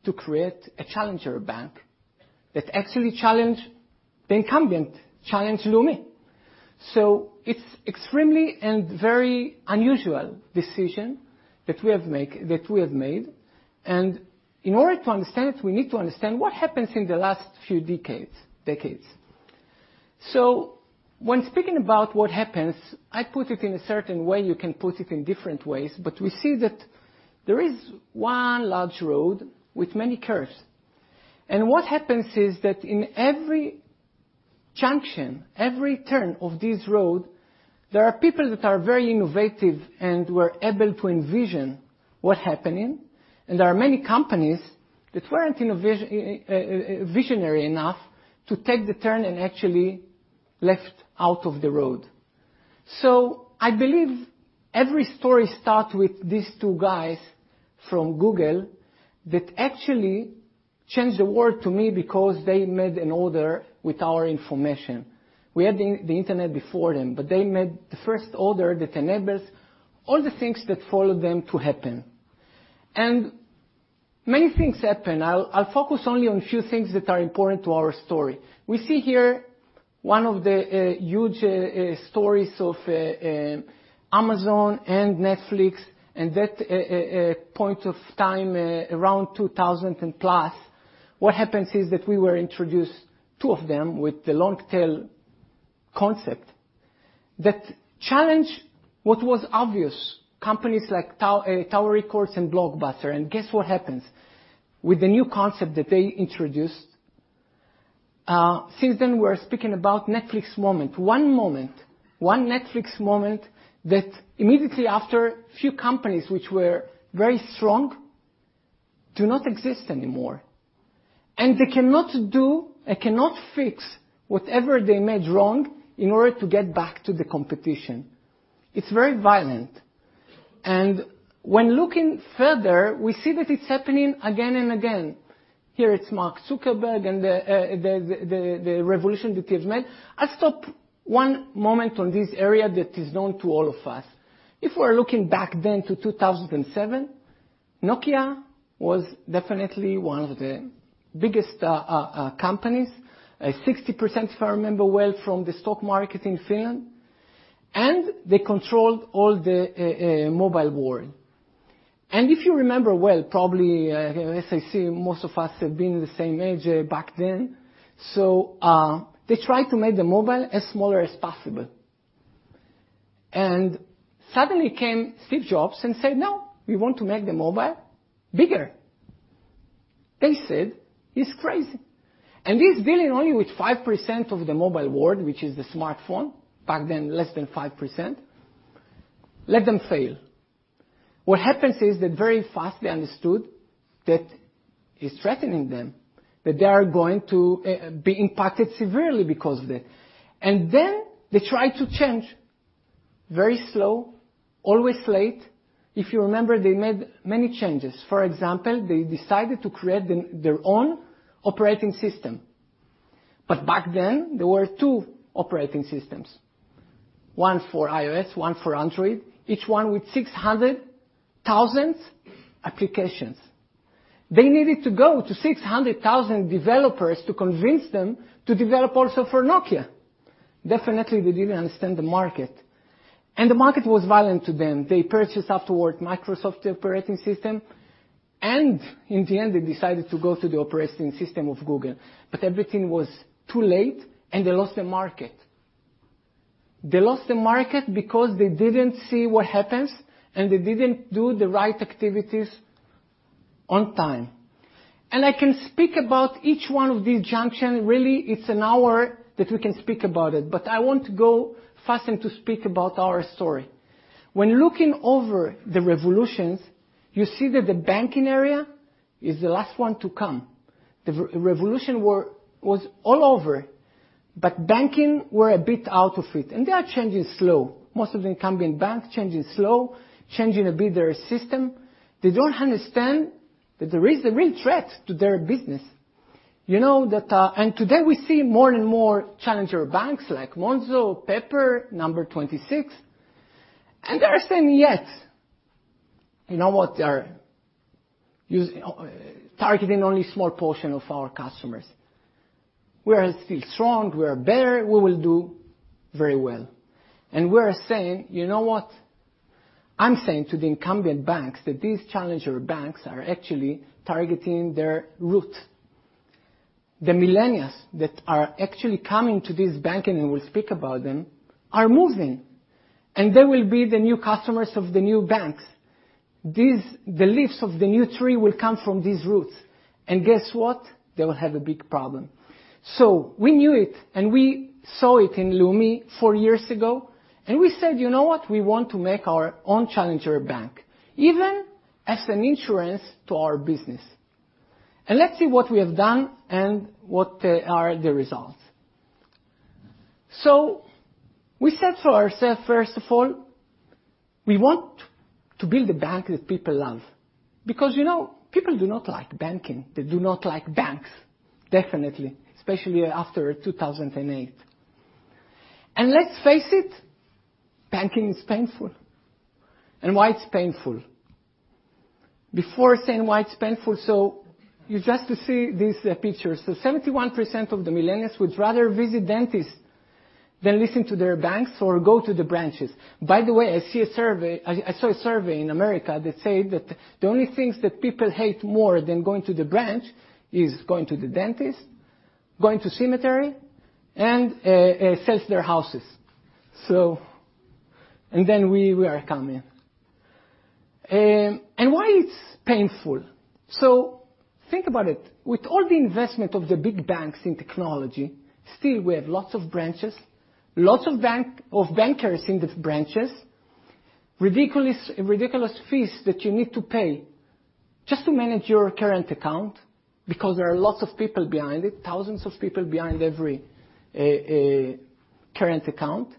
Speaker 11: to create a challenger bank that actually challenge the incumbent, challenge Leumi? It's extremely and very unusual decision that we have made. In order to understand it, we need to understand what happens in the last few decades. When speaking about what happens, I put it in a certain way. You can put it in different ways, but we see that there is one large road with many curves. What happens is that in every junction, every turn of this road, there are people that are very innovative and were able to envision what's happening. There are many companies that weren't visionary enough to take the turn and actually left out of the road. I believe every story starts with these two guys from Google that actually changed the world to me because they made an order with our information. We had the internet before them, but they made the first order that enables all the things that followed them to happen. Many things happened. I'll focus only on a few things that are important to our story. We see here one of the huge stories of Amazon and Netflix, at that point of time, around 2000 and plus, what happens is that we were introduced two of them with the long tail concept that challenged what was obvious. Companies like Tower Records and Blockbuster. Guess what happens? With the new concept that they introduced, since then we're speaking about Netflix moment. One moment, one Netflix moment that immediately after a few companies which were very strong do not exist anymore. They cannot do and cannot fix whatever they made wrong in order to get back to the competition. It's very violent. When looking further, we see that it's happening again and again. Here it's Mark Zuckerberg and the revolution that he has made. I stop one moment on this area that is known to all of us. If we're looking back then to 2007, Nokia was definitely one of the biggest companies. 60%, if I remember well, from the stock market in Finland, and they controlled all the mobile world. If you remember well, probably, as I see, most of us have been the same age back then. They tried to make the mobile as smaller as possible. Suddenly came Steve Jobs and said, "No, we want to make the mobile bigger." They said he's crazy. He's dealing only with 5% of the mobile world, which is the smartphone. Back then, less than 5%. Let them fail. What happens is that very fast they understood that it's threatening them, that they are going to be impacted severely because of that. Then they try to change very slow, always late. If you remember, they made many changes. For example, they decided to create their own operating system. Back then, there were two operating systems, one for iOS, one for Android, each one with 600,000 applications. They needed to go to 600,000 developers to convince them to develop also for Nokia. Definitely they didn't understand the market. The market was violent to them. They purchased afterward Microsoft operating system, and in the end, they decided to go to the operating system of Google. Everything was too late, and they lost the market. They lost the market because they didn't see what happens, they didn't do the right activities on time. I can speak about each one of these junctions. Really, it's an hour that we can speak about it. I want to go fast and to speak about our story. When looking over the revolutions, you see that the banking area is the last one to come. The revolution was all over, banking were a bit out of it, they are changing slow. Most of the incumbent banks changing slow, changing a bit their system. They don't understand that there is a real threat to their business. Today we see more and more challenger banks like Monzo, Pepper, Number26, they are saying, "Yet, you know what? They are targeting only small portion of our customers. We are still strong, we are better, we will do very well." We are saying, you know what? I'm saying to the incumbent banks that these challenger banks are actually targeting their roots. The millennials that are actually coming to this banking, we'll speak about them, are moving, they will be the new customers of the new banks. The leaves of the new tree will come from these roots. Guess what? They will have a big problem. We knew it, we saw it in Leumi four years ago, we said, "You know what? We want to make our own challenger bank, even as an insurance to our business." Let's see what we have done and what are the results. We said for ourselves, first of all, we want to build a bank that people love because people do not like banking. They do not like banks, definitely, especially after 2008. Let's face it, banking is painful. Why it's painful? Before saying why it's painful, so you just to see these pictures. 71% of the millennials would rather visit dentist than listen to their banks or go to the branches. By the way, I saw a survey in America that said that the only things that people hate more than going to the branch is going to the dentist, going to cemetery, and sell their houses. We are coming. Why it's painful? Think about it. With all the investment of the big banks in technology, still we have lots of branches, lots of bankers in the branches, ridiculous fees that you need to pay just to manage your current account because there are lots of people behind it, thousands of people behind every current account.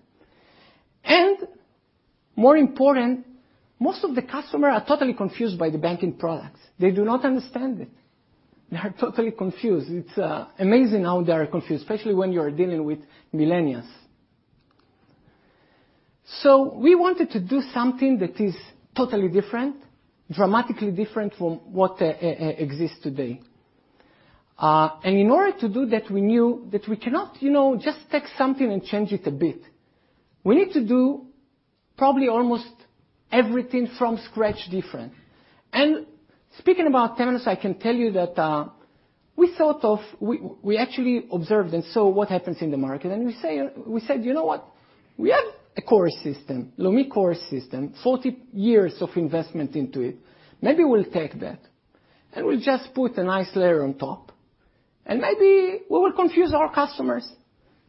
Speaker 11: More important, most of the customers are totally confused by the banking products. They do not understand it. They are totally confused. It's amazing how they are confused, especially when you are dealing with millennials. We wanted to do something that is totally different, dramatically different from what exists today. In order to do that, we knew that we cannot just take something and change it a bit. We need to do probably almost everything from scratch different. Speaking about Temenos, I can tell you that we actually observed and saw what happens in the market, and we said, "You know what? We have a core system, Leumi core system, 40 years of investment into it. Maybe we'll take that, and we'll just put a nice layer on top, and maybe we will confuse our customers.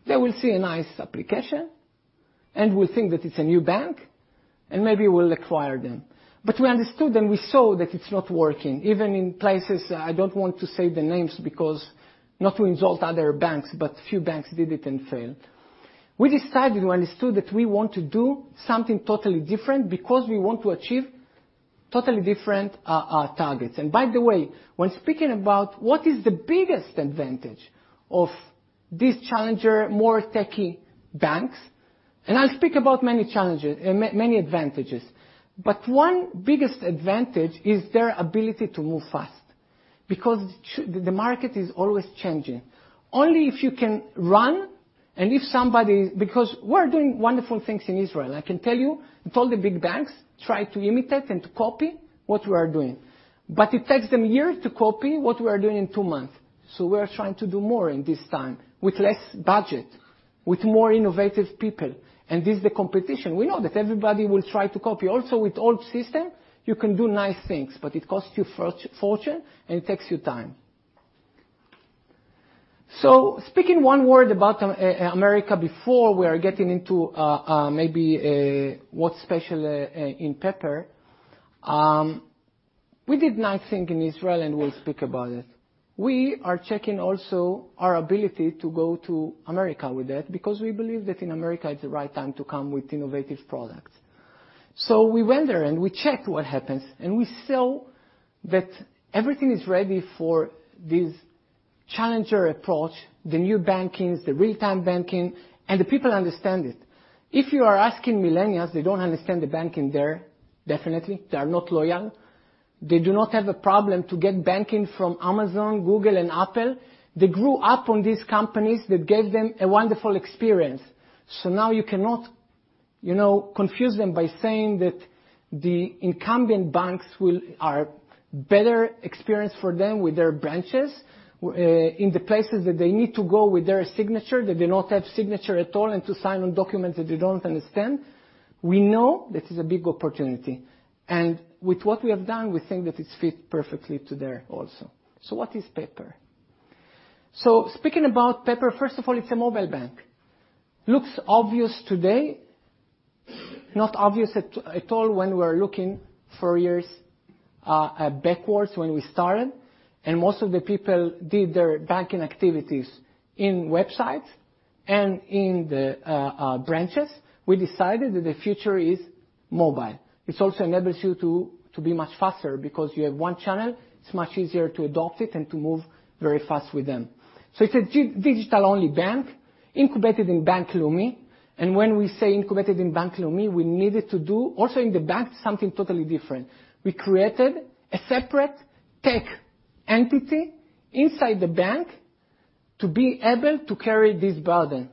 Speaker 11: They will see a nice application, and will think that it's a new bank, and maybe we'll acquire them." We understood and we saw that it's not working, even in places, I don't want to say the names because not to insult other banks, but few banks did it and failed. We decided, we understood that we want to do something totally different because we want to achieve totally different targets. By the way, when speaking about what is the biggest advantage of these challenger, more techie banks, I'll speak about many advantages. One biggest advantage is their ability to move fast because the market is always changing. Only if you can run and if somebody Because we're doing wonderful things in Israel. I can tell you that all the big banks try to imitate and to copy what we are doing. It takes them a year to copy what we are doing in two months. We are trying to do more in this time with less budget, with more innovative people, and this is the competition. We know that everybody will try to copy. With old system, you can do nice things, but it costs you fortune and it takes you time. Speaking one word about America before we are getting into maybe what's special in Pepper. We did nice thing in Israel, and we will speak about it. We are checking also our ability to go to America with that because we believe that in America is the right time to come with innovative products. We went there and we checked what happens, and we saw that everything is ready for this challenger approach, the new bankings, the real-time banking, and the people understand it. If you are asking millennials, they do not understand the banking there, definitely. They are not loyal. They do not have a problem to get banking from Amazon, Google, and Apple. They grew up on these companies that gave them a wonderful experience. Now you cannot confuse them by saying that the incumbent banks are better experience for them with their branches, in the places that they need to go with their signature, that they not have signature at all, and to sign on documents that they do not understand. We know this is a big opportunity, and with what we have done, we think that it fits perfectly to there also. What is Pepper? Speaking about Pepper, first of all, it is a mobile bank. Looks obvious today. Not obvious at all when we are looking four years backwards when we started and most of the people did their banking activities in websites and in the branches. We decided that the future is mobile. It also enables you to be much faster because you have one channel. It is much easier to adopt it and to move very fast with them. It is a digital-only bank incubated in Bank Leumi, and when we say incubated in Bank Leumi, we needed to do also in the bank something totally different. We created a separate tech entity inside the bank to be able to carry this burden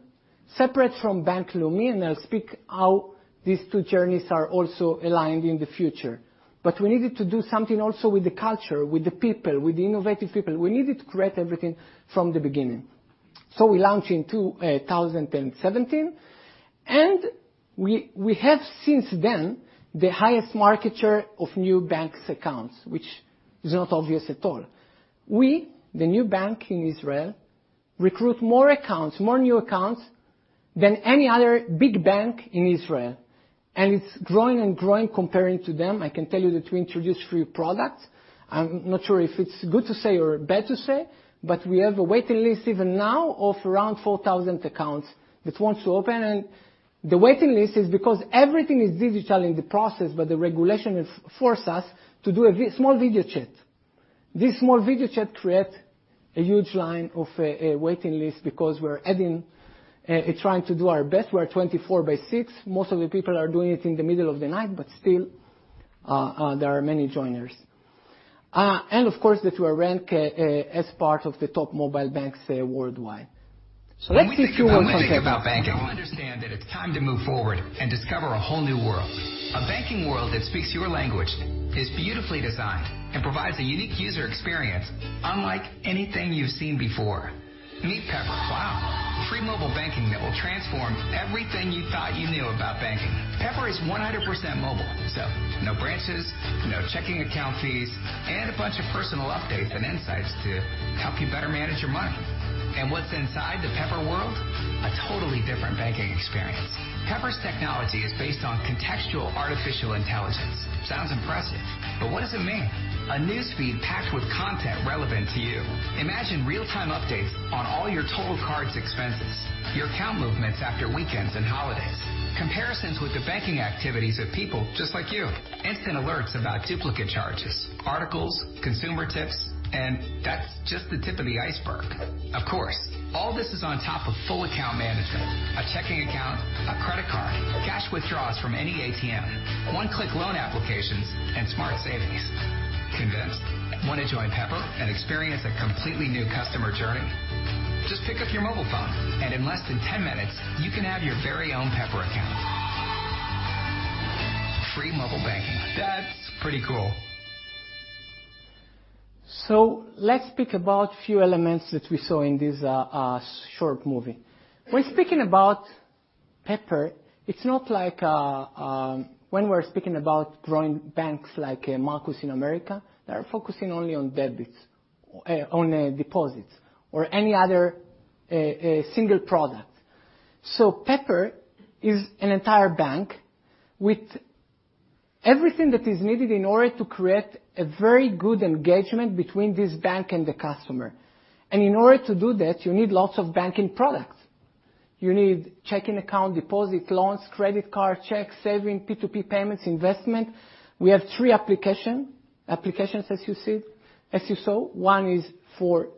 Speaker 11: separate from Bank Leumi, and I will speak how these two journeys are also aligned in the future. We needed to do something also with the culture, with the people, with innovative people. We needed to create everything from the beginning. We launched in 2017, and we have since then the highest market share of new banks accounts, which is not obvious at all. We, the new bank in Israel, recruit more accounts, more new accounts than any other big bank in Israel, and it is growing and growing comparing to them. I can tell you that we introduced new products. I am not sure if it is good to say or bad to say, but we have a waiting list even now of around 4,000 accounts that wants to open, and the waiting list is because everything is digital in the process, but the regulation force us to do a small video chat. This small video chat create a huge line of a waiting list because we are adding, trying to do our best. We are 24 by 6. Most of the people are doing it in the middle of the night, but still, there are many joiners. Of course, that we are ranked as part of the top mobile banks worldwide. Let us see few concepts.
Speaker 12: When we think about banking, we understand that it's time to move forward comparisons with the banking activities of people just like you, instant alerts about duplicate charges, articles, consumer tips, and that's just the tip of the iceberg. Of course, all this is on top of full account management, a checking account, a credit card, cash withdrawals from any ATM, one-click loan applications, and smart savings. Convinced? Want to join Pepper and experience a completely new customer journey? Just pick up your mobile phone, and in less than 10 minutes, you can have your very own Pepper account. Free mobile banking. That's pretty cool.
Speaker 11: Let's speak about few elements that we saw in this short movie. When speaking about Pepper, it's not like when we're speaking about growing banks like Marcus in America. They're focusing only on deposits or any other single product. Pepper is an entire bank with everything that is needed in order to create a very good engagement between this bank and the customer. In order to do that, you need lots of banking products. You need checking account, deposit, loans, credit card, check, saving, P2P payments, investment. We have three applications, as you saw. One is for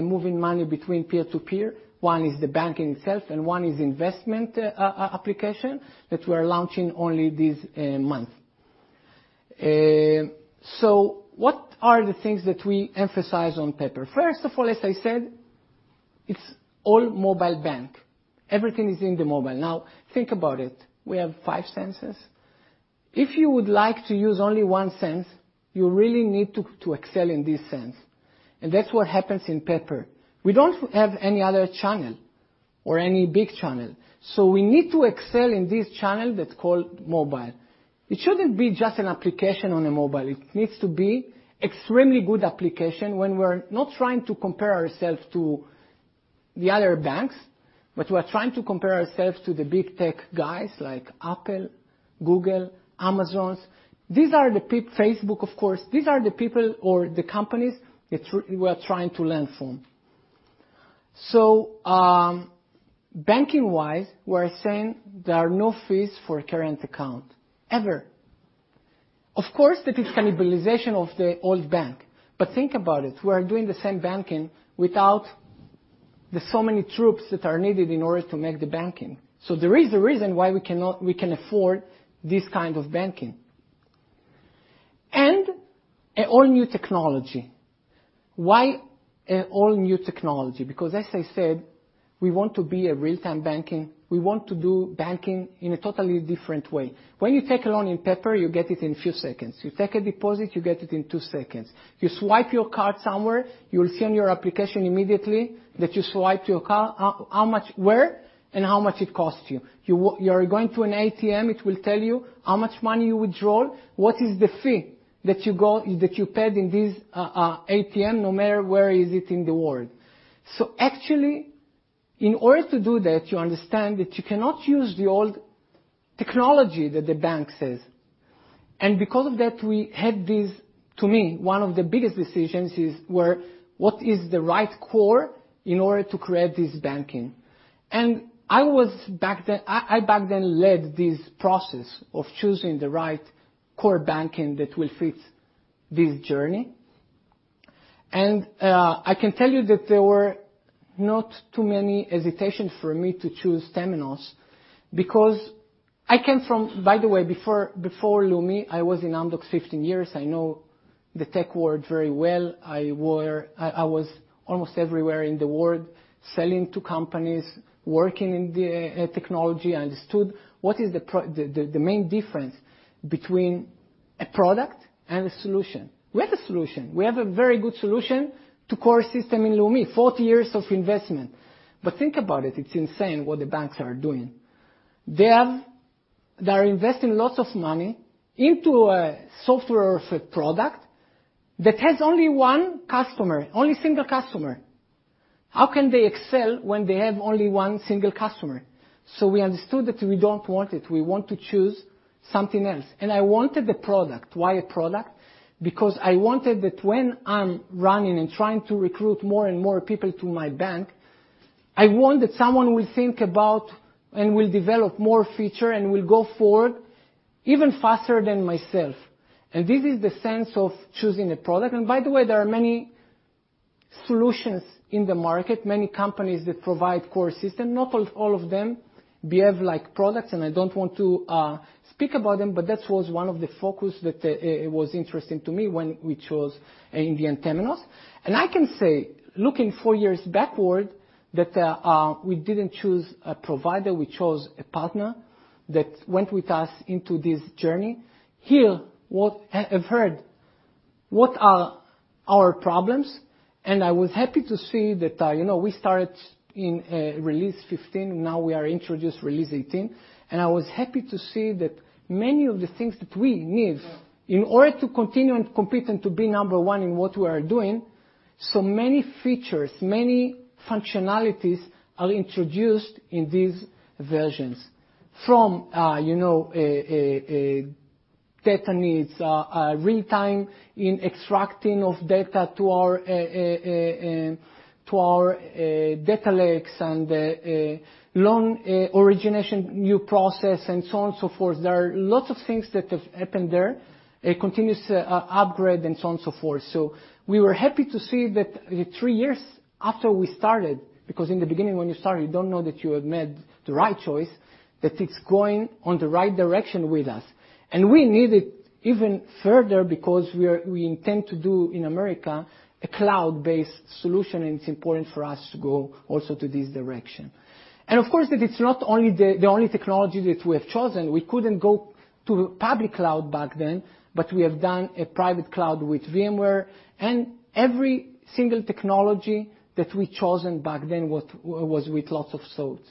Speaker 11: moving money between peer to peer, one is the bank in itself, and one is investment application that we're launching only this month. What are the things that we emphasize on Pepper? First of all, as I said, it's all mobile bank. Everything is in the mobile. Think about it. We have five senses. If you would like to use only one sense, you really need to excel in this sense, and that's what happens in Pepper. We don't have any other channel. Or any big channel. We need to excel in this channel that's called mobile. It shouldn't be just an application on a mobile. It needs to be extremely good application when we're not trying to compare ourselves to the other banks, but we're trying to compare ourselves to the big tech guys like Apple, Google, Amazon. Facebook, of course. These are the people or the companies we're trying to learn from. Banking-wise, we're saying there are no fees for a current account, ever. Of course, that is cannibalization of the old bank. Think about it, we are doing the same banking without the so many troops that are needed in order to make the banking. There is a reason why we can afford this kind of banking. An all-new technology. Why an all-new technology? As I said, we want to be a real-time banking. We want to do banking in a totally different way. When you take a loan in Pepper, you get it in few seconds. You take a deposit, you get it in two seconds. You swipe your card somewhere, you will see on your application immediately that you swiped your card, where, and how much it cost you. You are going to an ATM, it will tell you how much money you withdraw, what is the fee that you paid in this ATM, no matter where is it in the world. Actually, in order to do that, you understand that you cannot use the old technology that the bank says. Because of that, we had this, to me, one of the biggest decisions is what is the right core in order to create this banking? I back then led this process of choosing the right core banking that will fit this journey. I can tell you that there were not too many hesitation for me to choose Temenos because I came from By the way, before Leumi, I was in Amdocs 15 years. I know the tech world very well. I was almost everywhere in the world, selling to companies, working in the technology. I understood what is the main difference between a product and a solution. We have a solution. We have a very good solution to core system in Leumi, 40 years of investment. Think about it's insane what the banks are doing. They are investing lots of money into a software of a product that has only one customer, only single customer. How can they excel when they have only one single customer? We understood that we don't want it. We want to choose something else. I wanted a product. Why a product? I wanted that when I'm running and trying to recruit more and more people to my bank, I want that someone will think about and will develop more feature and will go forward even faster than myself. This is the sense of choosing a product. By the way, there are many solutions in the market, many companies that provide core system. Not all of them behave like products. I don't want to speak about them, but that was one of the focus that was interesting to me when we chose [in the Temenos]. I can say, looking 4 years backward, that we didn't choose a provider, we chose a partner that went with us into this journey, hear what have heard, what are our problems. I was happy to see that we started in release 15, now we are introduced release 18. I was happy to see that many of the things that we need in order to continue and compete and to be number 1 in what we are doing, so many features, many functionalities are introduced in these versions. From data needs, real-time in extracting of data to our data lakes and loan origination, new process and so on and so forth. There are lots of things that have happened there, a continuous upgrade and so on and so forth. We were happy to see that 3 years after we started, because in the beginning when you start, you don't know that you have made the right choice, that it's going on the right direction with us. We need it even further because we intend to do in the U.S. a cloud-based solution, and it's important for us to go also to this direction. Of course, that it's not the only technology that we have chosen. We couldn't go to public cloud back then, but we have done a private cloud with VMware, and every single technology that we chosen back then was with lots of thoughts.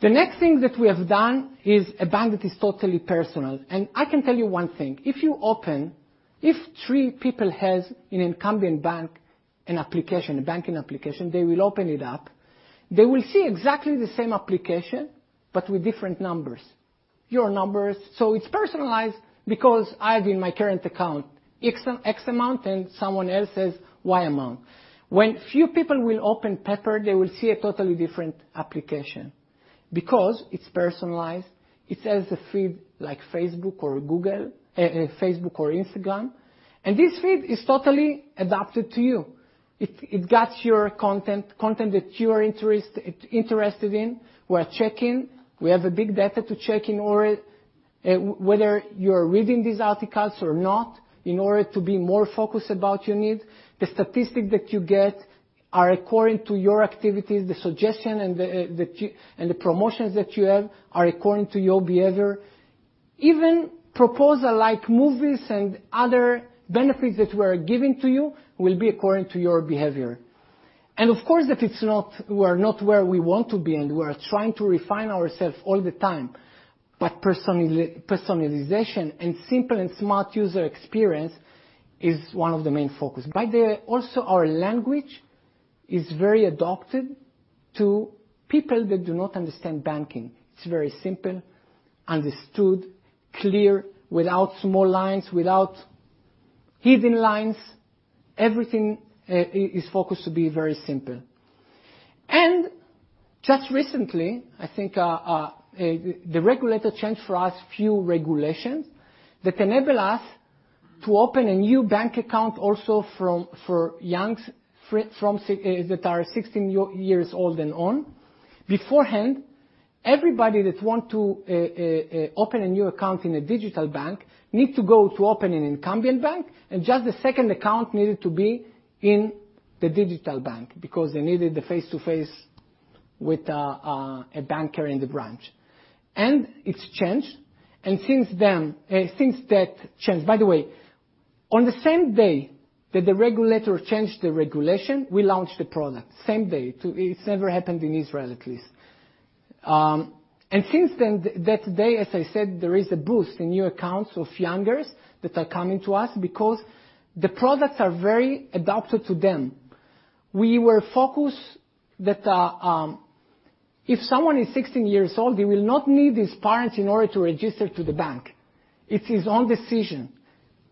Speaker 11: The next thing that we have done is a bank that is totally personal. I can tell you 1 thing, if you open, if 3 people has an incumbent bank, an application, a banking application, they will open it up. They will see exactly the same application, but with different numbers, your numbers. It's personalized because I have in my current account X amount and someone else has Y amount. When few people will open Pepper, they will see a totally different application because it's personalized. It has a feed like Facebook or Instagram, and this feed is totally adapted to you. It got your content that you are interested in. We are checking. We have a big data to check in order whether you are reading these articles or not in order to be more focused about your need. The statistic that you get are according to your activities. The suggestion and the promotions that you have are according to your behavior. Even proposals like movies and other benefits that we are giving to you will be according to your behavior. Of course, we are not where we want to be, and we are trying to refine ourselves all the time. Personalization and simple and smart user experience is one of the main focus. By the way, also our language is very adapted to people that do not understand banking. It's very simple, understood, clear, without small lines, without hidden lines. Everything is focused to be very simple. Just recently, I think, the regulator changed for us a few regulations that enable us to open a new bank account also for young that are 16 years old and on. Beforehand, everybody that want to open a new account in a digital bank needs to go to open an incumbent bank, and just the second account needed to be in the digital bank because they needed the face-to-face with a banker in the branch. It's changed. Since that changed. By the way, on the same day that the regulator changed the regulation, we launched the product. Same day. It's never happened in Israel, at least. Since that day, as I said, there is a boost in new accounts of youngers that are coming to us because the products are very adapted to them. We were focused that if someone is 16 years old, they will not need his parents in order to register to the bank. It's his own decision.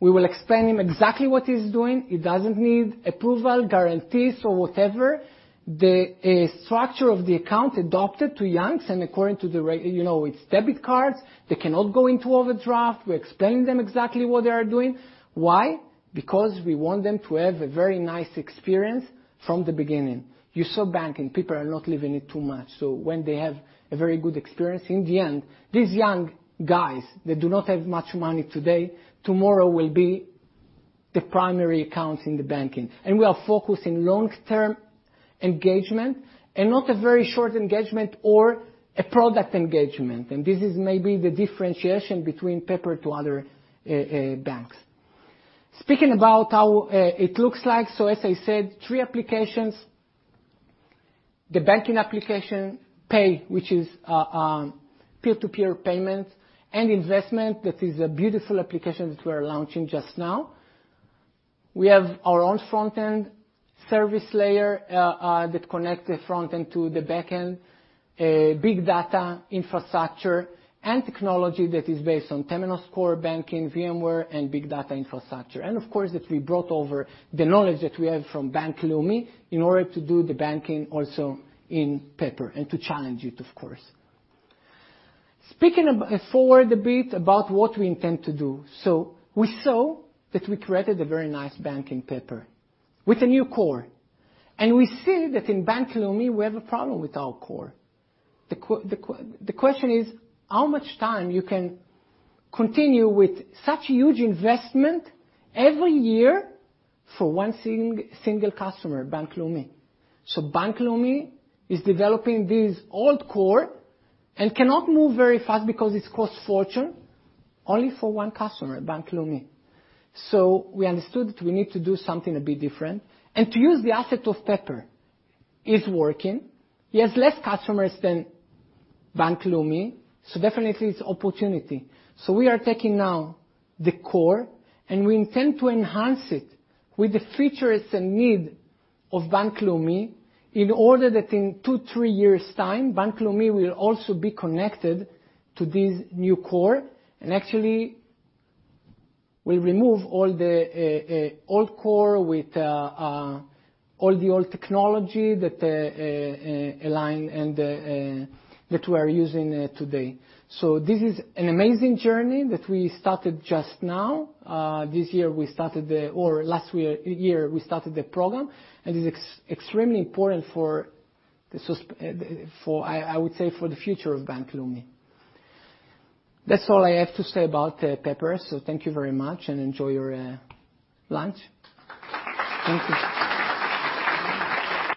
Speaker 11: We will explain him exactly what he's doing. He doesn't need approval, guarantees or whatever. The structure of the account adapted to youngs and according to the. It's debit cards. They cannot go into overdraft. We explain them exactly what they are doing. Why? Because we want them to have a very nice experience from the beginning. You saw banking, people are not living it too much. When they have a very good experience in the end, these young guys that do not have much money today, tomorrow will be the primary accounts in the banking. We are focusing long-term engagement and not a very short engagement or a product engagement. This is maybe the differentiation between Pepper to other banks. Speaking about how it looks like, as I said, three applications, the banking application, Pay, which is peer-to-peer payment, and Investment, that is a beautiful application that we are launching just now. We have our own front-end service layer, that connects the front-end to the back-end, big data infrastructure and technology that is based on Temenos core banking, VMware and big data infrastructure. Of course, that we brought over the knowledge that we have from Bank Leumi in order to do the banking also in Pepper and to challenge it, of course. Speaking forward a bit about what we intend to do. We saw that we created a very nice bank in Pepper with a new core, and we see that in Bank Leumi we have a problem with our core. The question is, how much time you can continue with such huge investment every year for one single customer, Bank Leumi? Bank Leumi is developing this old core and cannot move very fast because it costs fortune only for one customer, Bank Leumi. We understood that we need to do something a bit different and to use the asset of Pepper. It's working. He has less customers than Bank Leumi, so definitely it's opportunity. We are taking now the core, and we intend to enhance it with the features and need of Bank Leumi in order that in two, three years' time, Bank Leumi will also be connected to this new core. Actually, we remove all the old core with all the old technology that align and that we are using today. This is an amazing journey that we started just now. This year we started the, or last year we started the program, and it's extremely important, I would say, for the future of Bank Leumi. That's all I have to say about Pepper. Thank you very much and enjoy your lunch. Thank you.